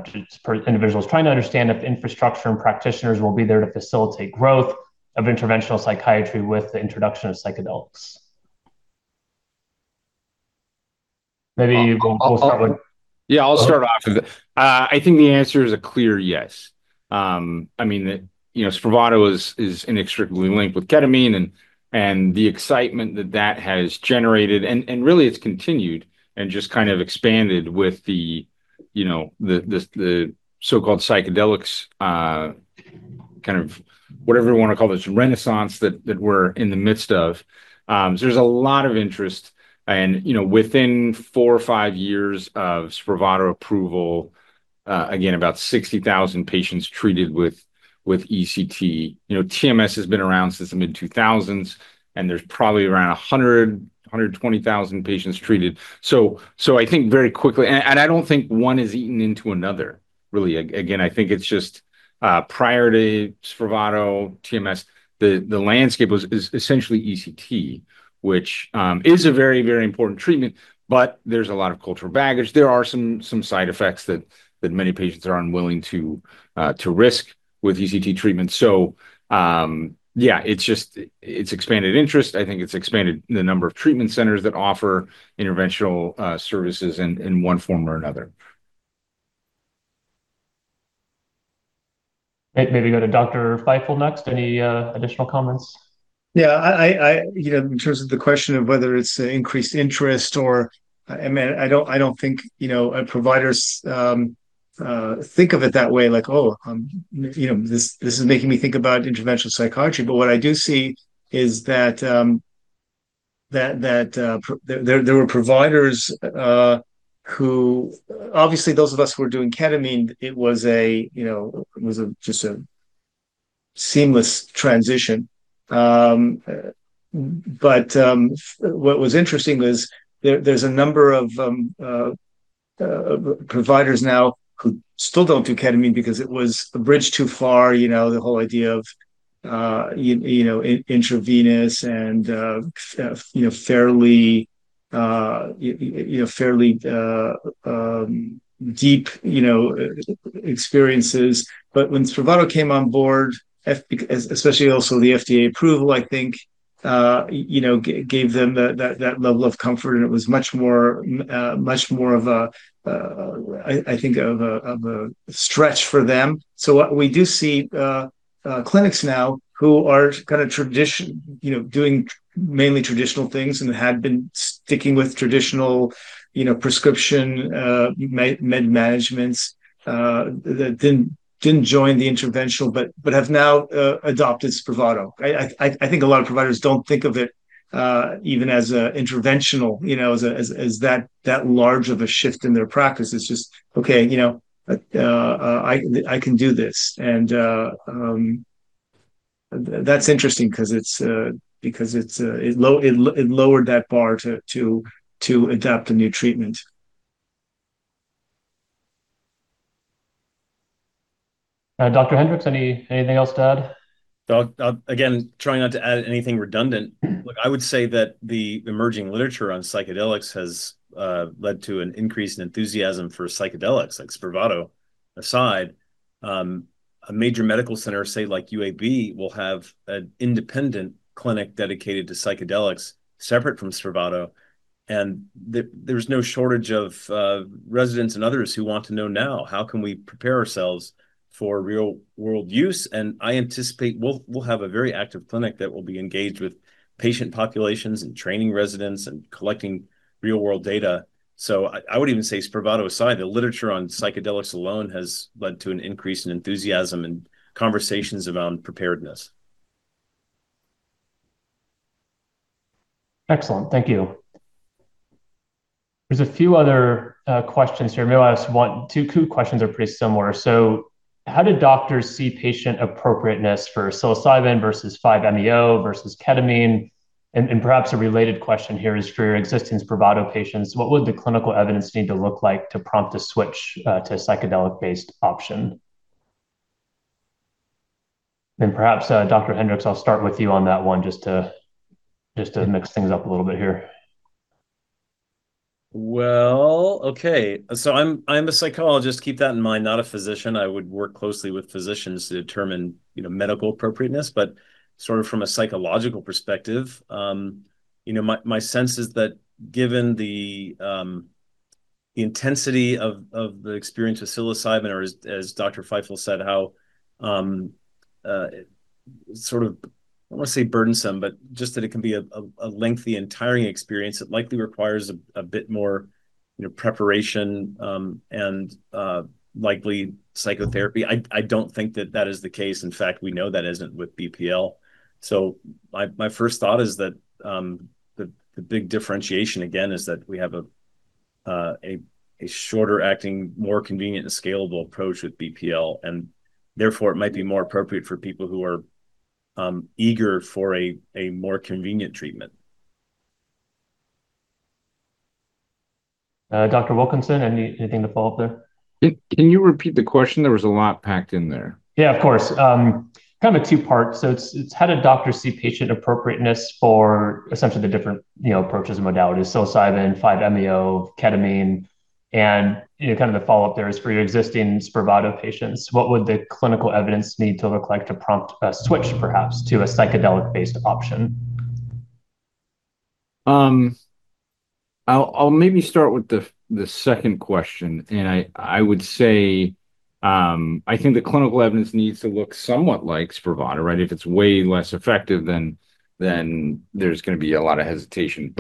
Just individuals trying to understand if the infrastructure and practitioners will be there to facilitate growth of interventional psychiatry with the introduction of psychedelics. Maybe we'll start with... Yeah, I'll start off with it. I think the answer is a clear yes. I mean, you know, Spravato is inextricably linked with Ketamine and the excitement that that has generated. Really it's continued and just kind of expanded with the, you know, the so-called psychedelics, kind of whatever you wanna call this renaissance that we're in the midst of. There's a lot of interest and, you know, within 4 or 5 years of Spravato approval, again, about 60,000 patients treated with ECT. You know, TMS has been around since the mid-2000s, and there's probably around 120,000 patients treated. I think very quickly. I don't think one is eaten into another really. Again, I think it's just prior to Spravato, TMS, the landscape was, is essentially ECT, which is a very, very important treatment, but there's a lot of cultural baggage. There are some side effects that many patients are unwilling to risk with ECT treatment. Yeah, it's expanded interest. I think it's expanded the number of treatment centers that offer interventional services in one form or another. Maybe go to Dr. Feifel next. Any additional comments? Yeah. I, you know, in terms of the question of whether it's increased interest or... I mean, I don't think, you know, providers think of it that way. Like, "Oh, you know, this is making me think about interventional psychiatry." What I do see is that there were providers who... Obviously, those of us who were doing Ketamine, it was a, you know, just a seamless transition. What was interesting was there's a number of providers now who still don't do Ketamine because it was a bridge too far. You know, the whole idea of, you know, intravenous and, you know, fairly deep, you know, experiences. When Spravato came on board, especially also the FDA approval, I think, you know, gave them that level of comfort, and it was much more of a, I think of a stretch for them. What we do see, clinics now who are kinda, you know, doing mainly traditional things and had been sticking with traditional, you know, prescription med managements, that didn't join the interventional but have now adopted Spravato. I think a lot of providers don't think of it even as an interventional, you know, as that large of a shift in their practice. It's just, okay, you know, I can do this. That's interesting 'cause it's because it's it lowered that bar to adopt a new treatment. Dr. Hendricks, anything else to add? Again, trying not to add anything redundant. Look, I would say that the emerging literature on psychedelics has led to an increase in enthusiasm for psychedelics like Spravato aside. A major medical center, say like UAB, will have an independent clinic dedicated to psychedelics separate from Spravato, and there's no shortage of residents and others who want to know now how can we prepare ourselves for real-world use. I anticipate we'll have a very active clinic that will be engaged with patient populations and training residents and collecting real-world data. I would even say Spravato aside, the literature on psychedelics alone has led to an increase in enthusiasm and conversations around preparedness. Excellent. Thank you. There's a few other questions here. Maybe I'll ask two questions are pretty similar. How do doctors see patient appropriateness for psilocybin versus 5-MeO versus Ketamine? Perhaps a related question here is for your existing Spravato patients, what would the clinical evidence need to look like to prompt a switch to psychedelic-based option? Perhaps, Dr. Hendricks, I'll start with you on that one just to mix things up a little bit here. Okay. I'm a psychologist, keep that in mind, not a physician. I would work closely with physicians to determine, you know, medical appropriateness. Sort of from a psychological perspective, you know, my sense is that given the intensity of the experience with psilocybin or as Dr. Feifel said, how sort of I don't wanna say burdensome, but just that it can be a lengthy and tiring experience, it likely requires a bit more, you know, preparation, and likely psychotherapy. I don't think that that is the case. In fact, we know that isn't with BPL. My first thought is that, the big differentiation again is that we have a shorter acting, more convenient and scalable approach with BPL, and therefore it might be more appropriate for people who are eager for a more convenient treatment. Dr. Wilkinson, anything to follow up there? Can you repeat the question? There was a lot packed in there. Of course. Kind of a two-part. It's how do doctors see patient appropriateness for essentially the different, you know, approaches and modalities, psilocybin, 5-MeO, Ketamine. You know, kind of the follow-up there is for your existing Spravato patients, what would the clinical evidence need to look like to prompt a switch perhaps to a psychedelic-based option? I'll maybe start with the second question. I would say, I think the clinical evidence needs to look somewhat like Spravato, right? If it's way less effective, then there's gonna be a lot of hesitation.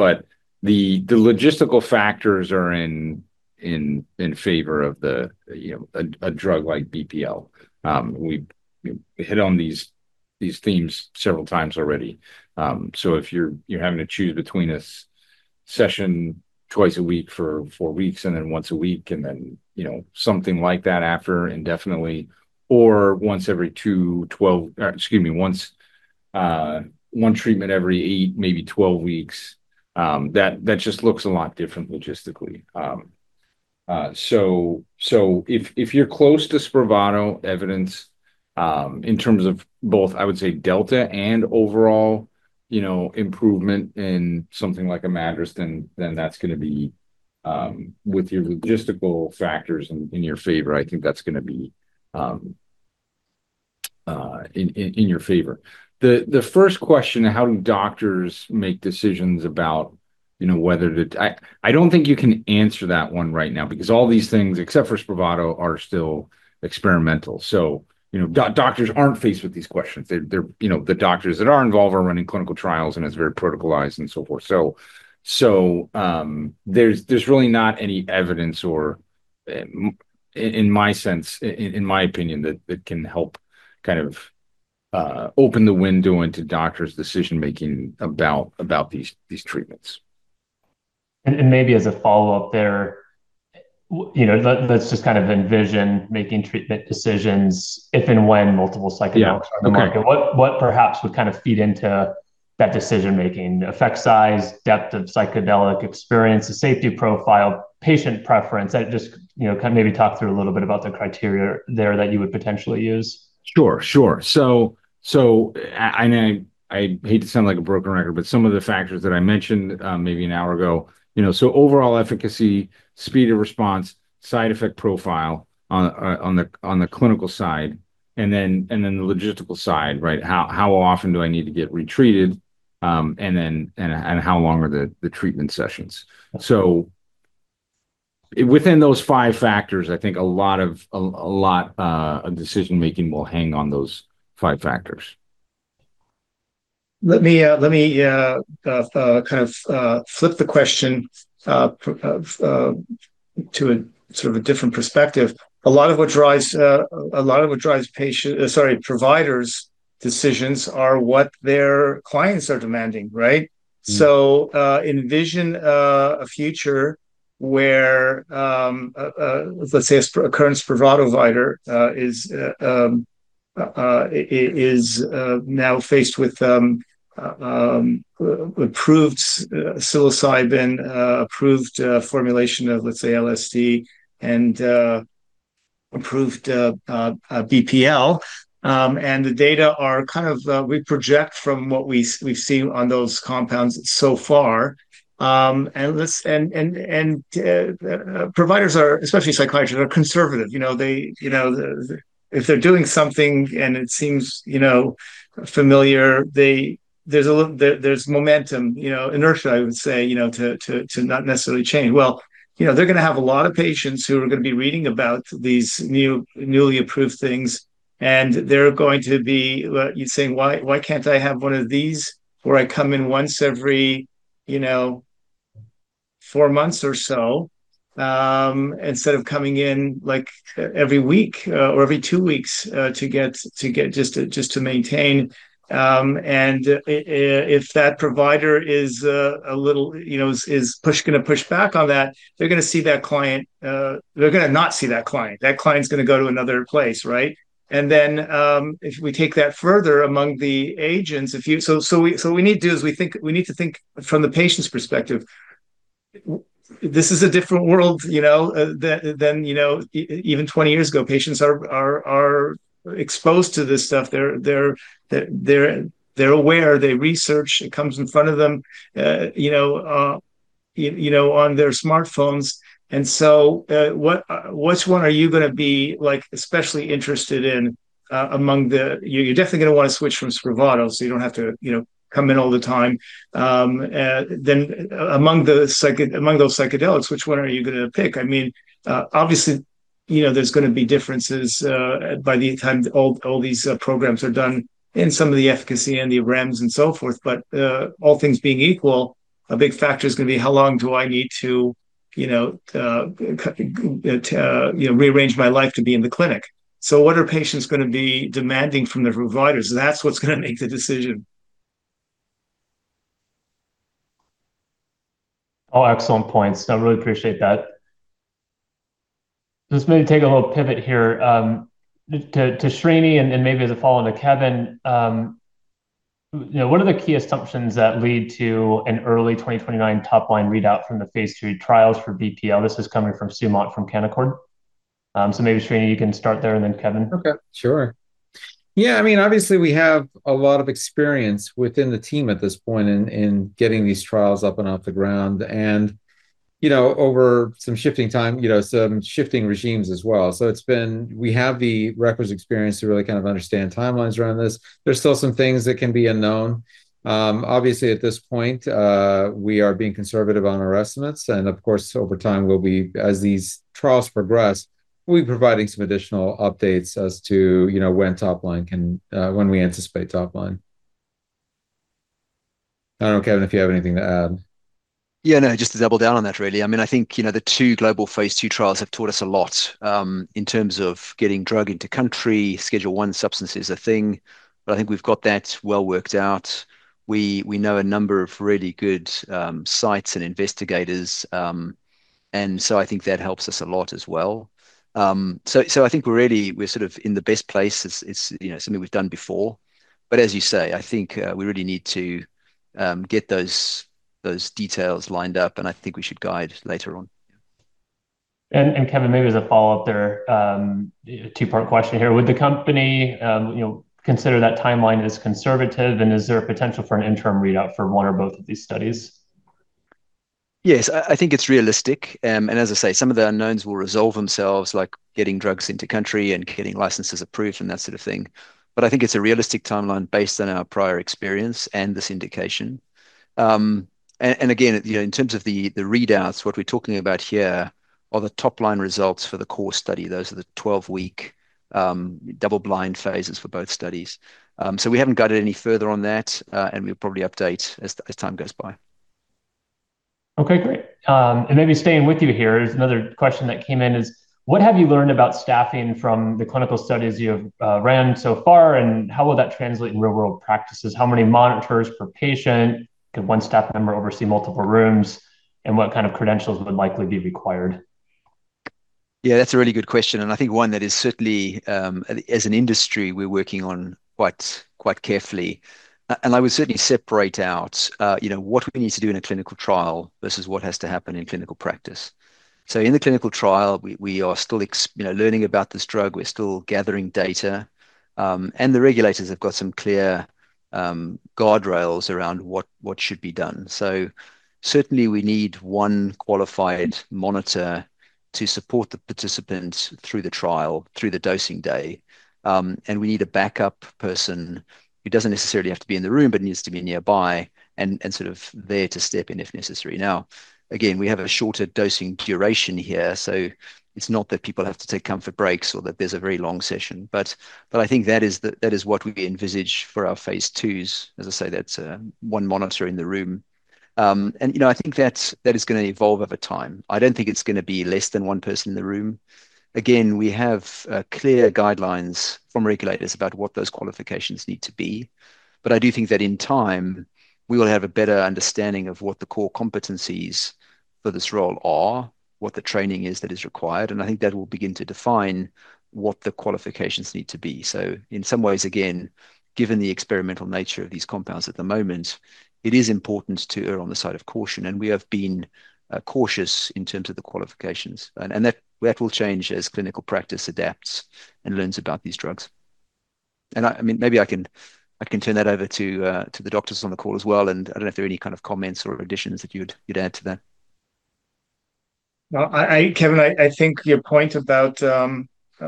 The logistical factors are in favor of the, you know, a drug like BPL. We've hit on these themes several times already. If you're having to choose between a session twice a week for four weeks and then once a week, and then, you know, something like that after indefinitely or one treatment every eight, maybe 12 weeks, that just looks a lot different logistically. If you're close to Spravato evidence, in terms of both, I would say delta and overall, you know, improvement in something like a MADRS, then that's gonna be, with your logistical factors in your favor. I think that's gonna be, in your favor. The first question, how do doctors make decisions about, you know, whether to... I don't think you can answer that one right now because all these things, except for Spravato, are still experimental. You know, doctors aren't faced with these questions. You know, the doctors that are involved are running clinical trials, and it's very protocolized and so forth. There's really not any evidence or, in my sense, in my opinion that can help kind of, open the window into doctors' decision-making about these treatments. Maybe as a follow-up there, you know, let's just kind of envision making treatment decisions if and when multiple psychedelics. Yeah. Okay.... are in the market. What perhaps would kind of feed into that decision-making? Effect size, depth of psychedelic experience, the safety profile, patient preference? Just, you know, kind of maybe talk through a little bit about the criteria there that you would potentially use. Sure, sure. And I hate to sound like a broken record, but some of the factors that I mentioned, maybe an hour ago, you know. Overall efficacy, speed of response, side effect profile on the clinical side, and then the logistical side, right? How often do I need to get retreated, and how long are the treatment sessions? Within those five factors, I think a lot of decision-making will hang on those five factors. Let me kind of flip the question to a sort of a different perspective. A lot of what drives Sorry, providers' decisions are what their clients are demanding, right? Envision a future where a current Spravato provider is now faced with approved psilocybin, approved formulation of, let's say, LSD and approved BPL. And the data are kind of, we project from what we've seen on those compounds so far. And providers are, especially psychiatrists, are conservative. You know, they, you know, if they're doing something and it seems, you know, familiar, there's momentum, you know, inertia, I would say, you know, to not necessarily change. Well, you know, they're gonna have a lot of patients who are gonna be reading about these new, newly approved things, and they're going to be saying, "Why, why can't I have one of these where I come in once every, you know, four months or so, instead of coming in like every week, or every two weeks, to get just to maintain?" If that provider is a little, you know, is gonna push back on that, they're gonna see that client. They're gonna not see that client. That client's gonna go to another place, right? If we take that further among the agents, if you... so we need to do is we need to think from the patient's perspective. This is a different world, you know, than, you know, even 20 years ago. Patients are exposed to this stuff. They're aware. They research. It comes in front of them, you know, you know, on their smartphones. What, which one are you gonna be like especially interested in among the... You're definitely gonna wanna switch from Spravato, so you don't have to, you know, come in all the time. Then among those psychedelics, which one are you gonna pick? I mean, obviously, you know, there's gonna be differences by the time all these programs are done in some of the efficacy and the REMs and so forth. All things being equal, a big factor is gonna be how long do I need to, you know, you know, rearrange my life to be in the clinic. What are patients gonna be demanding from their providers? That's what's gonna make the decision. All excellent points. I really appreciate that. Let's maybe take a little pivot here, to Srini and then maybe as a follow into Kevin. You know, what are the key assumptions that lead to an early 2029 top line readout from the phase II trials for BPL? This is coming from Sumant from Canaccord. Maybe, Srini, you can start there and then Kevin. Sure. Yeah. I mean, obviously we have a lot of experience within the team at this point in getting these trials up and off the ground and, you know, over some shifting time, you know, some shifting regimes as well. We have the records experience to really kind of understand timelines around this. There's still some things that can be unknown. Obviously at this point, we are being conservative on our estimates, and of course, over time we'll be, as these trials progress, we'll be providing some additional updates as to, you know, when top line can, when we anticipate top line. I don't know, Kevin, if you have anything to add. Yeah. No, just to double down on that, really. I mean, I think, you know, the two global phase II trials have taught us a lot in terms of getting drug into country. Schedule I substance is a thing. I think we've got that well worked out. We know a number of really good sites and investigators. I think that helps us a lot as well. I think we're really, we're sort of in the best place. It's, you know, something we've done before. As you say, I think we really need to get those details lined up, and I think we should guide later on. Kevin, maybe as a follow-up there, two-part question here. Would the company, you know, consider that timeline as conservative? Is there a potential for an interim readout for one or both of these studies? Yes. I think it's realistic. As I say, some of the unknowns will resolve themselves, like getting drugs into country and getting licenses approved and that sort of thing. I think it's a realistic timeline based on our prior experience and this indication. Again, you know, in terms of the readouts, what we're talking about here are the top-line results for the core study. Those are the 12-week, double blind phases for both studies. We haven't got it any further on that, and we'll probably update as time goes by. Okay. Great. Maybe staying with you here is another question that came in is, what have you learned about staffing from the clinical studies you've ran so far, and how will that translate in real world practices? How many monitors per patient? Could 1 staff member oversee multiple rooms? What kind of credentials would likely be required? Yeah, that's a really good question, and I think one that is certainly, as an industry we're working on quite carefully. I would certainly separate out, you know, what we need to do in a clinical trial versus what has to happen in clinical practice. In the clinical trial, we are still, you know, learning about this drug. We're still gathering data. The regulators have got some clear guardrails around what should be done. Certainly we need one qualified monitor to support the participant through the trial, through the dosing day. We need a backup person who doesn't necessarily have to be in the room, but needs to be nearby and sort of there to step in if necessary. Again, we have a shorter dosing duration here, so it's not that people have to take comfort breaks or that there's a very long session. I think that is what we envisage for our phase IIs. As I say, that's one monitor in the room. You know, I think that is going to evolve over time. I don't think it's going to be less than one person in the room. Again, we have clear guidelines from regulators about what those qualifications need to be. I do think that in time, we will have a better understanding of what the core competencies for this role are, what the training is that is required, and I think that will begin to define what the qualifications need to be. In some ways, again, given the experimental nature of these compounds at the moment, it is important to err on the side of caution, and we have been cautious in terms of the qualifications. That will change as clinical practice adapts and learns about these drugs. I mean, maybe I can turn that over to the doctors on the call as well, and I don't know if there are any kind of comments or additions that you'd add to that. No. Kevin, I think your point about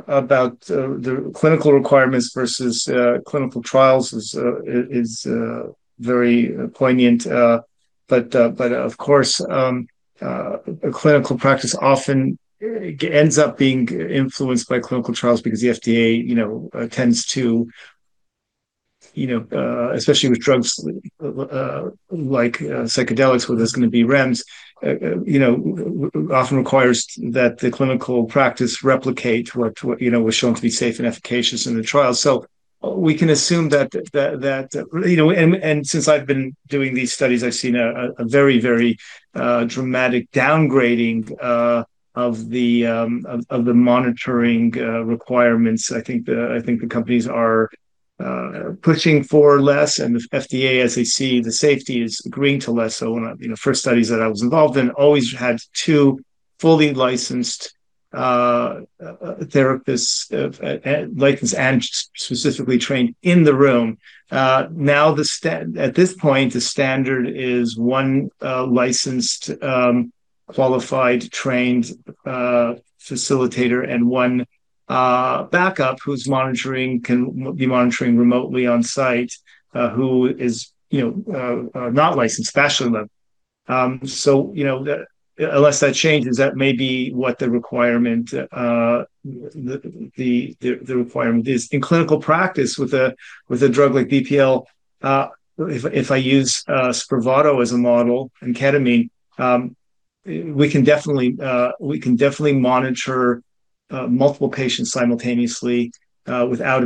about the clinical requirements versus clinical trials is very poignant. Of course, a clinical practice often ends up being influenced by clinical trials because the FDA, you know, tends to, you know, especially with drugs like psychedelics where there's gonna be REMs, you know, often requires that the clinical practice replicate what, you know, was shown to be safe and efficacious in the trial. We can assume that, you know. Since I've been doing these studies, I've seen a dramatic downgrading of the monitoring requirements. I think the companies are pushing for less. If FDA, as they see the safety, is agreeing to less so. You know, first studies that I was involved in always had two fully licensed therapists, licensed and specifically trained in the room. At this point, the standard is one licensed, qualified, trained facilitator and one backup who can be monitoring remotely on site, who is, you know, not licensed, especially then. You know, unless that changes, that may be what the requirement is. In clinical practice with a drug like BPL, if I use Spravato as a model and Ketamine, we can definitely monitor multiple patients simultaneously, without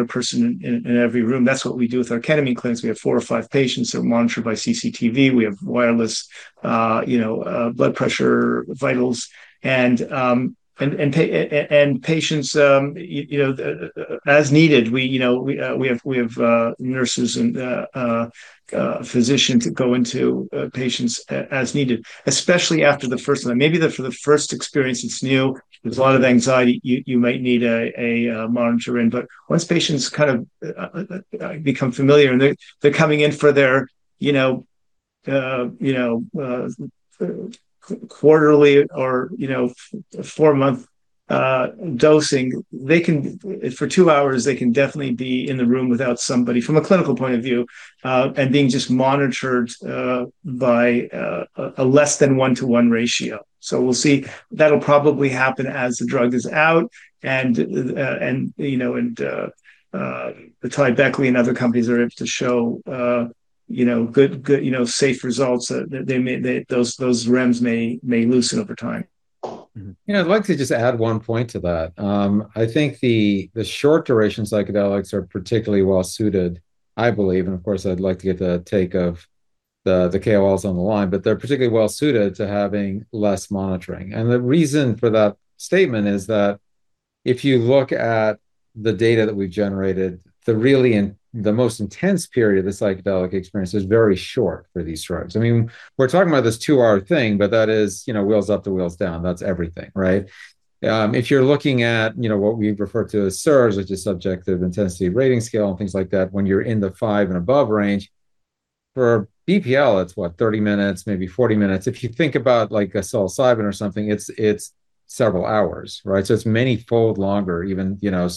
a person in every room. That's what we do with our Ketamine clinics. We have 4 or 5 patients that are monitored by CCTV. We have wireless, you know, blood pressure vitals. Patients, you know, as needed. We, you know, we have, we have nurses and physicians go into patients as needed, especially after the first time. Maybe for the first experience, it's new. There's a lot of anxiety. You might need a monitor in. Once patients kind of become familiar, and they're coming in for their, you know, you know, quarterly or, you know, 4-month dosing, for 2 hours, they can definitely be in the room without somebody from a clinical point of view, and being just monitored by a less than 1-to-1 ratio. We'll see. That'll probably happen as the drug is out and, you know, and AtaiBeckley and other companies are able to show, you know, good, you know, safe results. Those REMs may loosen over time. Mm-hmm. You know, I'd like to just add one point to that. I think the short duration psychedelics are particularly well suited, I believe, and of course, I'd like to get the take of the KOLs on the line, but they're particularly well suited to having less monitoring. The reason for that statement is that if you look at the data that we've generated, the really the most intense period of the psychedelic experience is very short for these drugs. I mean, we're talking about this 2-hour thing, but that is, you know, wheels up to wheels down. That's everything, right? If you're looking at, you know, what we refer to as SIRS, which is Subjective Intensity Rating Scale, and things like that, when you're in the 5 and above range, for BPL, it's what? 30 minutes, maybe 40 minutes. If you think about like a psilocybin or something, it's several hours, right? It's many-fold longer even, you know.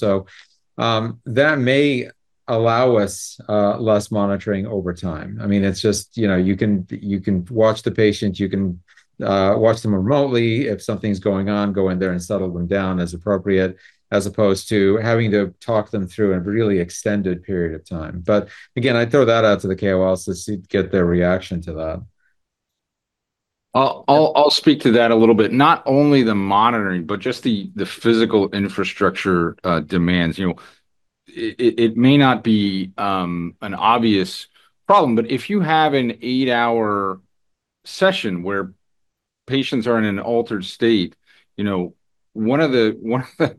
That may allow us less monitoring over time. I mean, it's just, you know, you can watch the patient. You can watch them remotely. If something's going on, go in there and settle them down as appropriate, as opposed to having to talk them through a really extended period of time. Again, I throw that out to the KOLs to get their reaction to that. I'll speak to that a little bit. Not only the monitoring, but just the physical infrastructure demands. You know, it may not be an obvious problem, but if you have an 8-hour session where patients are in an altered state, you know, one of the,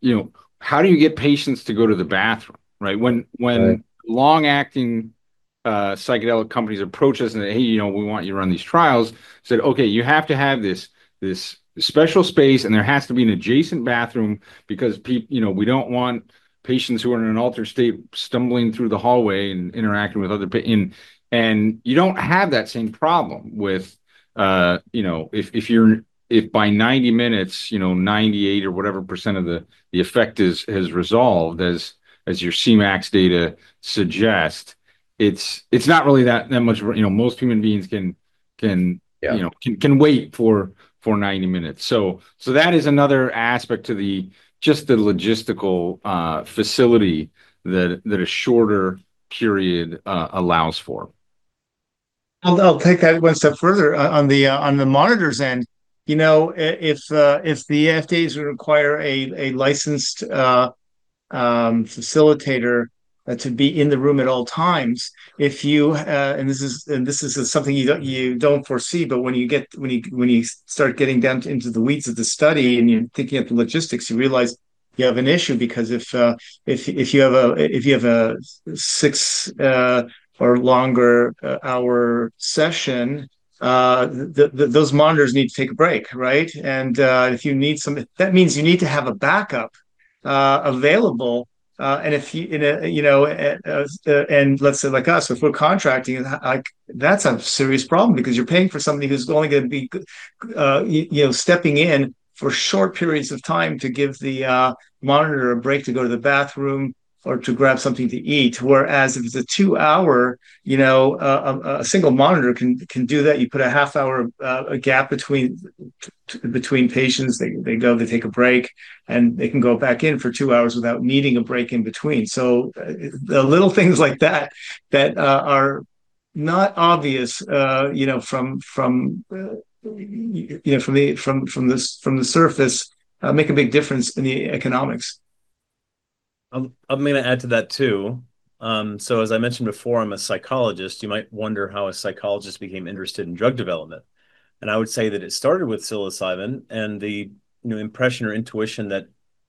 you know. How do you get patients to go to the bathroom, right? Right... long-acting psychedelic companies approach us and, "Hey, you know, we want you to run these trials." I said, "Okay, you have to have this special space, and there has to be an adjacent bathroom because you know, we don't want patients who are in an altered state stumbling through the hallway and interacting with other." You don't have that same problem with, you know. If by 90 minutes, you know, 98% or whatever of the effect has resolved, as your CMAX data suggest, it's not really that. You know, most human beings can Can- Yeah you know, can wait for 90 minutes. That is another aspect to the just the logistical facility that a shorter period allows for. I'll take that one step further. On the monitor's end, you know, if the FDA would require a licensed facilitator to be in the room at all times, if you, and this is, and this is something you don't, you don't foresee, but when you, when you start getting down into the weeds of the study, and you're thinking of the logistics, you realize you have an issue because if you have a 6 or longer hour session, the, those monitors need to take a break, right? If you need that means you need to have a backup available. If you know, and let's say like us, if we're contracting, like that's a serious problem because you're paying for somebody who's only gonna be you know, stepping in for short periods of time to give the monitor a break to go to the bathroom or to grab something to eat. Whereas if it's a 2-hour, single monitor can do that. You put a half-hour gap between patients. They go, they take a break, and they can go back in for 2 hours without needing a break in between. The little things like that are not obvious, you know, from the surface, make a big difference in the economics. I'm gonna add to that too. As I mentioned before, I'm a psychologist. You might wonder how a psychologist became interested in drug development. I would say that it started with psilocybin and the, you know, impression or intuition that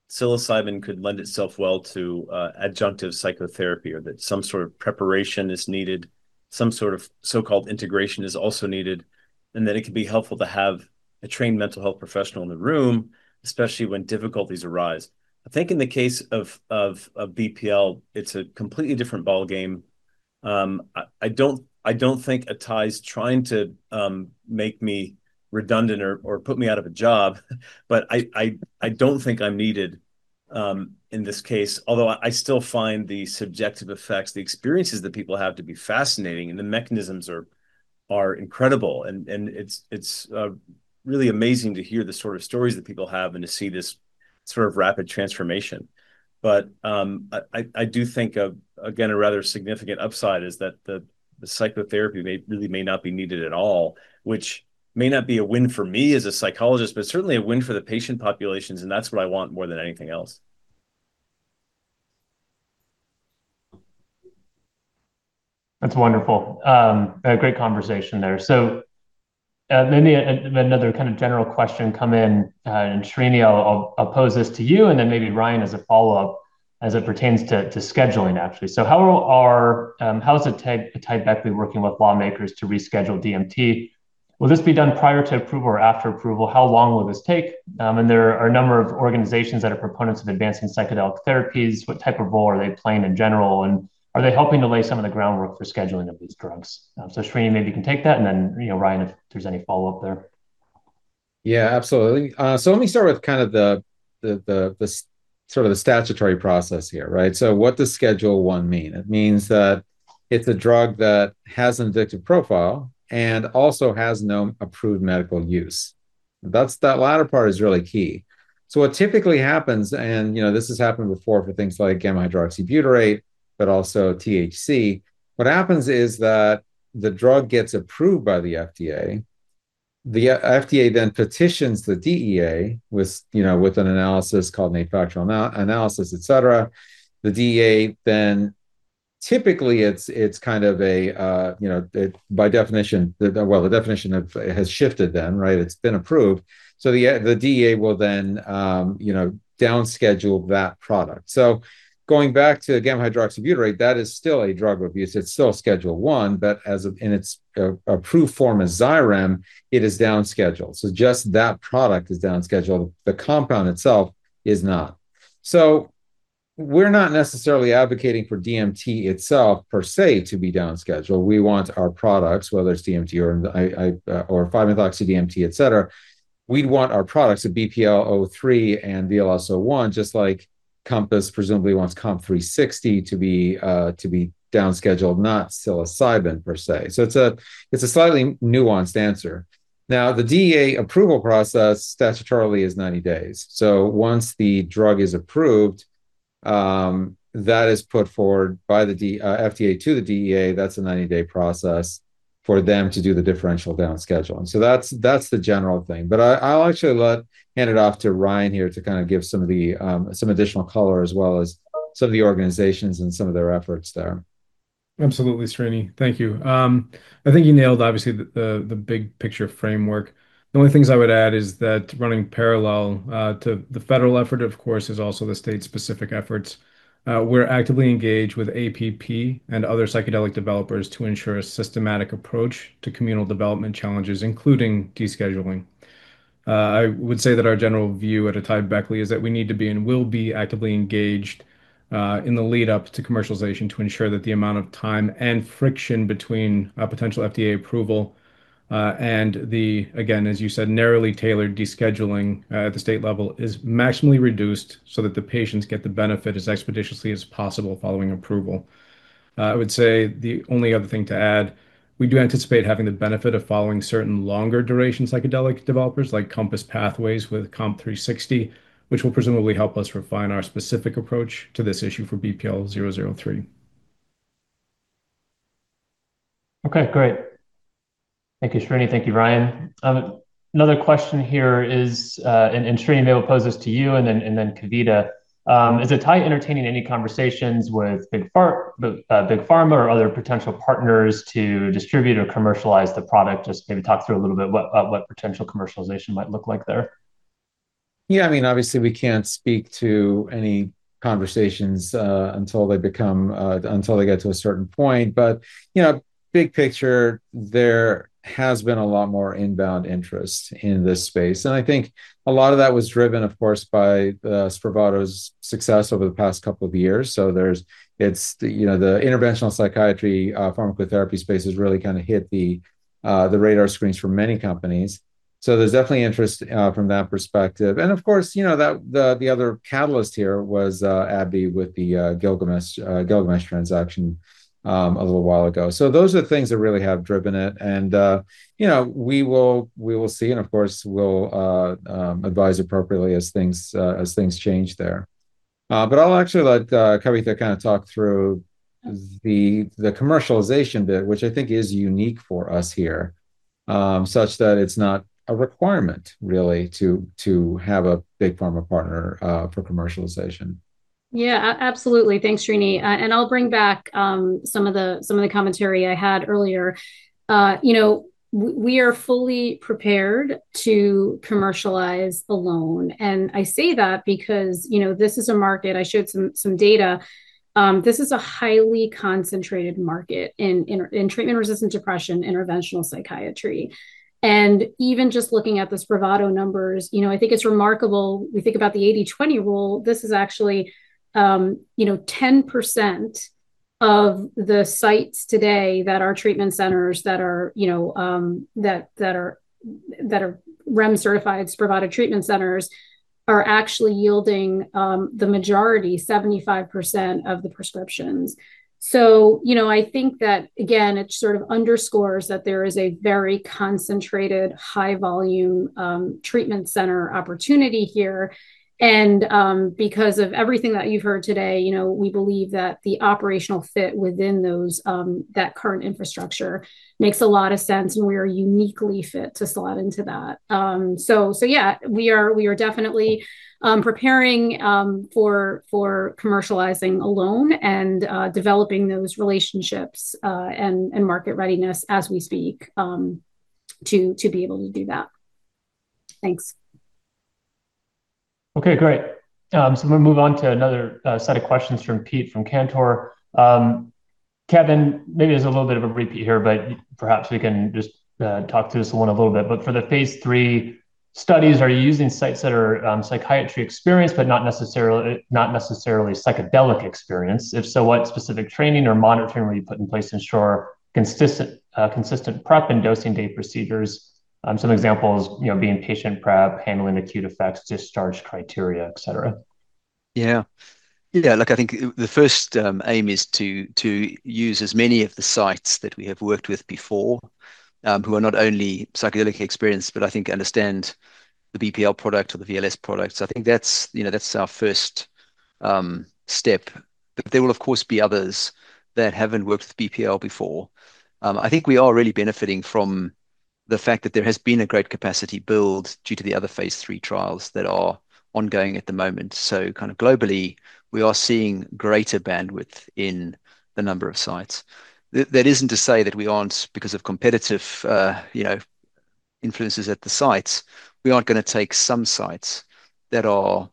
psilocybin could lend itself well to adjunctive psychotherapy or that some sort of preparation is needed, some sort of so-called integration is also needed, and that it could be helpful to have a trained mental health professional in the room, especially when difficulties arise. I think in the case of BPL, it's a completely different ballgame. I don't think Atai's trying to make me redundant or put me out of a job, but I don't think I'm needed in this case. Although I still find the subjective effects, the experiences that people have to be fascinating, and the mechanisms are incredible. It's really amazing to hear the sort of stories that people have and to see this sort of rapid transformation. I do think again, a rather significant upside is that the psychotherapy may really may not be needed at all, which may not be a win for me as a psychologist, but certainly a win for the patient populations. That's what I want more than anything else. That's wonderful. A great conversation there. Let me another kind of general question come in, and Srini, I'll pose this to you, then maybe Ryan as a follow-up as it pertains to scheduling actually. How are, how is AtaiBeckley working with lawmakers to reschedule DMT? Will this be done prior to approval or after approval? How long will this take? There are a number of organizations that are proponents of advancing psychedelic therapies. What type of role are they playing in general, and are they helping to lay some of the groundwork for scheduling of these drugs? Srini, maybe you can take that, then, you know, Ryan, if there's any follow-up there. Yeah, absolutely. Let me start with kind of the statutory process here, right? What does Schedule I mean? It means that it's a drug that has an addictive profile and also has no approved medical use. That latter part is really key. What typically happens, and you know, this has happened before for things like gamma-hydroxybutyrate, but also THC, what happens is that the drug gets approved by the FDA. The FDA then petitions the DEA with, you know, with an analysis called an factual analysis, etc. The DEA then typically it's kind of a, you know, it by definition, the definition of it has shifted then, right? It's been approved. The FDA, the DEA will then, you know, down schedule that product. Going back to Gamma-hydroxybutyrate, that is still a drug abuse. It's still Schedule I, but as of in its approved form as Xyrem, it is down scheduled. Just that product is down scheduled. The compound itself is not. We're not necessarily advocating for DMT itself per se to be down scheduled. We want our products, whether it's DMT or 5-methoxy-DMT, etc., we'd want our products at BPL-003 and VLS-01, just like Compass presumably wants COMP360 to be down scheduled, not psilocybin per se. It's a slightly nuanced answer. The DEA approval process statutorily is 90 days. Once the drug is approved, that is put forward by the FDA to the DEA. That's a 90-day process for them to do the differential down scheduling. That's, that's the general thing. I'll actually let hand it off to Ryan here to kind of give some of the, some additional color as well as some of the organizations and some of their efforts there. Absolutely, Srini. Thank you. I think you nailed obviously the, the big picture framework. The only things I would add is that running parallel to the federal effort, of course, is also the state-specific efforts. We're actively engaged with APP and other psychedelic developers to ensure a systematic approach to communal development challenges, including descheduling. I would say that our general view at AtaiBeckley is that we need to be and will be actively engaged in the lead up to commercialization to ensure that the amount of time and friction between a potential FDA approval and the, again, as you said, narrowly tailored descheduling at the state level is maximally reduced so that the patients get the benefit as expeditiously as possible following approval. I would say the only other thing to add, we do anticipate having the benefit of following certain longer duration psychedelic developers like Compass Pathways with COMP360, which will presumably help us refine our specific approach to this issue for BPL-003. Okay, great. Thank you, Srini. Thank you, Ryan. Another question here is, and Srini, maybe we'll pose this to you and then Kavita, is AtaiBeckley entertaining any conversations with big pharma or other potential partners to distribute or commercialize the product? Just maybe talk through a little bit what potential commercialization might look like there. Yeah, I mean, obviously we can't speak to any conversations until they become, until they get to a certain point. You know, big picture, there has been a lot more inbound interest in this space. I think a lot of that was driven, of course, by Spravato's success over the past couple of years. It's the, you know, the interventional psychiatry pharmacotherapy space has really kinda hit the radar screens for many companies. There's definitely interest from that perspective. Of course, you know, that the other catalyst here was AbbVie with the Gilgamesh transaction a little while ago. Those are things that really have driven it. You know, we will see and of course, we'll advise appropriately as things as things change there. I'll actually let Kavita kinda talk through the commercialization bit, which I think is unique for us here, such that it's not a requirement really to have a big pharma partner for commercialization. Yeah, absolutely. Thanks, Srini. I'll bring back some of the commentary I had earlier. You know, we are fully prepared to commercialize alone. I say that because, you know, this is a market, I showed some data, this is a highly concentrated market in treatment-resistant depression, interventional psychiatry. Even just looking at the Spravato numbers, you know, I think it's remarkable. We think about the 80/20 rule. This is actually, you know, 10% of the sites today that are treatment centers that are, you know, REMS certified Spravato treatment centers are actually yielding the majority, 75% of the prescriptions. You know, I think that again, it sort of underscores that there is a very concentrated high volume treatment center opportunity here. Because of everything that you've heard today, you know, we believe that the operational fit within those that current infrastructure makes a lot of sense, and we are uniquely fit to slot into that. So yeah, we are definitely preparing for commercializing alone and developing those relationships and market readiness as we speak to be able to do that. Thanks. Okay, great. I'm gonna move on to another set of questions from Pete from Cantor. Kevin, maybe this is a little bit of a repeat here, but perhaps we can just talk through this one a little bit. For the phase III studies, are you using sites that are psychiatry experienced but not necessarily psychedelic experienced? If so, what specific training or monitoring were you put in place to ensure consistent prep and dosing date procedures? Some examples, you know, being patient prep, handling acute effects, discharge criteria, etc. Yeah. Yeah. Look, I think the first aim is to use as many of the sites that we have worked with before, who are not only psychedelically experienced, but I think understand the BPL product or the VLS product. I think that's, you know, that's our first step. There will of course be others that haven't worked with BPL before. I think we are really benefiting from the fact that there has been a great capacity build due to the other phase III trials that are ongoing at the moment. Kind of globally, we are seeing greater bandwidth in the number of sites. That isn't to say that we aren't because of competitive, you know, influences at the sites. We aren't gonna take some sites that are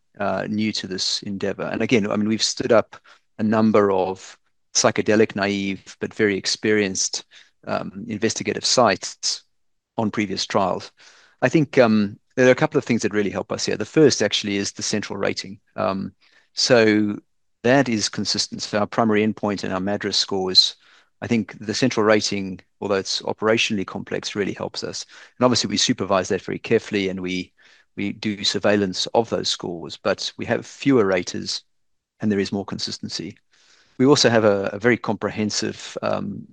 new to this endeavor. Again, I mean, we've stood up a number of psychedelic naive but very experienced investigative sites on previous trials. I think there are a couple of things that really help us here. The first actually is the central rating. That is consistent for our primary endpoint and our MADRS scores. I think the central rating, although it's operationally complex, really helps us. Obviously we supervise that very carefully, and we do surveillance of those scores, but we have fewer raters, and there is more consistency. We also have a very comprehensive,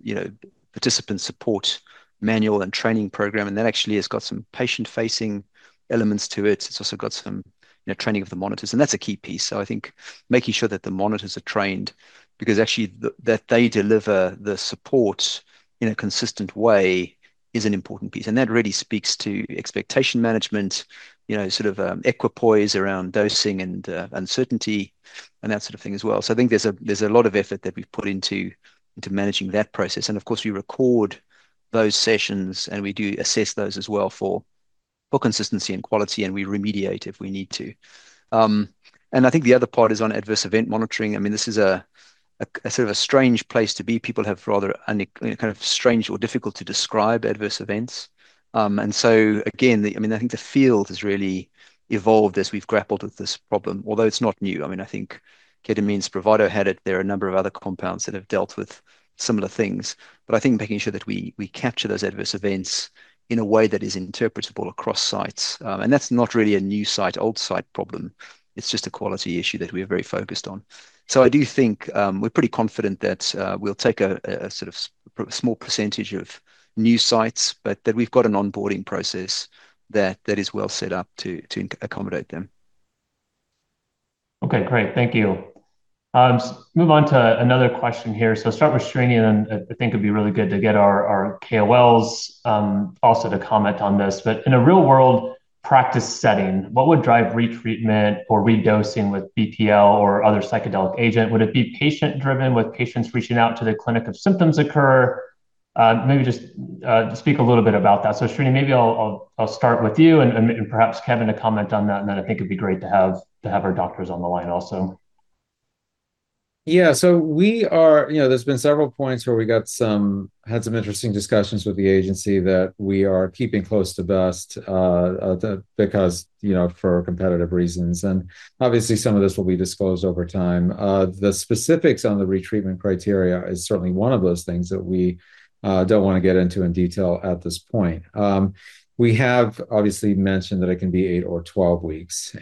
you know, participant support manual and training program, and that actually has got some patient-facing elements to it. It's also got some, you know, training of the monitors, and that's a key piece. I think making sure that the monitors are trained because actually that they deliver the support in a consistent way is an important piece. That really speaks to expectation management, you know, sort of, equipoise around dosing and uncertainty and that sort of thing as well. I think there's a, there's a lot of effort that we've put into managing that process. Of course, we record those sessions, and we do assess those as well for consistency and quality, and we remediate if we need to. I think the other part is on adverse event monitoring. I mean, this is a, a sort of a strange place to be. People have rather you know, kind of strange or difficult to describe adverse events. Again, the... I mean, I think the field has really evolved as we've grappled with this problem, although it's not new. I mean, I think Ketamine's provider had it. There are a number of other compounds that have dealt with similar things. I think making sure that we capture those adverse events in a way that is interpretable across sites. That's not really a new site, old site problem. It's just a quality issue that we are very focused on. I do think we're pretty confident that we'll take a sort of small percentage of new sites, but that we've got an onboarding process that is well set up to accommodate them. Okay, great. Thank you. Move on to another question here. Start with Srini, and I think it'd be really good to get our KOLs also to comment on this. In a real-world practice setting, what would drive retreatment or redosing with BPL or other psychedelic agent? Would it be patient driven with patients reaching out to the clinic if symptoms occur? Maybe just speak a little bit about that. Srini, maybe I'll start with you and perhaps Kevin to comment on that, then I think it'd be great to have our doctors on the line also. Yeah. We are, you know, there's been several points where we had some interesting discussions with the agency that we are keeping close to best because, you know, for competitive reasons. Obviously, some of this will be disclosed over time. The specifics on the retreatment criteria is certainly one of those things that we don't wanna get into in detail at this point. We have obviously mentioned that it can be 8 or 12 weeks.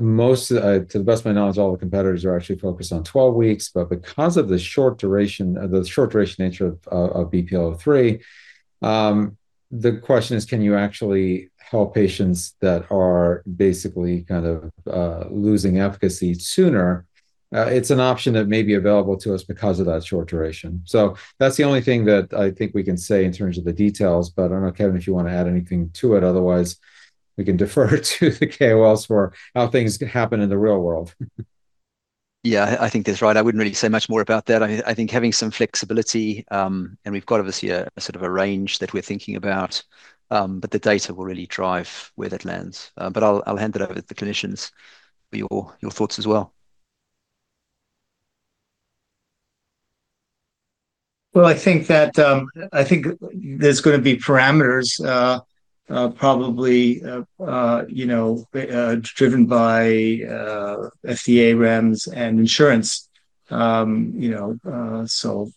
Most, to the best of my knowledge, all the competitors are actually focused on 12 weeks. Because of the short duration, the short duration nature of BPL-003, the question is can you actually help patients that are basically kind of losing efficacy sooner? It's an option that may be available to us because of that short duration. That's the only thing that I think we can say in terms of the details. I don't know, Kevin, if you wanna add anything to it. Otherwise, we can defer to the KOLs for how things can happen in the real world. Yeah, I think that's right. I wouldn't really say much more about that. I think having some flexibility, and we've got obviously a sort of a range that we're thinking about, but the data will really drive where that lands. I'll hand it over to the clinicians for your thoughts as well. Well, I think that, I think there's gonna be parameters, probably, you know, driven by FDA REMS and insurance. You know,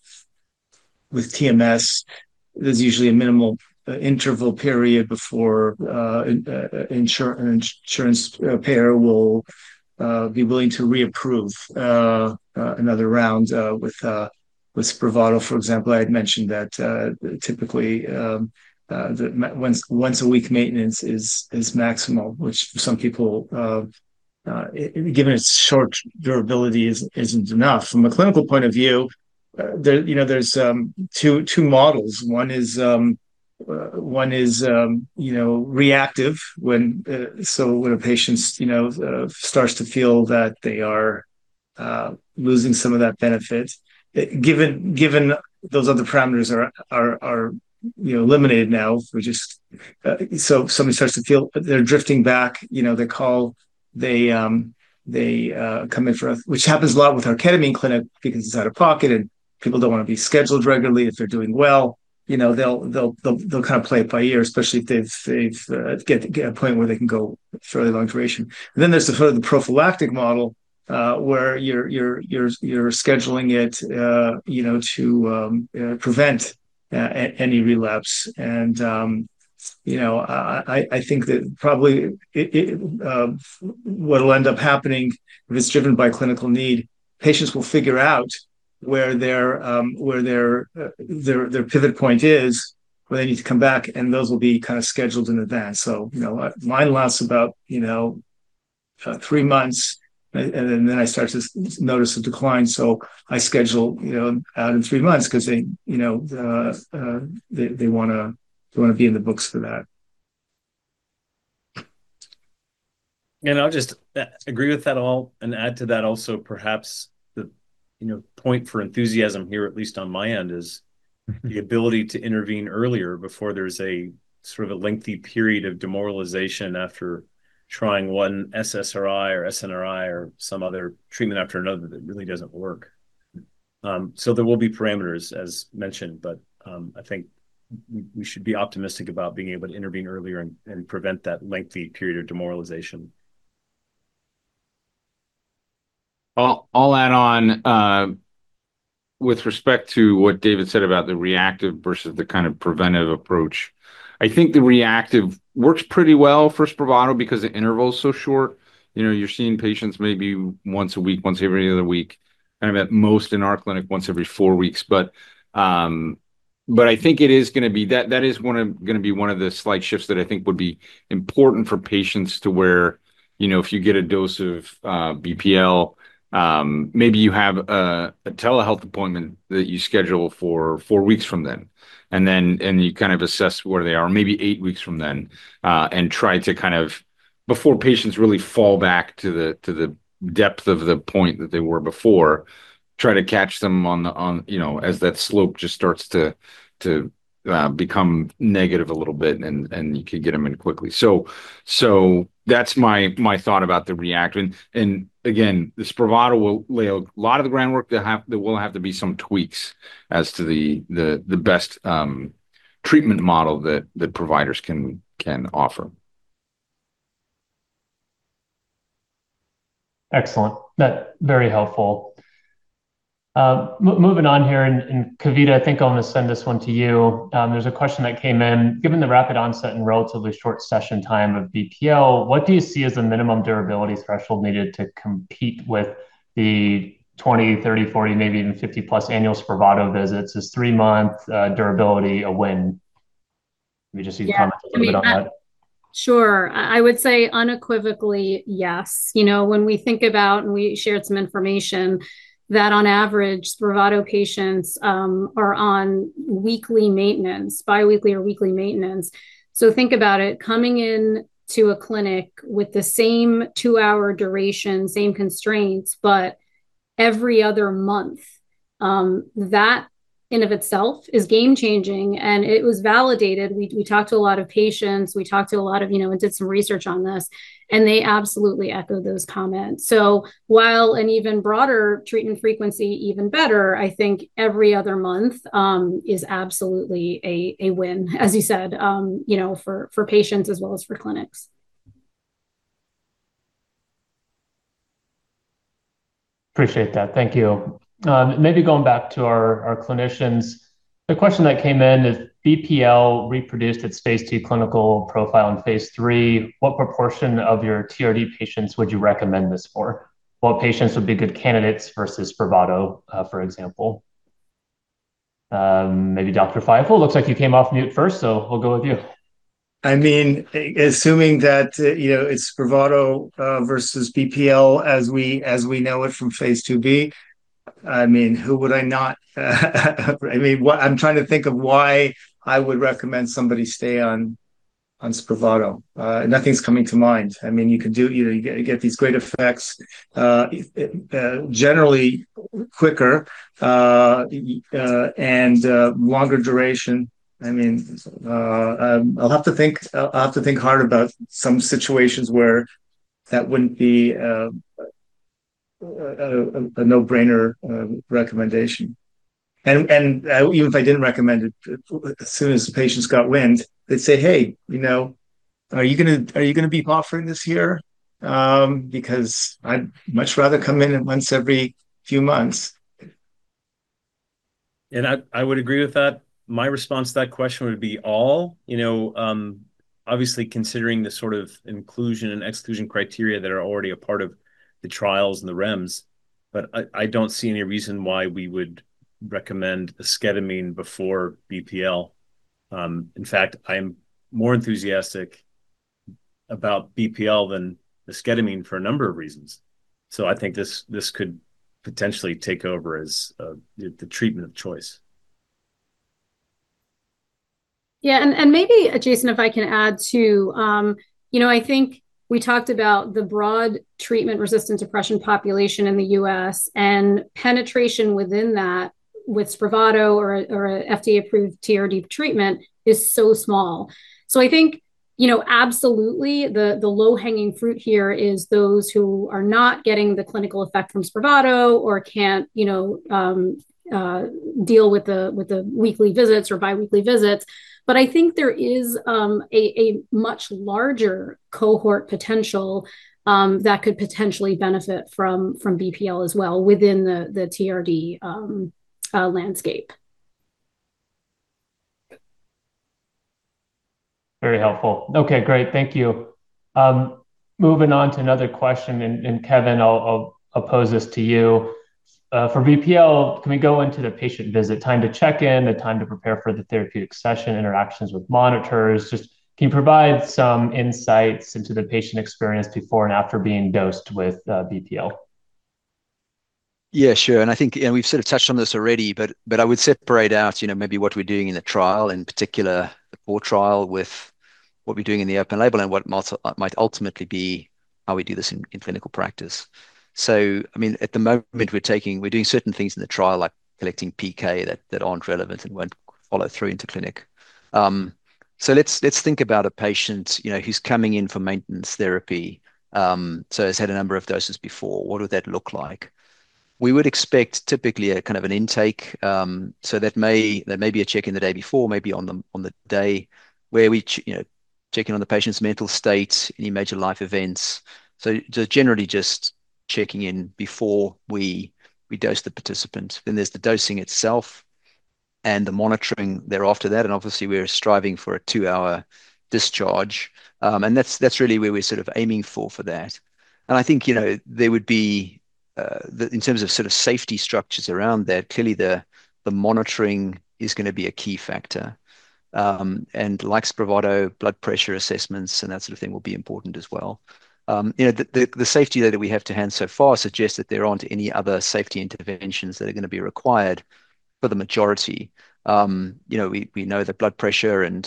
with TMS, there's usually a minimal interval period before an insurance payer will be willing to reapprove another round with Spravato, for example. I had mentioned that, typically, once a week maintenance is maximal, which for some people, given its short durability is, isn't enough. From a clinical point of view, there, you know, there's two models. One is, one is, you know, reactive when a patient's, you know, starts to feel that they are losing some of that benefit. Given those other parameters are, you know, eliminated now, which is. If somebody starts to feel they're drifting back, you know, they call. They come in for a. Which happens a lot with our Ketamine clinic because it's out of pocket and people don't wanna be scheduled regularly. If they're doing well, you know, they'll kind of play it by ear, especially if they've get a point where they can go fairly long duration. Then there's the further prophylactic model, where you're scheduling it, you know, to prevent any relapse. You know, I think that probably it, what'll end up happening, if it's driven by clinical need, patients will figure out where their, where their pivot point is, where they need to come back, and those will be kinda scheduled in advance. You know, mine lasts about, you know, three months, and then I start to notice a decline, so I schedule, you know, out in three months 'cause they, you know, they wanna be in the books for that. I'll just agree with that all and add to that also perhaps the, you know, point for enthusiasm here, at least on my end, is. Mm-hmm... the ability to intervene earlier before there's a sort of a lengthy period of demoralization after trying one SSRI or SNRI or some other treatment after another that really doesn't work. There will be parameters as mentioned, but, I think we should be optimistic about being able to intervene earlier and prevent that lengthy period of demoralization. I'll add on with respect to what David said about the reactive versus the kind of preventive approach. I think the reactive works pretty well for Spravato because the interval's so short. You know, you're seeing patients maybe once a week, once every other week, and at most in our clinic, once every four weeks. I think it is gonna be one of the slight shifts that I think would be important for patients to where, you know, if you get a dose of BPL, maybe you have a telehealth appointment that you schedule for four weeks from then. You kind of assess where they are maybe eight weeks from then, and try to kind of, before patients really fall back to the depth of the point that they were before, try to catch them on, you know, as that slope just starts to become negative a little bit and you can get them in quickly. That's my thought about the reactant. The Spravato will lay a lot of the groundwork. There will have to be some tweaks as to the best treatment model that providers can offer. Excellent. That very helpful. moving on here, and Kavita, I think I'm gonna send this one to you. There's a question that came in. Given the rapid onset and relatively short session time of BPL, what do you see as the minimum durability threshold needed to compete with the 20, 30, 40, maybe even 50-plus annual Spravato visits? Is 3-month durability a win? We just need to comment a little bit on that. Sure. I would say unequivocally yes. You know, when we think about, and we shared some information that on average, Spravato patients are on weekly maintenance, bi-weekly or weekly maintenance. Think about it, coming in to a clinic with the same 2-hour duration, same constraints, but every other month, that in of itself is game-changing, and it was validated. We talked to a lot of patients. We talked to a lot of, you know, and did some research on this, and they absolutely echo those comments. While an even broader treatment frequency even better, I think every other month is absolutely a win, as you said, you know, for patients as well as for clinics. Appreciate that. Thank you. maybe going back to our clinicians, a question that came in, if BPL reproduced its phase II clinical profile in phase III, what proportion of your TRD patients would you recommend this for? What patients would be good candidates versus Spravato, for example? maybe Dr. Feifel. Looks like you came off mute first, so we'll go with you. I mean, assuming that, you know, it's Spravato versus BPL as we know it from phase IIb, I mean, who would I not? I mean, what I'm trying to think of why I would recommend somebody stay on Spravato. Nothing's coming to mind. I mean, you could do, you know, you get these great effects, generally quicker, and longer duration. I mean, I'll have to think, I'll have to think hard about some situations where that wouldn't be a no-brainer recommendation. Even if I didn't recommend it, as soon as the patients got wind, they'd say, "Hey, you know, are you gonna be offering this here? Because I'd much rather come in once every few months. I would agree with that. My response to that question would be all, you know, obviously considering the sort of inclusion and exclusion criteria that are already a part of the trials and the REMS. I don't see any reason why we would recommend Esketamine before BPL. In fact, I'm more enthusiastic about BPL than Esketamine for a number of reasons. I think this could potentially take over as the treatment of choice. Yeah. Maybe, Jason, if I can add too. You know, I think we talked about the broad treatment-resistant depression population in the U.S., and penetration within that with Spravato or a FDA-approved TRD treatment is so small. I think, you know, absolutely, the low-hanging fruit here is those who are not getting the clinical effect from Spravato or can't, you know, deal with the weekly visits or bi-weekly visits. I think there is a much larger cohort potential that could potentially benefit from BPL as well within the TRD landscape. Very helpful. Okay, great. Thank you. Moving on to another question, and Kevin, I'll pose this to you. For BPL, can we go into the patient visit time to check in, the time to prepare for the therapeutic session, interactions with monitors? Just can you provide some insights into the patient experience before and after being dosed with BPL? Yeah, sure. I think, we've sort of touched on this already, but I would separate out, you know, maybe what we're doing in the trial, in particular the core trial, with what we're doing in the open label and what might ultimately be how we do this in clinical practice. I mean, at the moment we're taking, we're doing certain things in the trial, like collecting PK that aren't relevant and won't follow through into clinic. Let's think about a patient, you know, who's coming in for maintenance therapy, so has had a number of doses before. What would that look like? We would expect typically a kind of an intake, so that may, that may be a check-in the day before, maybe on the, on the day where we check in on the patient's mental state, any major life events. Generally just checking in before we dose the participant. There's the dosing itself and the monitoring thereafter that. Obviously we're striving for a two-hour discharge. That's, that's really where we're sort of aiming for for that. I think, you know, there would be in terms of sort of safety structures around that, clearly the monitoring is gonna be a key factor. Like Spravato, blood pressure assessments and that sort of thing will be important as well. You know, the safety data that we have to hand so far suggests that there aren't any other safety interventions that are gonna be required for the majority. You know, we know that blood pressure and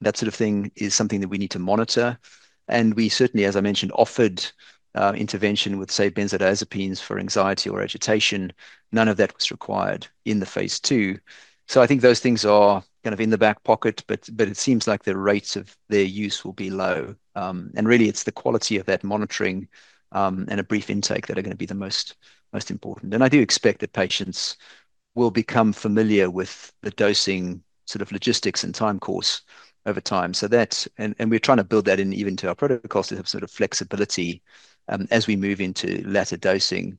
that sort of thing is something that we need to monitor. We certainly, as I mentioned, offered intervention with, say, benzodiazepines for anxiety or agitation. None of that was required in the phase II. I think those things are kind of in the back pocket, but it seems like the rates of their use will be low. And really it's the quality of that monitoring and a brief intake that are gonna be the most important. And I do expect that patients will become familiar with the dosing sort of logistics and time course over time. That's... We're trying to build that in even to our protocols to have sort of flexibility, as we move into latter dosing,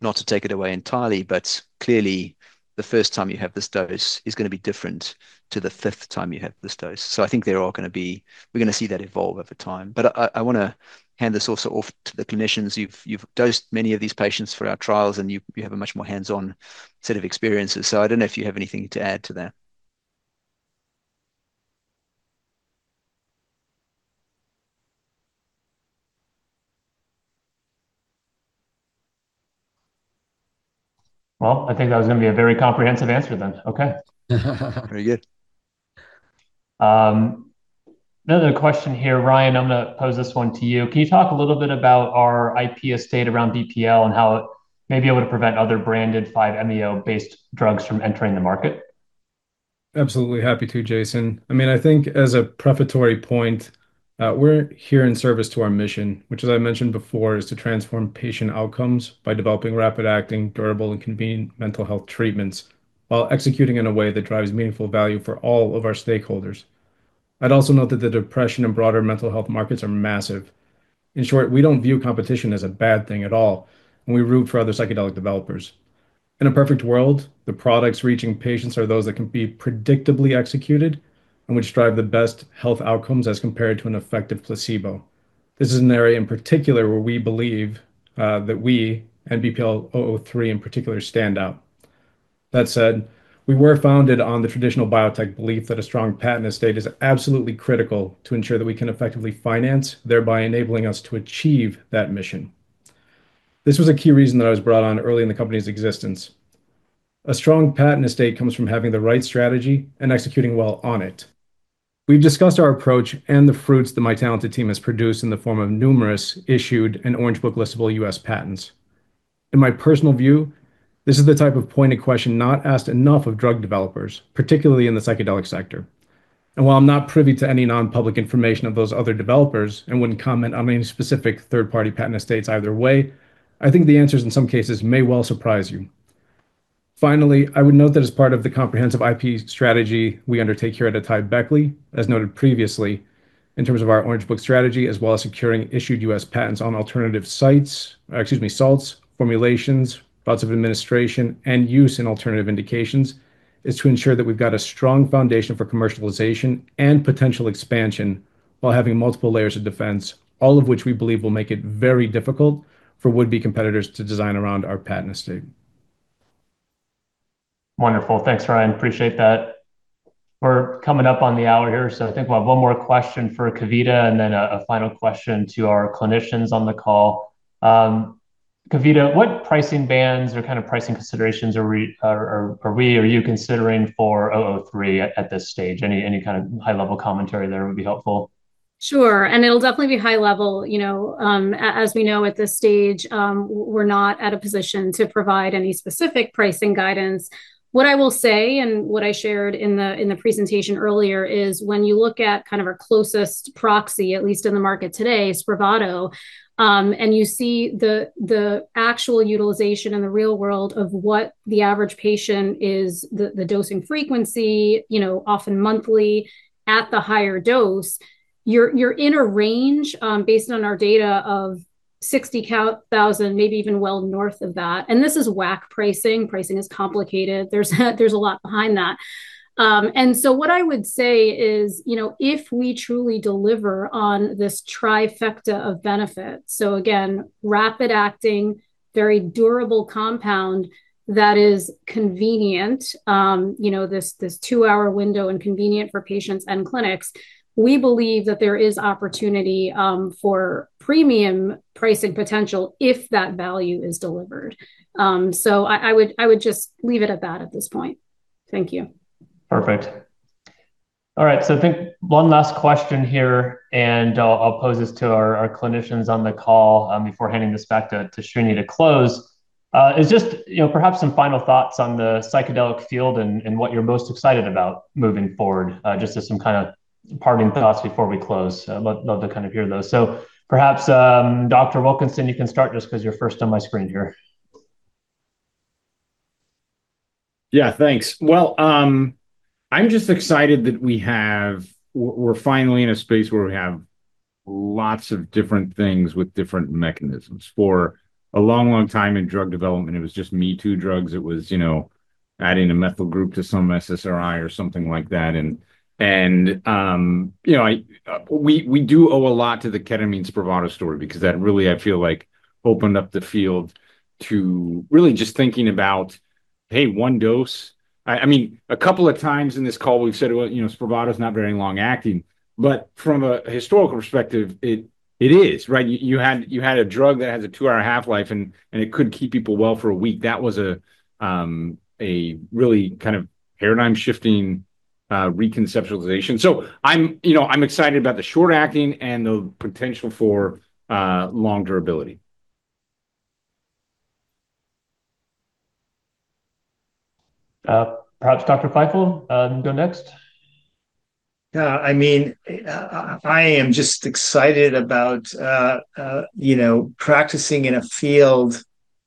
not to take it away entirely, but clearly the first time you have this dose is gonna be different to the fifth time you have this dose. I think there are gonna be... we're gonna see that evolve over time. I wanna hand this also off to the clinicians. You've dosed many of these patients for our trials, and you have a much more hands-on set of experiences. I don't know if you have anything to add to that. Well, I think that was gonna be a very comprehensive answer then. Okay. Very good. Another question here, Ryan, I'm gonna pose this one to you. Can you talk a little bit about our IP estate around BPL and how maybe it would prevent other branded 5-MeO-based drugs from entering the market? Absolutely. Happy to, Jason. I mean, I think as a prefatory point, we're here in service to our mission, which as I mentioned before, is to transform patient outcomes by developing rapid acting, durable, and convenient mental health treatments while executing in a way that drives meaningful value for all of our stakeholders. I'd also note that the depression and broader mental health markets are massive. In short, we don't view competition as a bad thing at all, and we root for other psychedelic developers. In a perfect world, the products reaching patients are those that can be predictably executed and which drive the best health outcomes as compared to an effective placebo. This is an area in particular where we believe that we and BPL-003 in particular stand out. That said, we were founded on the traditional biotech belief that a strong patent estate is absolutely critical to ensure that we can effectively finance, thereby enabling us to achieve that mission. This was a key reason that I was brought on early in the company's existence. A strong patent estate comes from having the right strategy and executing well on it. We've discussed our approach and the fruits that my talented team has produced in the form of numerous issued and Orange Book listable U.S. patents. In my personal view, this is the type of pointed question not asked enough of drug developers, particularly in the psychedelic sector. While I'm not privy to any non-public information of those other developers and wouldn't comment on any specific third-party patent estates either way, I think the answers in some cases may well surprise you. I would note that as part of the comprehensive IP strategy we undertake here at AtaiBeckley, as noted previously, in terms of our Orange Book strategy, as well as securing issued U.S. patents on alternative salts, formulations, routes of administration, and use in alternative indications, is to ensure that we've got a strong foundation for commercialization and potential expansion while having multiple layers of defense, all of which we believe will make it very difficult for would-be competitors to design around our patent estate. Wonderful. Thanks, Ryan. Appreciate that. We're coming up on the hour here. I think we'll have one more question for Kavita and then a final question to our clinicians on the call. Kavita, what pricing bands or kind of pricing considerations are we or are you considering for 003 at this stage? Any kind of high-level commentary there would be helpful. Sure. It'll definitely be high level. You know, as we know at this stage, we're not at a position to provide any specific pricing guidance. What I will say, and what I shared in the presentation earlier, is when you look at kind of our closest proxy, at least in the market today, Spravato, and you see the actual utilization in the real world of what the average patient is, the dosing frequency, you know, often monthly at the higher dose, you're in a range, based on our data of $60,000, maybe even well north of that. This is WAC pricing. Pricing is complicated. There's a lot behind that. What I would say is, you know, if we truly deliver on this trifecta of benefit, so again, rapid acting, very durable compound that is convenient, you know, this 2-hour window and convenient for patients and clinics, we believe that there is opportunity, for premium pricing potential if that value is delivered. So I would just leave it at that at this point. Thank you. Perfect. All right. I think one last question here, and I'll pose this to our clinicians on the call, before handing this back to Srini to close. Is just, you know, perhaps some final thoughts on the psychedelic field and what you're most excited about moving forward. Just as some kind of parting thoughts before we close. I'd love to kind of hear those. Perhaps, Dr. Wilkinson, you can start just 'cause you're first on my screen here. Yeah. Thanks. Well, I'm just excited that we're finally in a space where we have lots of different things with different mechanisms. For a long, long time in drug development, it was just me too drugs. It was, you know, adding a methyl group to some SSRI or something like that. We do owe a lot to the Ketamine Spravato story because that really, I feel like opened up the field to really just thinking about, hey, one dose. I mean, a couple of times in this call we've said, well, you know, Spravato is not very long acting, but from a historical perspective, it is, right? You had a drug that has a two-hour half-life and it could keep people well for a week. That was a really kind of paradigm shifting reconceptualization. I'm, you know, I'm excited about the short acting and the potential for long durability. Perhaps Dr. Feifel, go next. Yeah. I mean, I am just excited about, you know, practicing in a field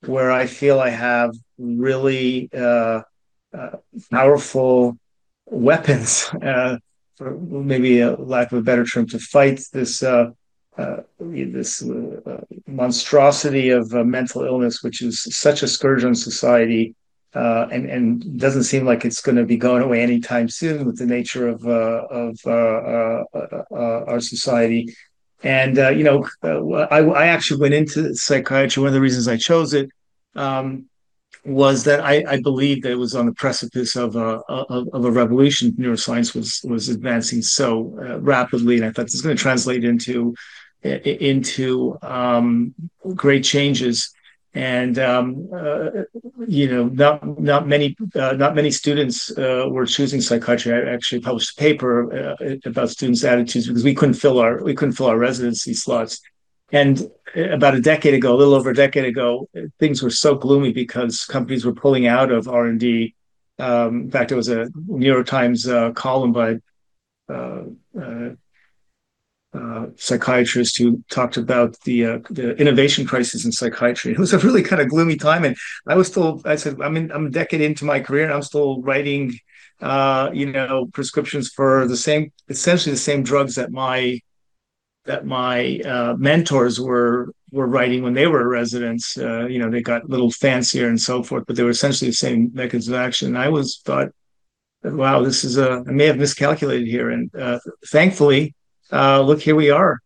where I feel I have really powerful weapons, for maybe a lack of a better term, to fight this monstrosity of a mental illness, which is such a scourge on society, and doesn't seem like it's gonna be going away anytime soon with the nature of our society. You know, I actually went into psychiatry. One of the reasons I chose it, Was that I believe that it was on the precipice of a revolution. Neuroscience was advancing so rapidly, and I thought this is going to translate into great changes. You know, not many students were choosing psychiatry. I actually published a paper about students' attitudes because we couldn't fill our residency slots. About a decade ago, a little over a decade ago, things were so gloomy because companies were pulling out of R&D. In fact, there was a New York Times column by a psychiatrist who talked about the innovation crisis in psychiatry. It was a really kind of gloomy time. I said, "I'm a decade into my career, and I'm still writing, you know, prescriptions for the same essentially the same drugs that my mentors were writing when they were residents." You know, they got a little fancier and so forth, but they were essentially the same mechanisms of action. I thought that, "Wow, this is I may have miscalculated here." Thankfully, look, here we are.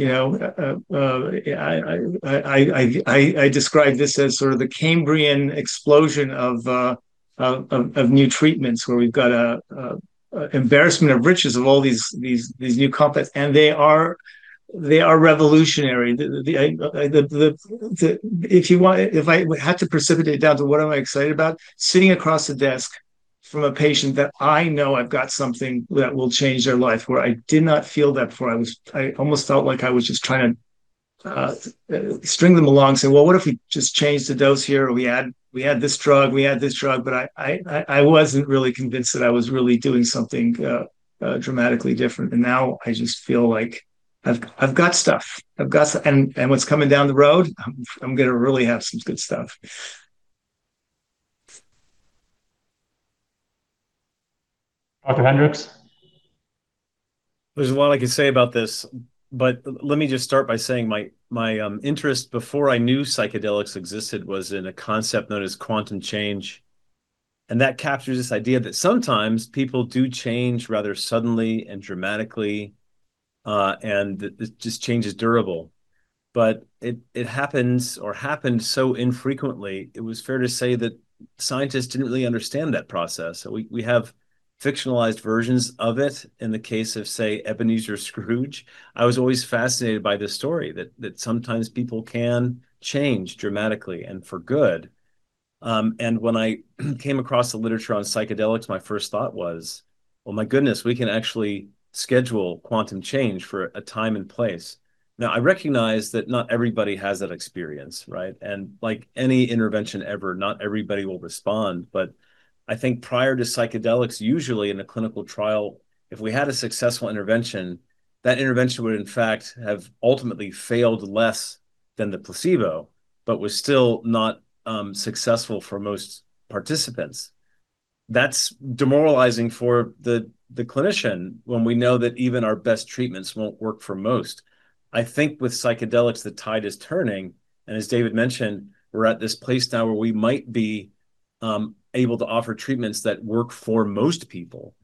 You know, I describe this as sort of the Cambrian explosion of new treatments where we've got a embarrassment of riches of all these new compounds. They are revolutionary. The If I had to precipitate down to what am I excited about, sitting across the desk from a patient that I know I've got something that will change their life where I did not feel that before. I almost felt like I was just trying to string them along, say, "Well, what if we just change the dose here? Or we add this drug, we add this drug." I wasn't really convinced that I was really doing something dramatically different. Now I just feel like I've got stuff. What's coming down the road, I'm gonna really have some good stuff. Dr. Hendricks. There's a lot I can say about this, but let me just start by saying my interest before I knew psychedelics existed was in a concept known as quantum change. That captures this idea that sometimes people do change rather suddenly and dramatically, and this change is durable. It happens or happened so infrequently, it was fair to say that scientists didn't really understand that process. We have fictionalized versions of it in the case of, say, Ebenezer Scrooge. I was always fascinated by this story that sometimes people can change dramatically and for good. When I came across the literature on psychedelics, my first thought was, "Oh my goodness, we can actually schedule quantum change for a time and place." Now, I recognize that not everybody has that experience, right? Like any intervention ever, not everybody will respond. I think prior to psychedelics, usually in a clinical trial, if we had a successful intervention, that intervention would in fact have ultimately failed less than the placebo, but was still not successful for most participants. That's demoralizing for the clinician when we know that even our best treatments won't work for most. I think with psychedelics, the tide is turning, and as David mentioned, we're at this place now where we might be able to offer treatments that work for most people.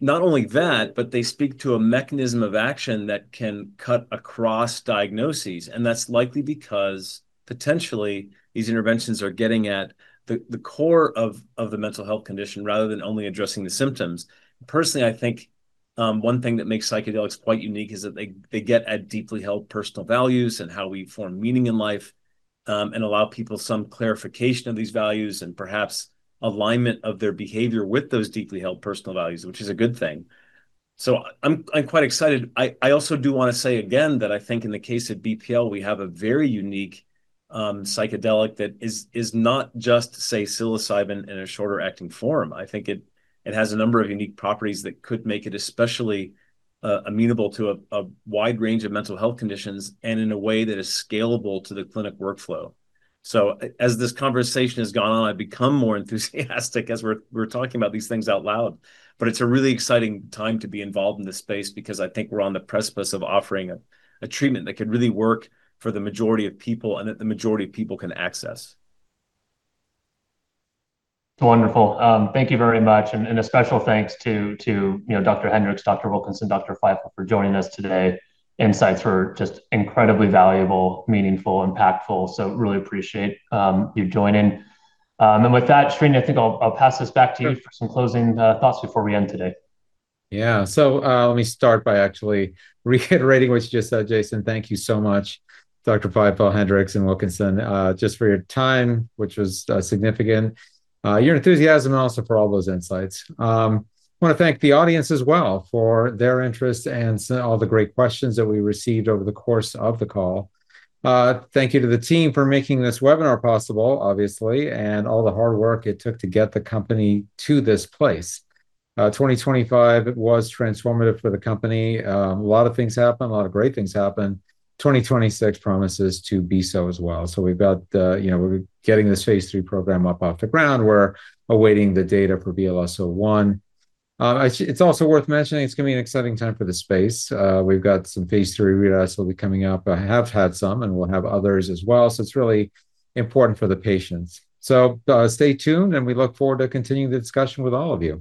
Not only that, but they speak to a mechanism of action that can cut across diagnoses, and that's likely because potentially these interventions are getting at the core of the mental health condition rather than only addressing the symptoms. Personally, I think one thing that makes psychedelics quite unique is that they get at deeply held personal values and how we form meaning in life, and allow people some clarification of these values and perhaps alignment of their behavior with those deeply held personal values, which is a good thing. I'm quite excited. I also do want to say again that I think in the case of BPL, we have a very unique psychedelic that is not just, say, psilocybin in a shorter acting form. I think it has a number of unique properties that could make it especially amenable to a wide range of mental health conditions and in a way that is scalable to the clinic workflow. As this conversation has gone on, I've become more enthusiastic as we're talking about these things out loud. It's a really exciting time to be involved in this space because I think we're on the precipice of offering a treatment that could really work for the majority of people and that the majority of people can access. Wonderful. Thank you very much. A special thanks to, you know, Dr. Hendricks, Dr. Wilkinson, Dr. Feifel for joining us today. Insights were just incredibly valuable, meaningful, impactful. Really appreciate you joining. With that, Srini, I think I'll pass this back to you for some closing thoughts before we end today. Yeah. Let me start by actually reiterating what you just said, Jason. Thank you so much, Dr. Feifel, Hendricks, and Wilkinson, just for your time, which was significant, your enthusiasm, and also for all those insights. I wanna thank the audience as well for their interest and all the great questions that we received over the course of the call. Thank you to the team for making this webinar possible, obviously, and all the hard work it took to get the company to this place. 2025 was transformative for the company. A lot of things happened. A lot of great things happened. 2026 promises to be so as well. We've got, you know, we're getting this phase III program up off the ground. We're awaiting the data for BLS-01. It's also worth mentioning it's gonna be an exciting time for the space. We've got some phase III readouts will be coming up. I have had some, and we'll have others as well, so it's really important for the patients. Stay tuned, and we look forward to continuing the discussion with all of you.